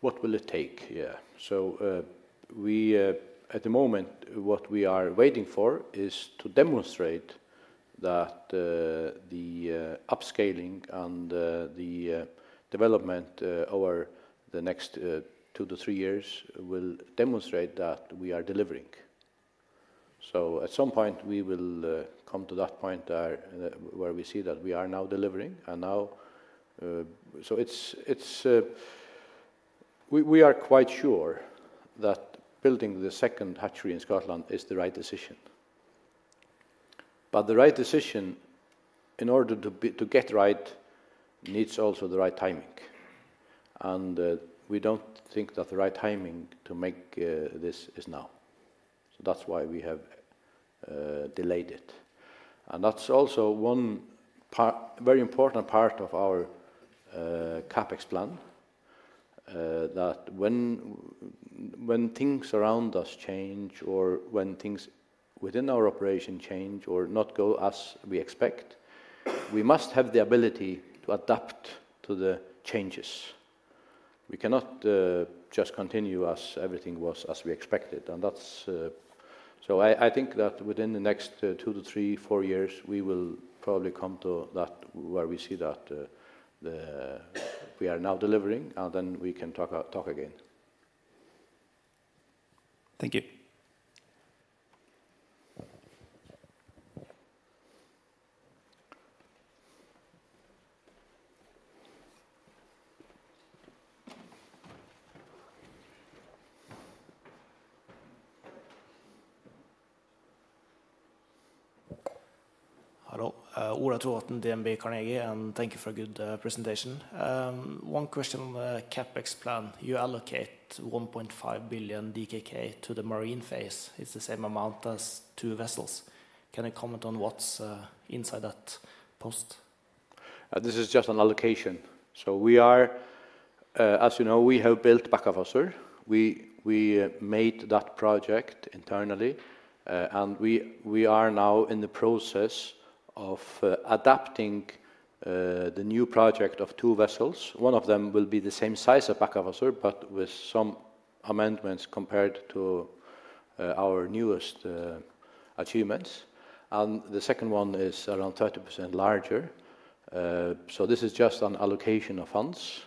S2: What will it take? Yeah. At the moment, what we are waiting for is to demonstrate that the upscaling and the development over the next two to three years will demonstrate that we are delivering. At some point, we will come to that point where we see that we are now delivering. We are quite sure that building the second hatchery in Scotland is the right decision. The right decision, in order to get right, needs also the right timing. We do not think that the right timing to make this is now. That is why we have delayed it. That is also one very important part of our CaPex plan, that when things around us change or when things within our operation change or do not go as we expect, we must have the ability to adapt to the changes. We cannot just continue as everything was as we expected. I think that within the next two to three, four years, we will probably come to that where we see that we are now delivering, and then we can talk again.
S6: Thank you. Hello Ola [Thorsen], DNB Carnegie, and thank you for a good presentation. One question on the CaPex plan. You allocate 1.5 billion DKK to the marine phase. It's the same amount as two vessels. Can you comment on what's inside that post?
S2: This is just an allocation. As you know, we have built Bakkafrost. We made that project internally, and we are now in the process of adapting the new project of two vessels. One of them will be the same size as Bakkafrost, but with some amendments compared to our newest achievements. The second one is around 30% larger. This is just an allocation of funds.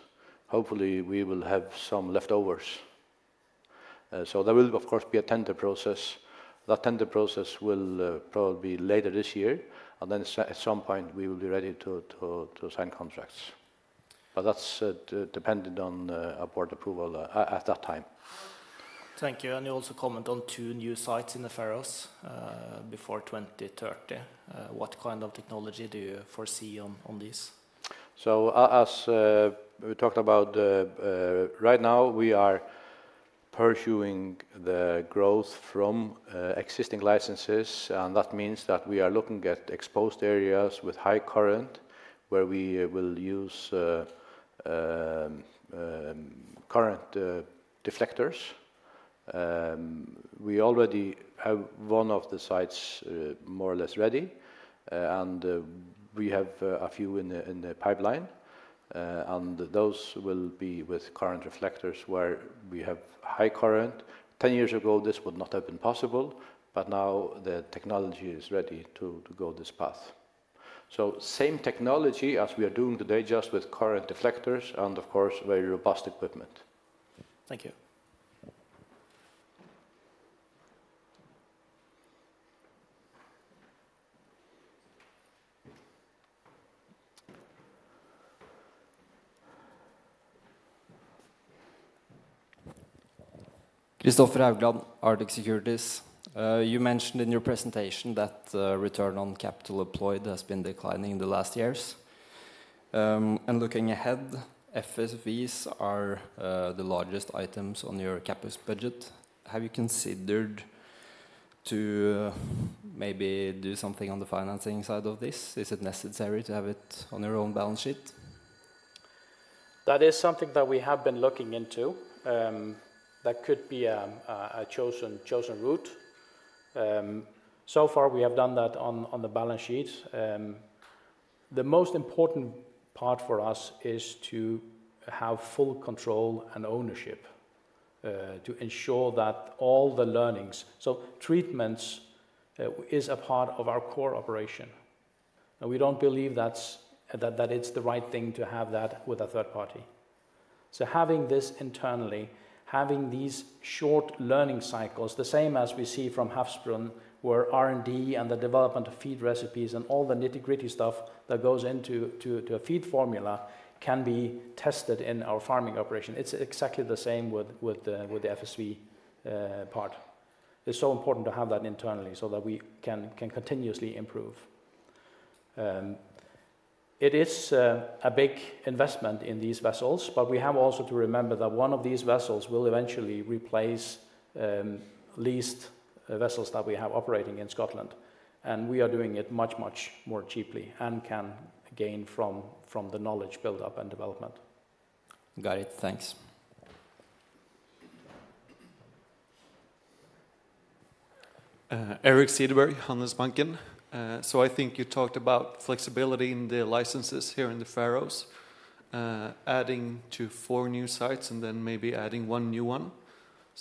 S2: Hopefully, we will have some leftovers. There will, of course, be a tender process. That tender process will probably be later this year. At some point, we will be ready to sign contracts. That is dependent on board approval at that time.
S7: Thank you. You also comment on two new sites in the Faroes before 2030. What kind of technology do you foresee on these?
S2: As we talked about, right now, we are pursuing the growth from existing licenses. That means we are looking at exposed areas with high current where we will use current deflectors. We already have one of the sites more or less ready, and we have a few in the pipeline. Those will be with current deflectors where we have high current. Ten years ago, this would not have been possible, but now the technology is ready to go this path. Same technology as we are doing today, just with current deflectors and, of course, very robust equipment. Thank you.
S8: Christopher [Haglund], Arctic Securities. You mentioned in your presentation that return on capital employed has been declining in the last years. Looking ahead, FSVs are the largest items on your CaPex budget. Have you considered to maybe do something on the financing side of this? Is it necessary to have it on your own balance sheet?
S1: That is something that we have been looking into. That could be a chosen route. So far, we have done that on the balance sheet. The most important part for us is to have full control and ownership to ensure that all the learnings, so treatments, is a part of our core operation. We do not believe that it is the right thing to have that with a third party. Having this internally, having these short learning cycles, the same as we see from Hafsbrun, where R&D and the development of feed recipes and all the nitty-gritty stuff that goes into a feed formula can be tested in our farming operation. It's exactly the same with the FSV part. It's so important to have that internally so that we can continuously improve. It is a big investment in these vessels, but we have also to remember that one of these vessels will eventually replace leased vessels that we have operating in Scotland. We are doing it much, much more cheaply and can gain from the knowledge build-up and development.
S8: Got it. Thanks.
S9: Erik Cederberg, Handelsbanken. I think you talked about flexibility in the licenses here in the Faroe Islands, adding to four new sites and then maybe adding one new one.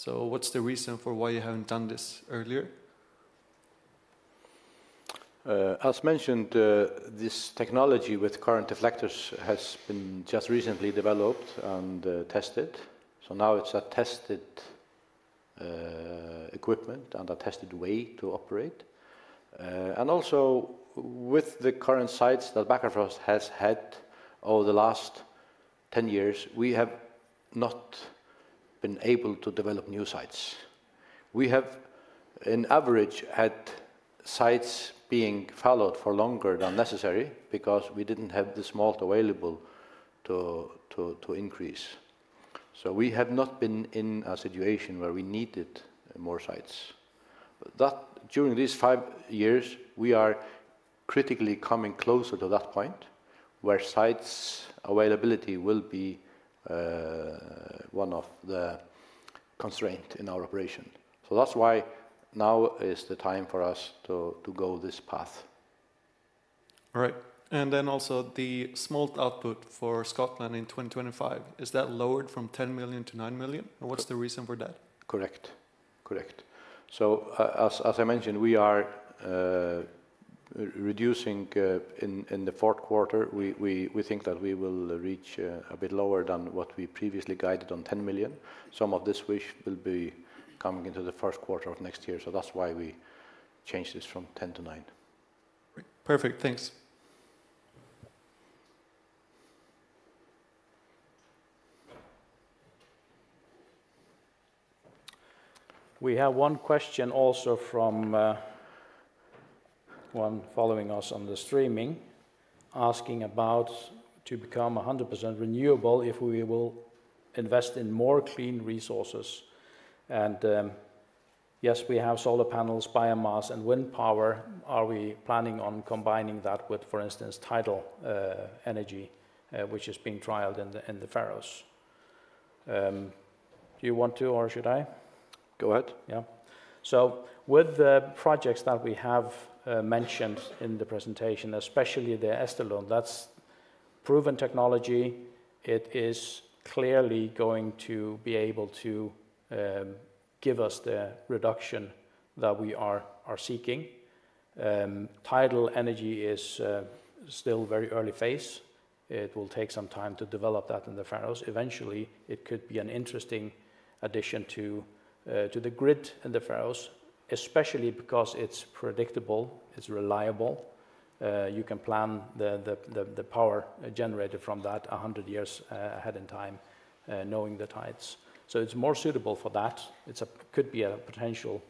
S9: What's the reason for why you haven't done this earlier?
S2: As mentioned, this technology with current deflectors has been just recently developed and tested. Now it's a tested equipment and a tested way to operate. Also, with the current sites that Bakkafrost has had over the last 10 years, we have not been able to develop new sites. We have, on average, had sites being followed for longer than necessary because we did not have the smolt available to increase. We have not been in a situation where we needed more sites. During these five years, we are critically coming closer to that point where site availability will be one of the constraints in our operation. That is why now is the time for us to go this path.
S9: All right. Also, the smolt output for Scotland in 2025, is that lowered from 10 million to 9 million? What is the reason for that?
S2: Correct. Correct. As I mentioned, we are reducing in the fourth quarter. We think that we will reach a bit lower than what we previously guided on 10 million. Some of this will be coming into the first quarter of next year. That is why we changed this from 10 to 9.
S1: Perfect. Thanks. We have one question also from one following us on the streaming, asking about to become 100% renewable if we will invest in more clean resources. Yes, we have solar panels, biomass, and wind power. Are we planning on combining that with, for instance, tidal energy, which is being trialed in the Faroe Islands? Do you want to, or should I?
S2: Go ahead.
S1: Yeah. With the projects that we have mentioned in the presentation, especially the Estalone, that is proven technology. It is clearly going to be able to give us the reduction that we are seeking. Tidal energy is still very early phase. It will take some time to develop that in the Faroe Islands. Eventually, it could be an interesting addition to the grid in the Faroe Islands, especially because it is predictable, it is reliable. You can plan the power generated from that 100 years ahead in time, knowing the tides. It is more suitable for that. It could be a potential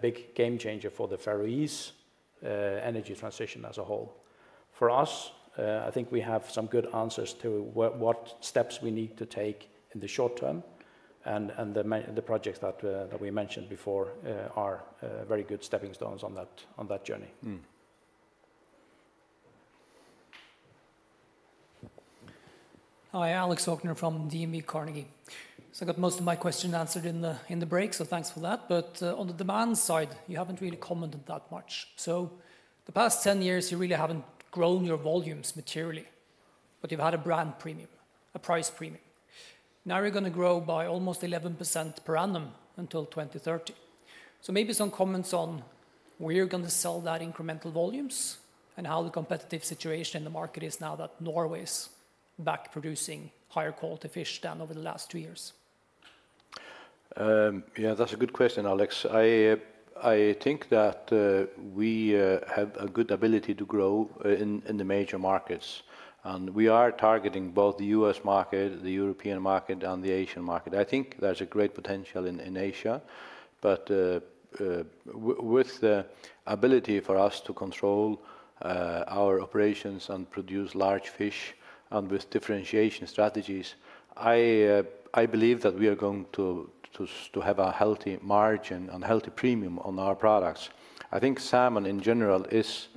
S1: big game changer for the Faroe Islands' energy transition as a whole. For us, I think we have some good answers to what steps we need to take in the short term. The projects that we mentioned before are very good stepping stones on that journey.
S7: Hi, Alex [Hogner from DNB Carnegie. I got most of my questions answered in the break, so thanks for that. On the demand side, you have not really commented that much. The past 10 years, you really haven't grown your volumes materially, but you've had a brand premium, a price premium. Now you're going to grow by almost 11% per annum until 2030. Maybe some comments on where you're going to sell that incremental volumes and how the competitive situation in the market is now that Norway is back producing higher quality fish than over the last two years.
S2: Yeah, that's a good question, Alex. I think that we have a good ability to grow in the major markets. We are targeting both the U.S. market, the European market, and the Asian market. I think there's a great potential in Asia. With the ability for us to control our operations and produce large fish and with differentiation strategies, I believe that we are going to have a healthy margin and healthy premium on our products. I think salmon in general is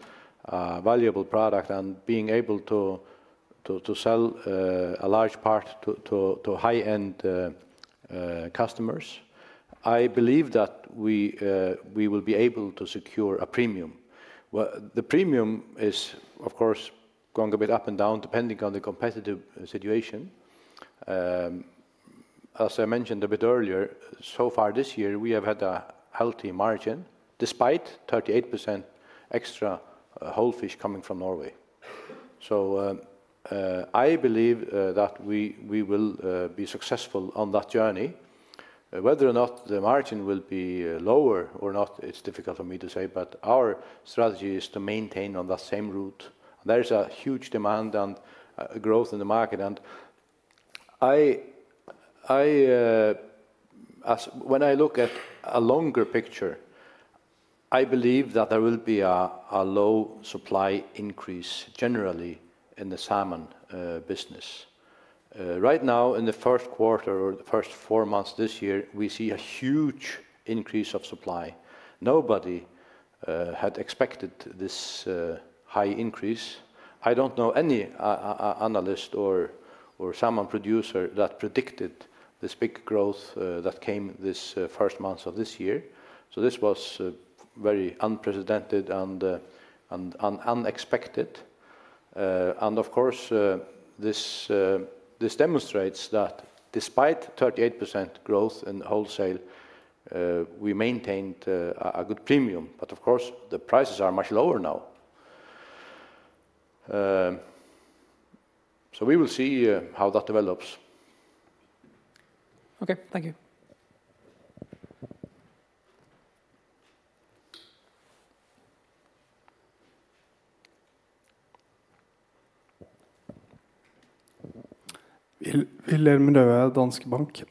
S2: a valuable product. Being able to sell a large part to high-end customers, I believe that we will be able to secure a premium. The premium is, of course, going a bit up and down depending on the competitive situation. As I mentioned a bit earlier, so far this year, we have had a healthy margin despite 38% extra whole fish coming from Norway. I believe that we will be successful on that journey. Whether or not the margin will be lower or not, it's difficult for me to say, but our strategy is to maintain on that same route. There is a huge demand and growth in the market. When I look at a longer picture, I believe that there will be a low supply increase generally in the salmon business. Right now, in the first quarter or the first four months this year, we see a huge increase of supply. Nobody had expected this high increase. I do not know any analyst or salmon producer that predicted this big growth that came this first month of this year. This was very unprecedented and unexpected. Of course, this demonstrates that despite 38% growth in wholesale, we maintained a good premium. Of course, the prices are much lower now. We will see how that develops.
S7: Okay. Thank you. [Wilhelm Nøe], Danske Bank.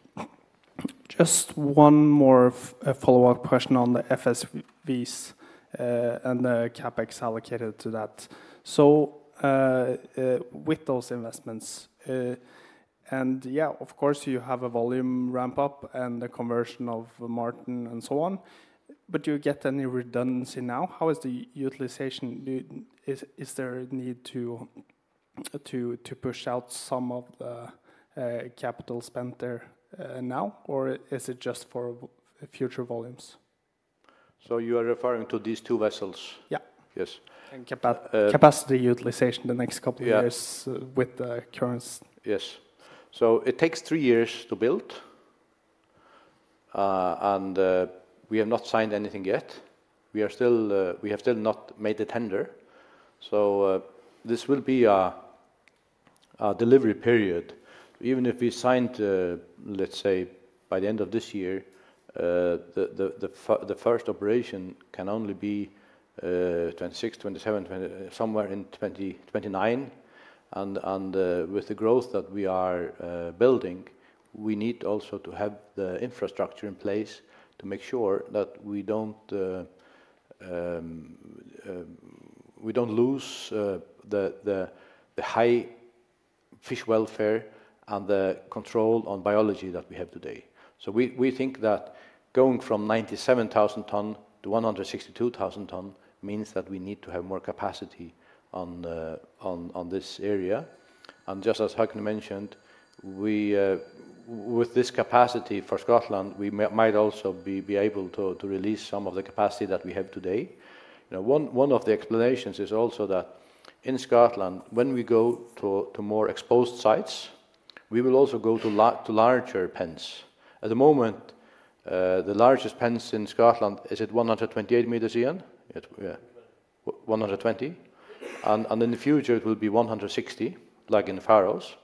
S7: Just one more follow-up question on the FSVs and the CaPex allocated to that. With those investments, and yeah, you have a volume ramp-up and the conversion of Martin and so on, do you get any redundancy now? How is the utilization? Is there a need to push out some of the capital spent there now, or is it just for future volumes?
S2: You are referring to these two vessels?
S7: Yeah.
S2: Yes.
S7: Capacity utilization the next couple of years with the current?
S2: Yes. It takes three years to build, and we have not signed anything yet. We have still not made the tender. This will be a delivery period. Even if we signed, let's say, by the end of this year, the first operation can only be 2026, 2027, somewhere in 2029. With the growth that we are building, we need also to have the infrastructure in place to make sure that we do not lose the high fish welfare and the control on biology that we have today. We think that going from 97,000 tons to 162,000 tons means that we need to have more capacity on this area. Just as Hogni mentioned, with this capacity for Scotland, we might also be able to release some of the capacity that we have today. One of the explanations is also that in Scotland, when we go to more exposed sites, we will also go to larger pens. At the moment, the largest pens in Scotland are at 128 meters. Yeah. 120. In the future, it will be 160, like in the Faroes.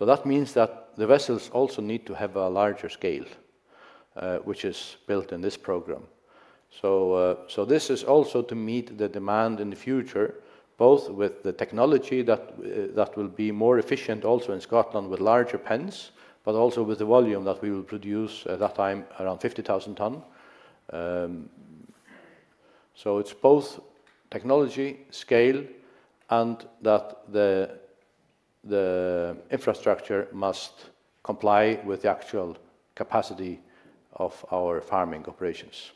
S2: That means that the vessels also need to have a larger scale, which is built in this program. This is also to meet the demand in the future, both with the technology that will be more efficient also in Scotland with larger pens, but also with the volume that we will produce at that time around 50,000 tons. It is both technology, scale, and that the infrastructure must comply with the actual capacity of our farming operations.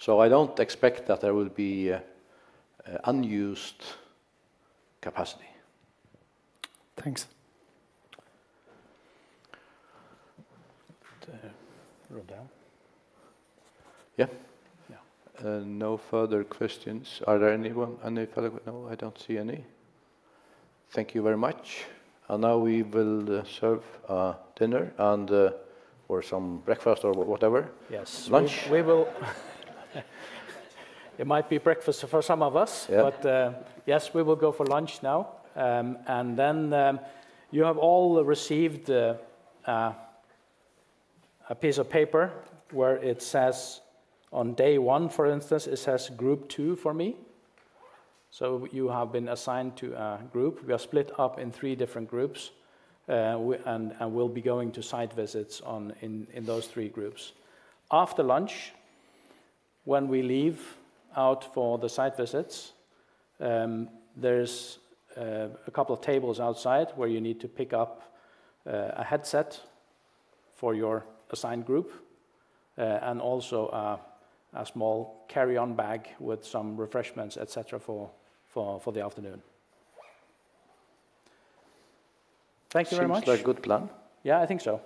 S2: I do not expect that there will be unused capacity.
S7: Thanks.
S2: Roll down. Yeah. No further questions. Are there any further questions? No, I do not see any. Thank you very much. Now we will serve dinner or some breakfast or whatever. Lunch?
S1: It might be breakfast for some of us, but yes, we will go for lunch now. You have all received a piece of paper where it says on day one, for instance, it says group two for me. You have been assigned to a group. We are split up in three different groups, and we'll be going to site visits in those three groups. After lunch, when we leave out for the site visits, there are a couple of tables outside where you need to pick up a headset for your assigned group and also a small carry-on bag with some refreshments, etc., for the afternoon. Thank you very much. That's a very good plan. Yeah, I think so.